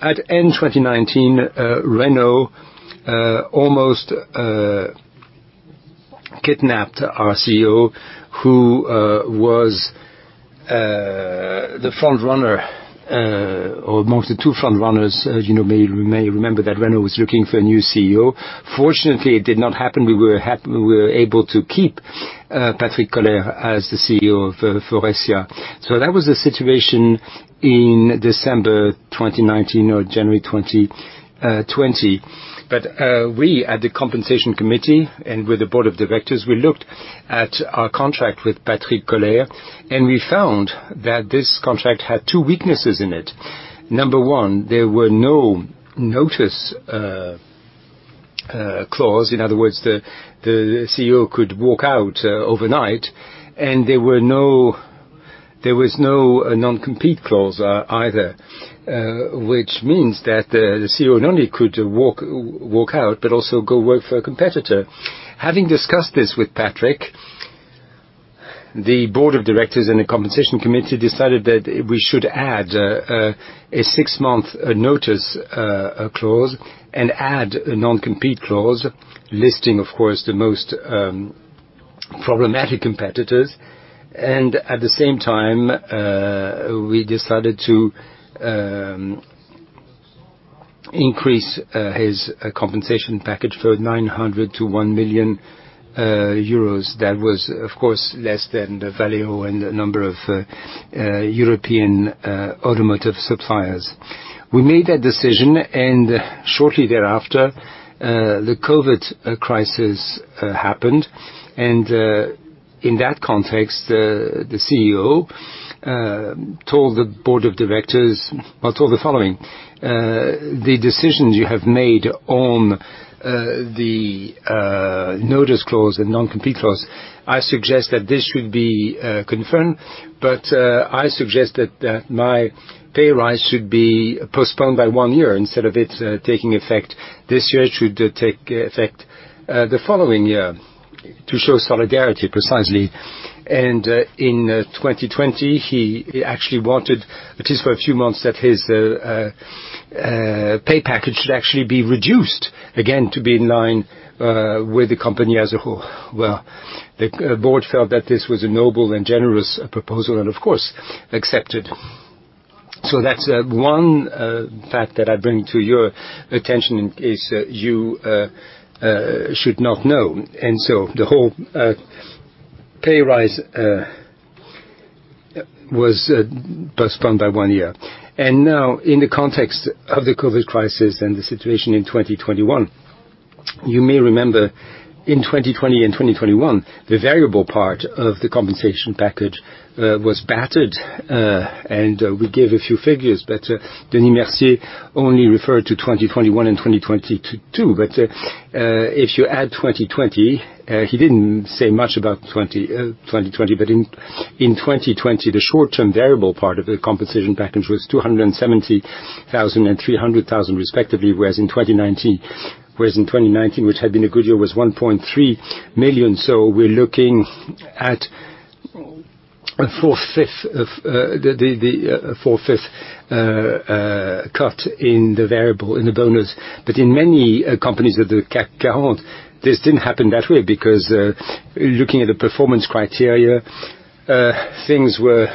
At end 2019, Renault almost kidnapped our CEO, who was the front runner or amongst the two front runners. As you know, you may remember that Renault was looking for a new CEO. Fortunately, it did not happen. We were able to keep Patrick Koller as the CEO of Faurecia. That was the situation in December 2019 or January 2020. We at the compensation committee and with the board of directors looked at our contract with Patrick Koller, and we found that this contract had two weaknesses in it. Number one, there were no notice clause. In other words, the CEO could walk out overnight, and there was no non-compete clause either, which means that the CEO not only could walk out, but also go work for a competitor. Having discussed this with Patrick, the board of directors and the compensation committee decided that we should add a six-month notice clause and add a non-compete clause listing, of course, the most problematic competitors. At the same time, we decided to increase his compensation package from 900 to 1 million euros. That was, of course, less than the Valeo and a number of European automotive suppliers. We made that decision and shortly thereafter, the COVID crisis happened and in that context, the CEO told the board of directors the following, "The decisions you have made on the notice clause and non-compete clause, I suggest that this should be confirmed, but I suggest that my pay rise should be postponed by one year. Instead of it taking effect this year, it should take effect the following year to show solidarity precisely. In 2020, he actually wanted, at least for a few months, that his pay package should actually be reduced, again, to be in line with the company as a whole. Well, the board felt that this was a noble and generous proposal and, of course, accepted. That's one fact that I bring to your attention in case you should not know. The whole pay rise was postponed by one year. Now in the context of the COVID crisis and the situation in 2021, you may remember in 2020 and 2021, the variable part of the compensation package was battered. We gave a few figures, but Denis Mercier only referred to 2021 and 2022. If you add 2020, he didn't say much about 2020, but in 2020, the short-term variable part of the compensation package was 270,000 and 300,000 respectively, whereas in 2019, which had been a good year, was 1.3 million. We're looking at a four-fifths cut in the variable, in the bonus. In many companies of the CAC 40, this didn't happen that way because looking at the performance criteria, things were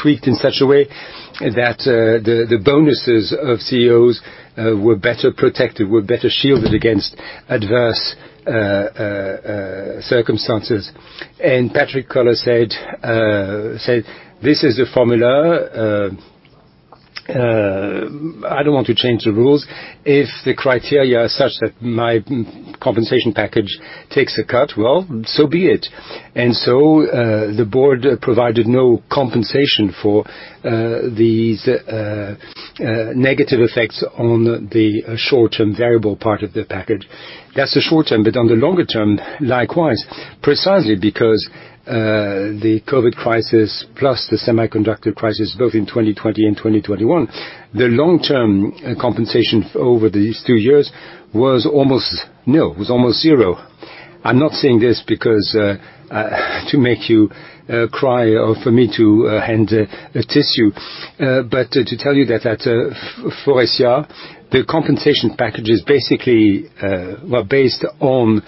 tweaked in such a way that the bonuses of CEOs were better protected, were better shielded against adverse circumstances. Patrick Koller said, "This is the formula. I don't want to change the rules. If the criteria are such that my compensation package takes a cut, well, so be it." The board provided no compensation for these negative effects on the short-term variable part of the package. That's the short term, but on the longer term, likewise, precisely because the COVID crisis plus the semiconductor crisis, both in 2020 and 2021, the long-term compensation over these two years was almost nil, was almost zero. I'm not saying this because to make you cry or for me to hand a tissue, but to tell you that at Faurecia, the compensation package is basically well based on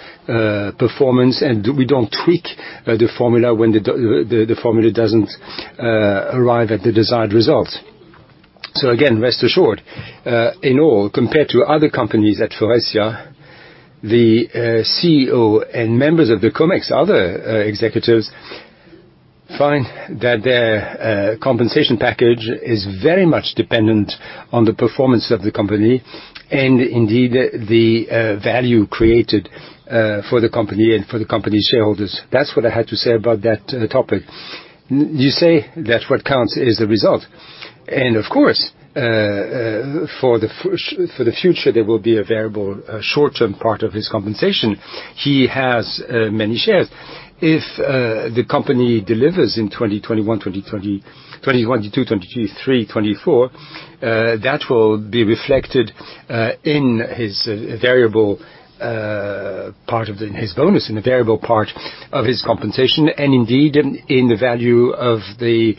performance, and we don't tweak the formula when the formula doesn't arrive at the desired results. Again, rest assured in all, compared to other companies at Faurecia, the CEO and members of the Comex, other executives find that their compensation package is very much dependent on the performance of the company and indeed the value created for the company and for the company shareholders. That's what I had to say about that topic. You say that what counts is the result. Of course, for the future, there will be a variable short-term part of his compensation. He has many shares. If the company delivers in 2021, 2020, 2022, 2023, 2024, that will be reflected in his variable part of his bonus, in the variable part of his compensation, and indeed in the value of the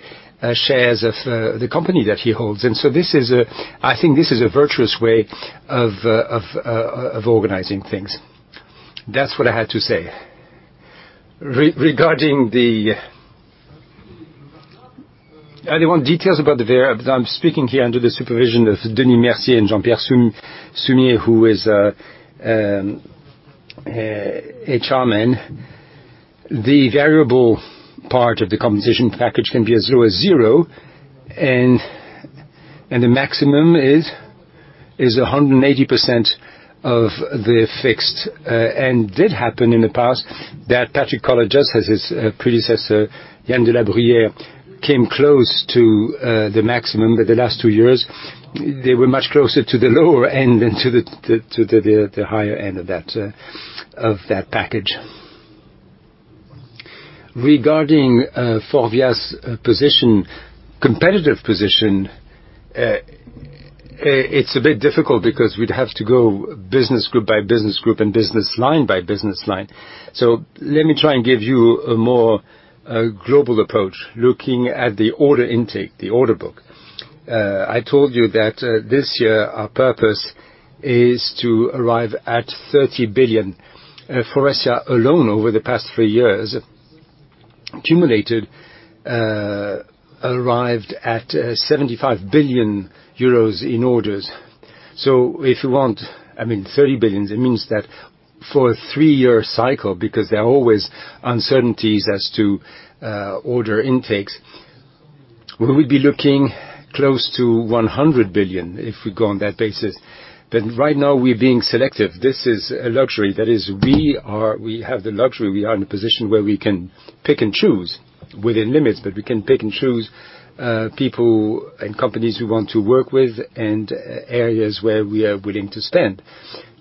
shares of the company that he holds. This is a I think this is a virtuous way of organizing things. That's what I had to say. Regarding the anyone details about the variable, I'm speaking here under the supervision of Denis Mercier and Jean-Pierre Sounillac, who is a chairman. The variable part of the compensation package can be as low as zero, and the maximum is 180% of the fixed. It did happen in the past that Patrick Koller, just as his predecessor, Yann Delabrière, came close to the maximum, but the last two years, they were much closer to the lower end than to the higher end of that package. Regarding Faurecia's position, competitive position, it's a bit difficult because we'd have to go business group by business group and business line by business line. Let me try and give you a more global approach looking at the order intake, the order book. I told you that this year, our purpose is to arrive at 30 billion. Faurecia alone, over the past three years, arrived at 75 billion euros in orders. If you want, I mean, 30 billion, it means that for a three-year cycle, because there are always uncertainties as to order intakes. We'll be looking close to 100 billion if we go on that basis. Right now, we're being selective. This is a luxury. That is, we have the luxury. We are in a position where we can pick and choose within limits, but we can pick and choose people and companies we want to work with and areas where we are willing to spend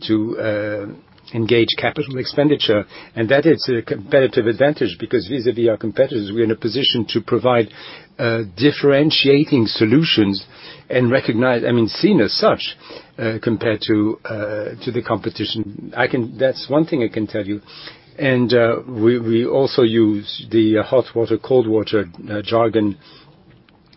to engage capital expenditure. That is a competitive advantage because vis-à-vis our competitors, we're in a position to provide differentiating solutions and recognize. I mean, seen as such, compared to the competition. I can. That's one thing I can tell you. We also use the hot water, cold water jargon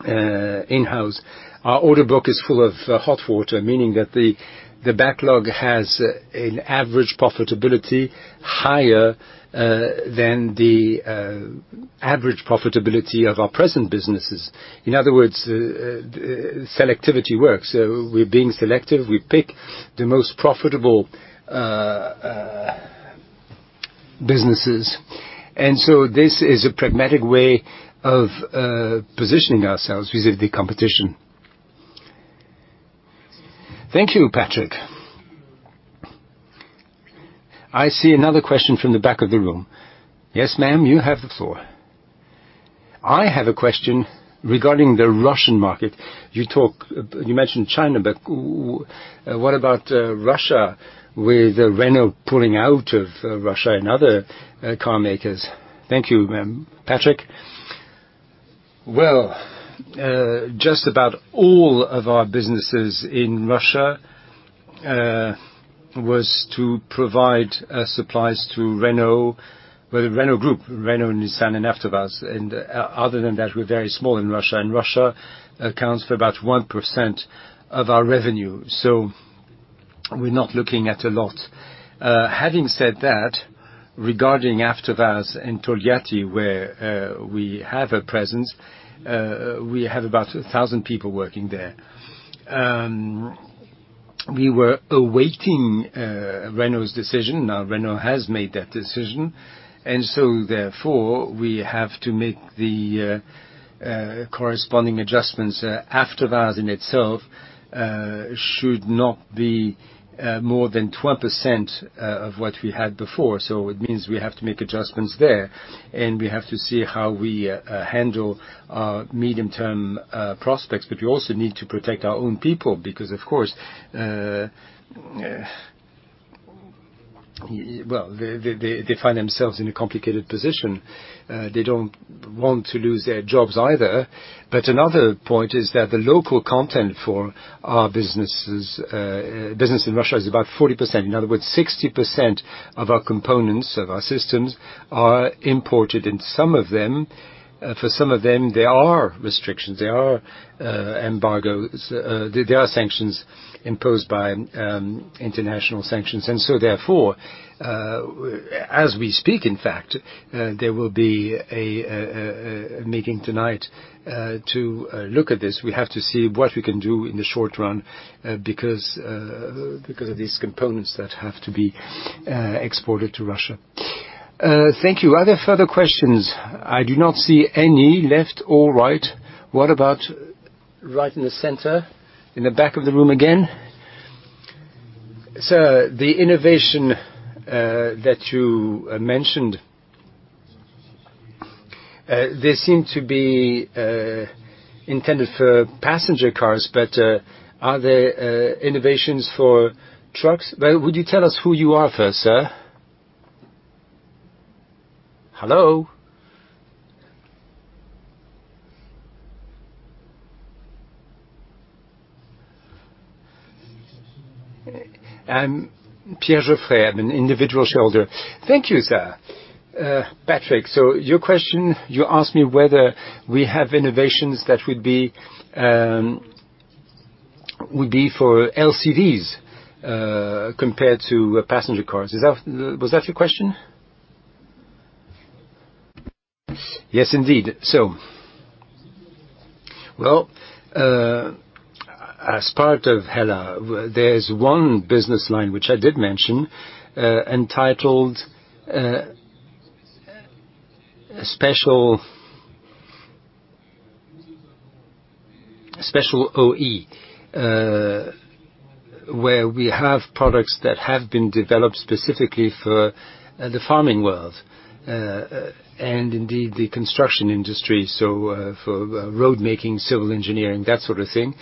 in-house. Our order book is full of hot water, meaning that the backlog has an average profitability higher than the average profitability of our present businesses. In other words, selectivity works. We're being selective. We pick the most profitable businesses. This is a pragmatic way of positioning ourselves vis-à-vis competition. Thank you, Patrick. I see another question from the back of the room. Yes, ma'am. You have the floor. I have a question regarding the Russian market. You mentioned China, but what about Russia with Renault pulling out of Russia and other car makers? Thank you, Patrick. Well, just about all of our businesses in Russia was to provide supplies to Renault. Well, Renault Group, Renault, Nissan, and AvtoVAZ. Other than that, we're very small in Russia, and Russia accounts for about 1% of our revenue. We're not looking at a lot. Having said that, regarding AvtoVAZ and Tolyatti, where we have a presence, we have about 1,000 people working there. We were awaiting Renault's decision. Now Renault has made that decision, and so therefore, we have to make the corresponding adjustments. AvtoVAZ in itself should not be more than 12% of what we had before. It means we have to make adjustments there, and we have to see how we handle our medium-term prospects. We also need to protect our own people because, of course, well, they find themselves in a complicated position. They don't want to lose their jobs either. Another point is that the local content for our businesses, business in Russia is about 40%. In other words, 60% of our components, of our systems are imported. And some of them, for some of them, there are restrictions, there are embargoes, there are sanctions imposed by international sanctions. Therefore, as we speak, in fact, there will be a meeting tonight to look at this. We have to see what we can do in the short run, because of these components that have to be exported to Russia. Thank you. Are there further questions? I do not see any left or right. What about right in the center? In the back of the room again. Sir, the innovation that you mentioned, they seem to be intended for passenger cars, but are there innovations for trucks? Well, would you tell us who you are first, sir? Hello. I'm Pierre Geoffray. I'm an individual shareholder. Thank you, sir. Patrick, so your question, you asked me whether we have innovations that would be for trucks compared to passenger cars. Is that your question? Yes, indeed. Well, as part of HELLA, there's one business line which I did mention, entitled Special OE, where we have products that have been developed specifically for the farming world, and indeed the construction industry. For road making, civil engineering, that sort of thing.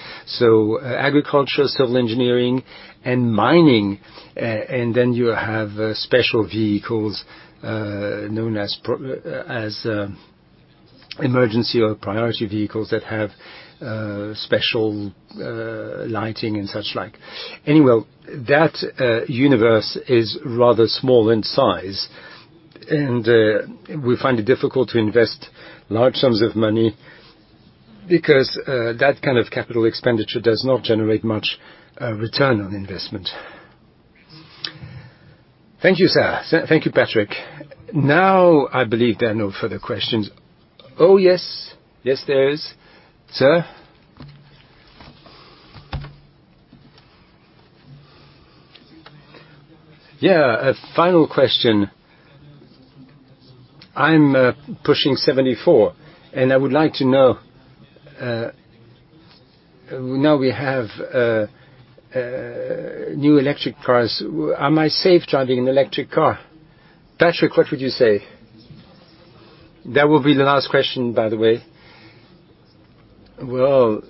Agriculture, civil engineering and mining. Then you have special vehicles, known as emergency or priority vehicles that have special lighting and such like. Anyway, that universe is rather small in size, and we find it difficult to invest large sums of money because that kind of capital expenditure does not generate much return on investment. Thank you, sir. Thank you, Patrick. Now, I believe there are no further questions. Oh, yes. Yes, there is. Sir. Yeah. A final question. I'm pushing 74, and I would like to know, now we have new electric cars. Am I safe driving an electric car? Patrick, what would you say? That will be the last question, by the way. Well,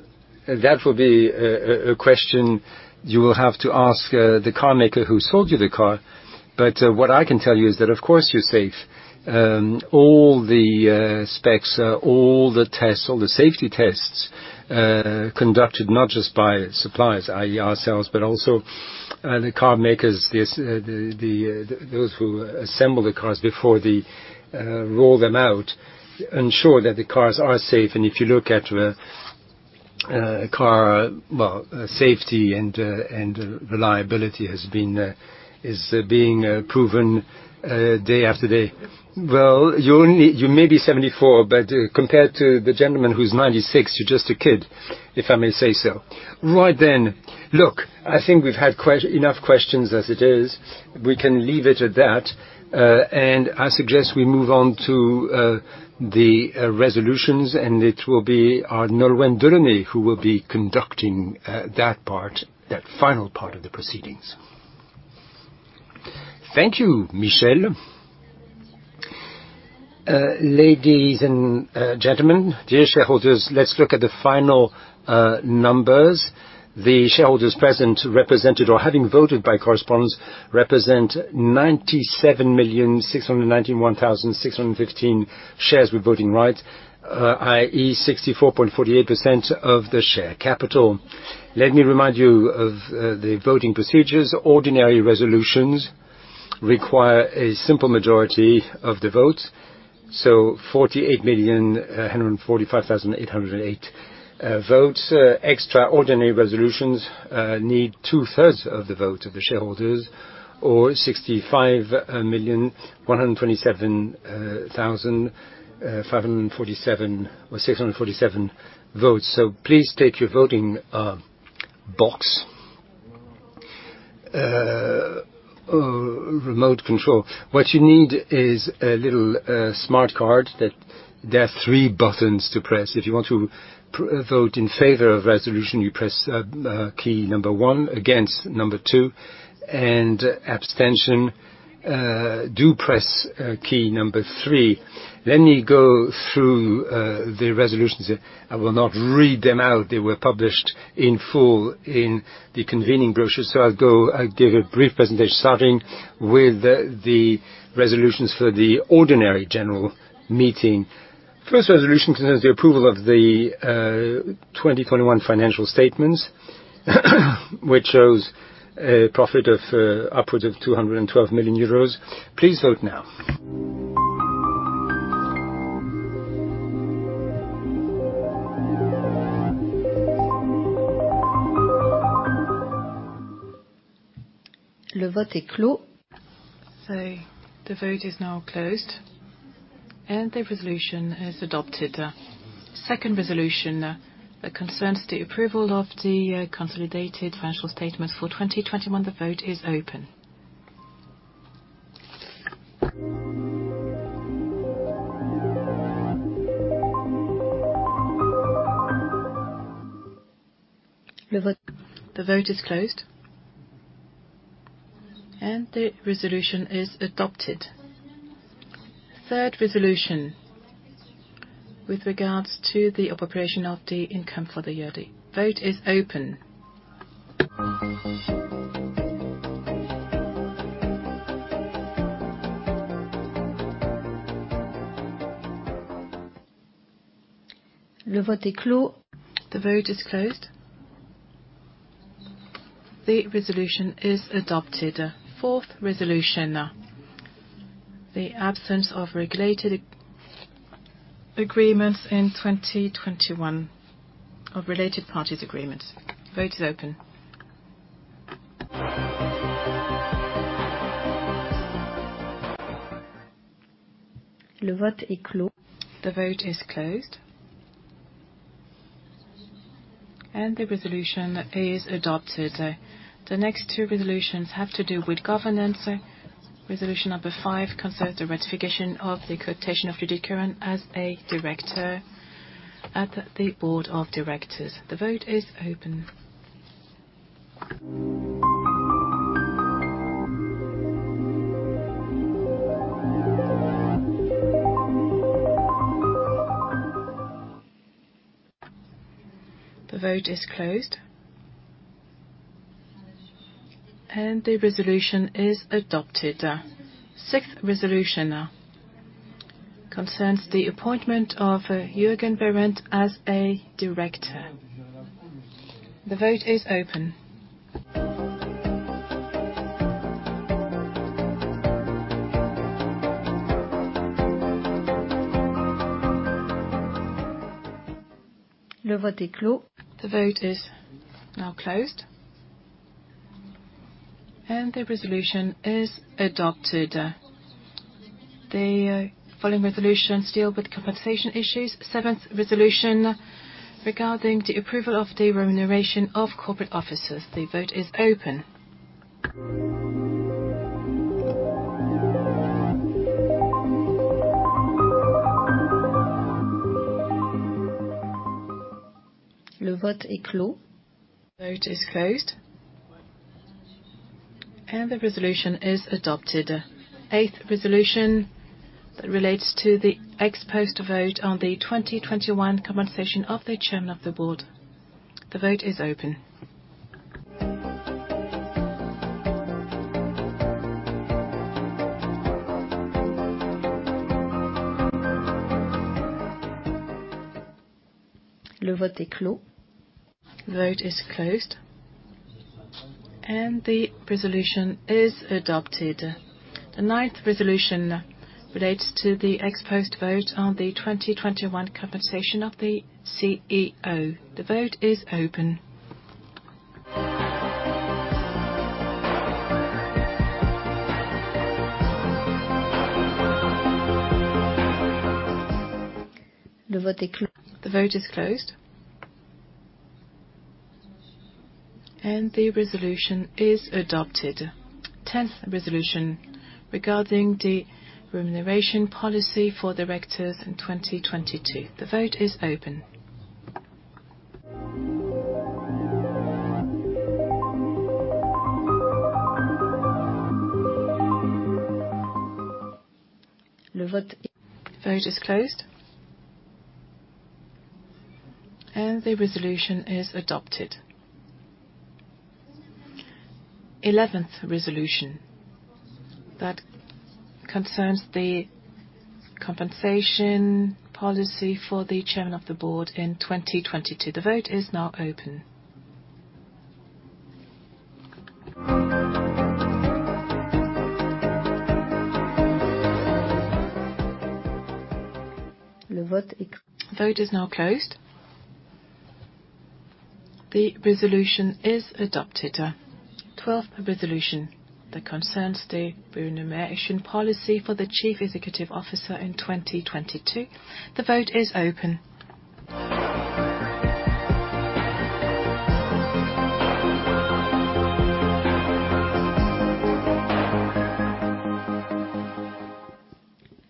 that will be a question you will have to ask the car maker who sold you the car. What I can tell you is that, of course, you're safe. All the specs, all the tests, all the safety tests, conducted not just by suppliers, i.e. ourselves, but also the car makers, those who assemble the cars before they roll them out, ensure that the cars are safe. If you look at car safety and reliability is being proven day after day. Well, you may be 74, but compared to the gentleman who's 96, you're just a kid, if I may say so. Right then. Look, I think we've had enough questions as it is. We can leave it at that. I suggest we move on to the resolutions, and it will be our Nolwenn Delaunay who will be conducting that part, that final part of the proceedings. Thank you, Michel. Ladies and gentlemen, dear shareholders, let's look at the final numbers. The shareholders present, represented or having voted by correspondence, represent 97,691,615 shares with voting rights, i.e., 64.48% of the share capital. Let me remind you of the voting procedures. Ordinary resolutions require a simple majority of the votes, so 48,145,808 votes. Extraordinary resolutions need two-thirds of the vote of the shareholders or 65,127,547 or 65,127,647 votes. Please take your voting box or remote control. What you need is a little smart card that there are 3 buttons to press. If you want to vote in favor of resolution, you press key number 1, against, number 2, and abstention, do press key number 3. Let me go through the resolutions. I will not read them out. They were published in full in the convening brochure. I'll go. I'll give a brief presentation, starting with the resolutions for the ordinary general meeting. First resolution concerns the approval of the 2021 financial statements, which shows a profit of upwards of 212 million euros. Please vote now. The vote is now closed, and the resolution is adopted. Second resolution concerns the approval of the consolidated financial statements for 2021. The vote is open. The vote is closed. The resolution is adopted. Third resolution, with regards to the appropriation of the income for the year. The vote is open. The vote is closed. The resolution is adopted. Fourth resolution, the absence of regulated agreement in 2021 of related parties agreement. Vote is open. The vote is closed. The resolution is adopted. The next two resolutions have to do with governance. Resolution number five concerns the ratification of the cooptation of Judith Curran as a director on the Board of Directors. The vote is open. The vote is closed. The resolution is adopted. Sixth resolution concerns the appointment of Jürgen Behrend as a director. The vote is open. The vote is now closed. The resolution is adopted. The following resolutions deal with compensation issues. 7th resolution regarding the approval of the remuneration of corporate officers. The vote is open. The vote is closed, and the resolution is adopted. 8th resolution relates to the ex post vote on the 2021 compensation of the chairman of the board. The vote is open. The vote is closed, and the resolution is adopted. The 9th resolution relates to the ex post vote on the 2021 compensation of the CEO. The vote is open. The vote is closed, and the resolution is adopted. 10th resolution regarding the remuneration policy for directors in 2022. The vote is open. The vote is closed, and the resolution is adopted. 11th resolution that concerns the compensation policy for the chairman of the board in 2022. The vote is now open. The vote is now closed. The resolution is adopted. Twelfth resolution that concerns the remuneration policy for the chief executive officer in 2022. The vote is open.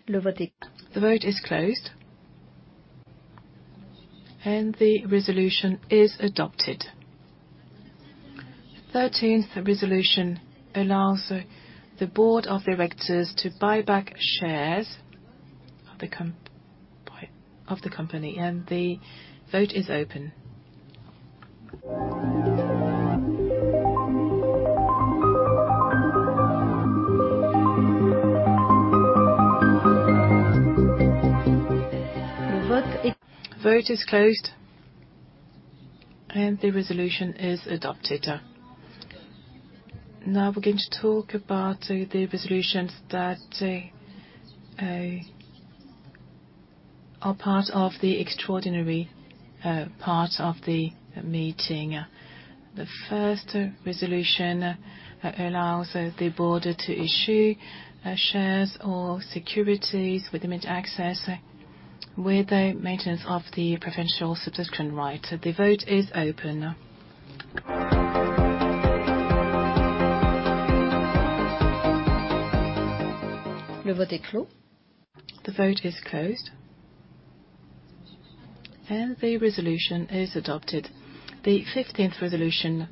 The vote is closed, and the resolution is adopted. Thirteenth resolution allows the board of directors to buy back shares of the company, and the vote is open. Vote is closed, and the resolution is adopted. Now we're going to talk about the resolutions that are part of the extraordinary part of the meeting. The first resolution allows the board to issue shares or securities with immediate access with the maintenance of the preemptive subscription right. The vote is open. The vote is closed, and the resolution is adopted. The fifteenth resolution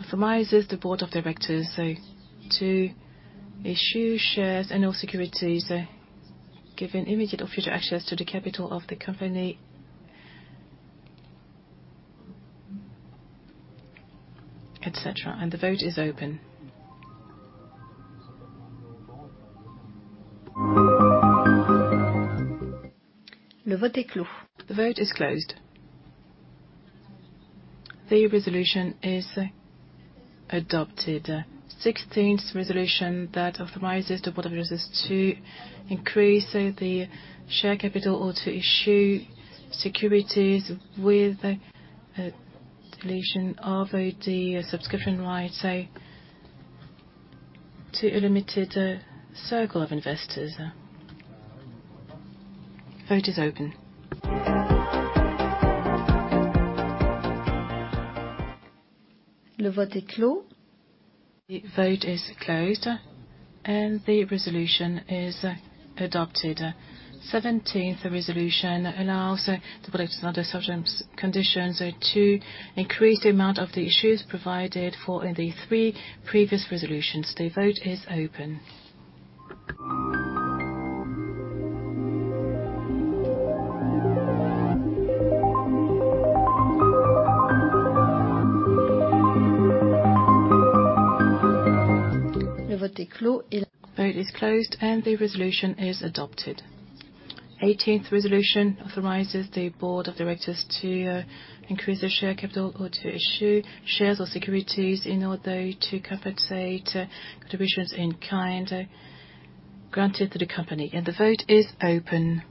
authorizes the board of directors to issue shares and/or securities giving immediate or future access to the capital of the company, et cetera, and the vote is open. The vote is closed. The resolution is adopted. Sixteenth resolution that authorizes the board of directors to increase the share capital or to issue securities with a dilution of the subscription right to a limited circle of investors. Vote is open. The vote is closed, and the resolution is adopted. Seventeenth resolution allows the board of directors under certain conditions to increase the amount of the issues provided for in the three previous resolutions. The vote is open. Vote is closed, and the resolution is adopted. Eighteenth resolution authorizes the board of directors to increase the share capital or to issue shares or securities in order to compensate contributions in kind granted to the company, and the vote is open.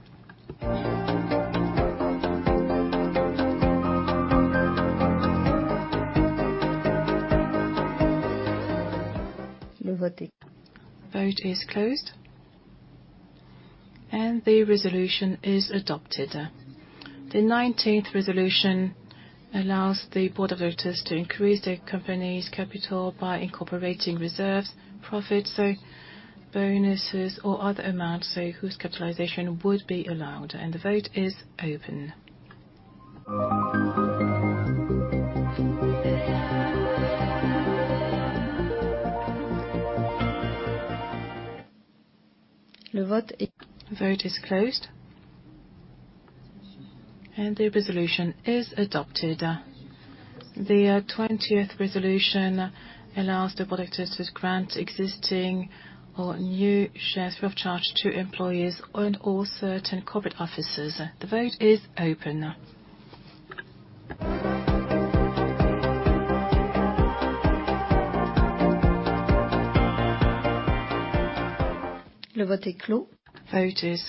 Vote is closed, and the resolution is adopted. The 19th resolution allows the board of voters to increase the company's capital by incorporating reserves, profits or bonuses or other amounts, so whose capitalization would be allowed. The vote is open. Vote is closed, and the resolution is adopted. The 20th resolution allows the board of directors to grant existing or new shares free of charge to employees and all certain corporate officers. The vote is open. Vote is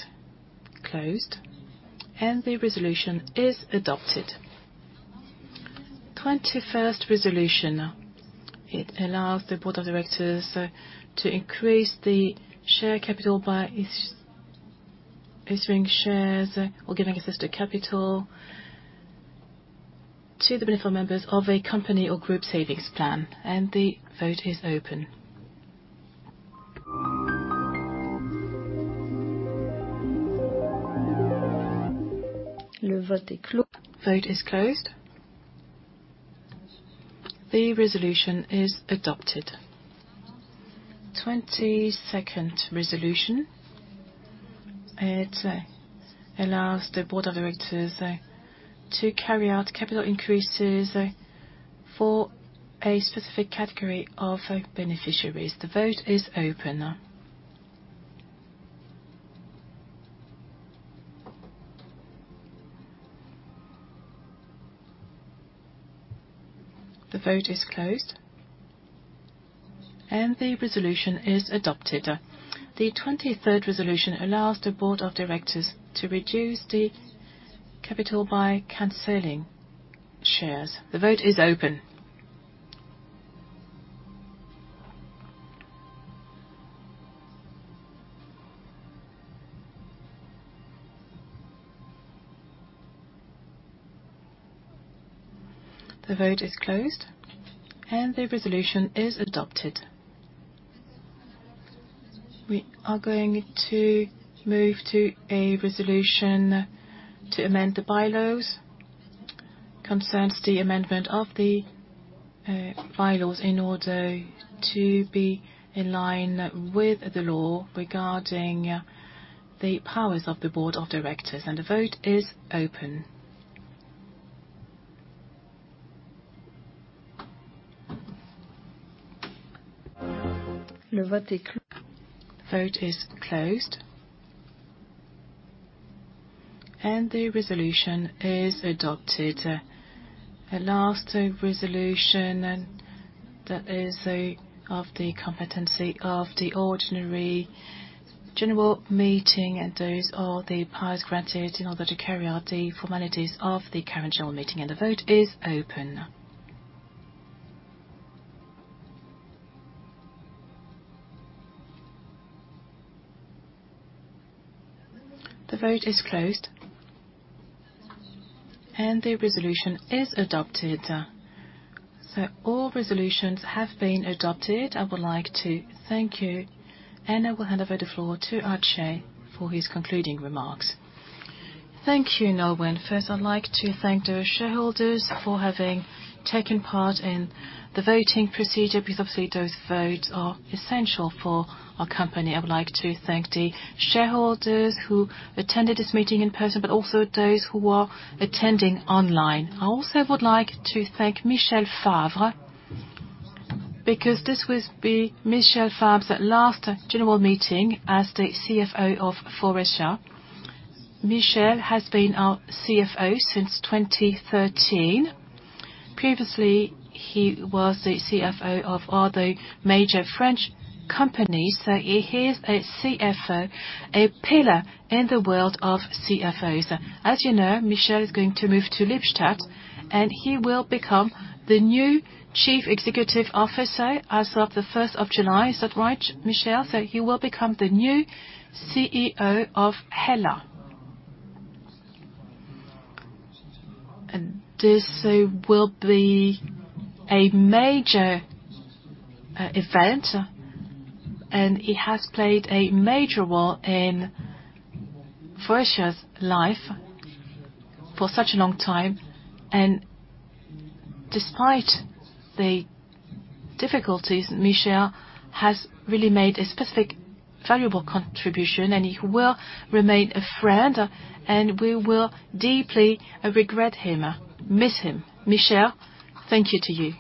closed, and the resolution is adopted. 21st resolution. It allows the board of directors to increase the share capital by issuing shares or giving assisted capital to the benefit members of a company or group savings plan. The vote is open. Vote is closed. The resolution is adopted. 22nd resolution. It allows the board of directors to carry out capital increases for a specific category of beneficiaries. The vote is open. The vote is closed, and the resolution is adopted. The 23rd resolution allows the board of directors to reduce the capital by canceling shares. The vote is open. The vote is closed, and the resolution is adopted. We are going to move to a resolution to amend the bylaws. Concerns the amendment of the bylaws in order to be in line with the law regarding the powers of the board of directors. The vote is open. The vote is closed, and the resolution is adopted. The last resolution, and that is of the competency of the ordinary general meeting, and those are the powers granted in order to carry out the formalities of the current general meeting. The vote is open. The vote is closed, and the resolution is adopted. All resolutions have been adopted. I would like to thank you, and I will hand over the floor to Michel de Rosen for his concluding remarks. Thank you, Nolwenn Delaunay. First, I'd like to thank the shareholders for having taken part in the voting procedure, because obviously those votes are essential for our company. I would like to thank the shareholders who attended this meeting in person, but also those who are attending online. I also would like to thank Michel Favre, because this will be Michel Favre's last general meeting as the CFO of Faurecia. Michel has been our CFO since 2013. Previously, he was the CFO of other major French companies. He is a CFO, a pillar in the world of CFOs. As you know, Michel is going to move to Lippstadt, and he will become the new Chief Executive Officer as of the first of July. Is that right, Michel? He will become the new CEO of HELLA. This will be a major event, and he has played a major role in Faurecia's life for such a long time. Despite the difficulties, Michel has really made a specific valuable contribution, and he will remain a friend, and we will deeply regret him, miss him. Michel, thank you to you.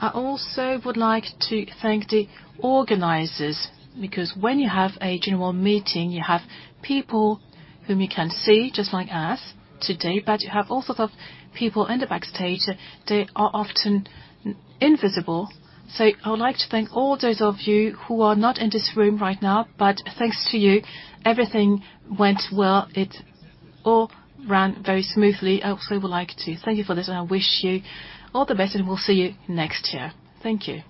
I also would like to thank the organizers, because when you have a general meeting, you have people whom you can see just like us today, but you have also the people in the backstage. They are often invisible. I would like to thank all those of you who are not in this room right now, but thanks to you, everything went well. It all ran very smoothly. I also would like to thank you for this, and I wish you all the best, and we'll see you next year. Thank you.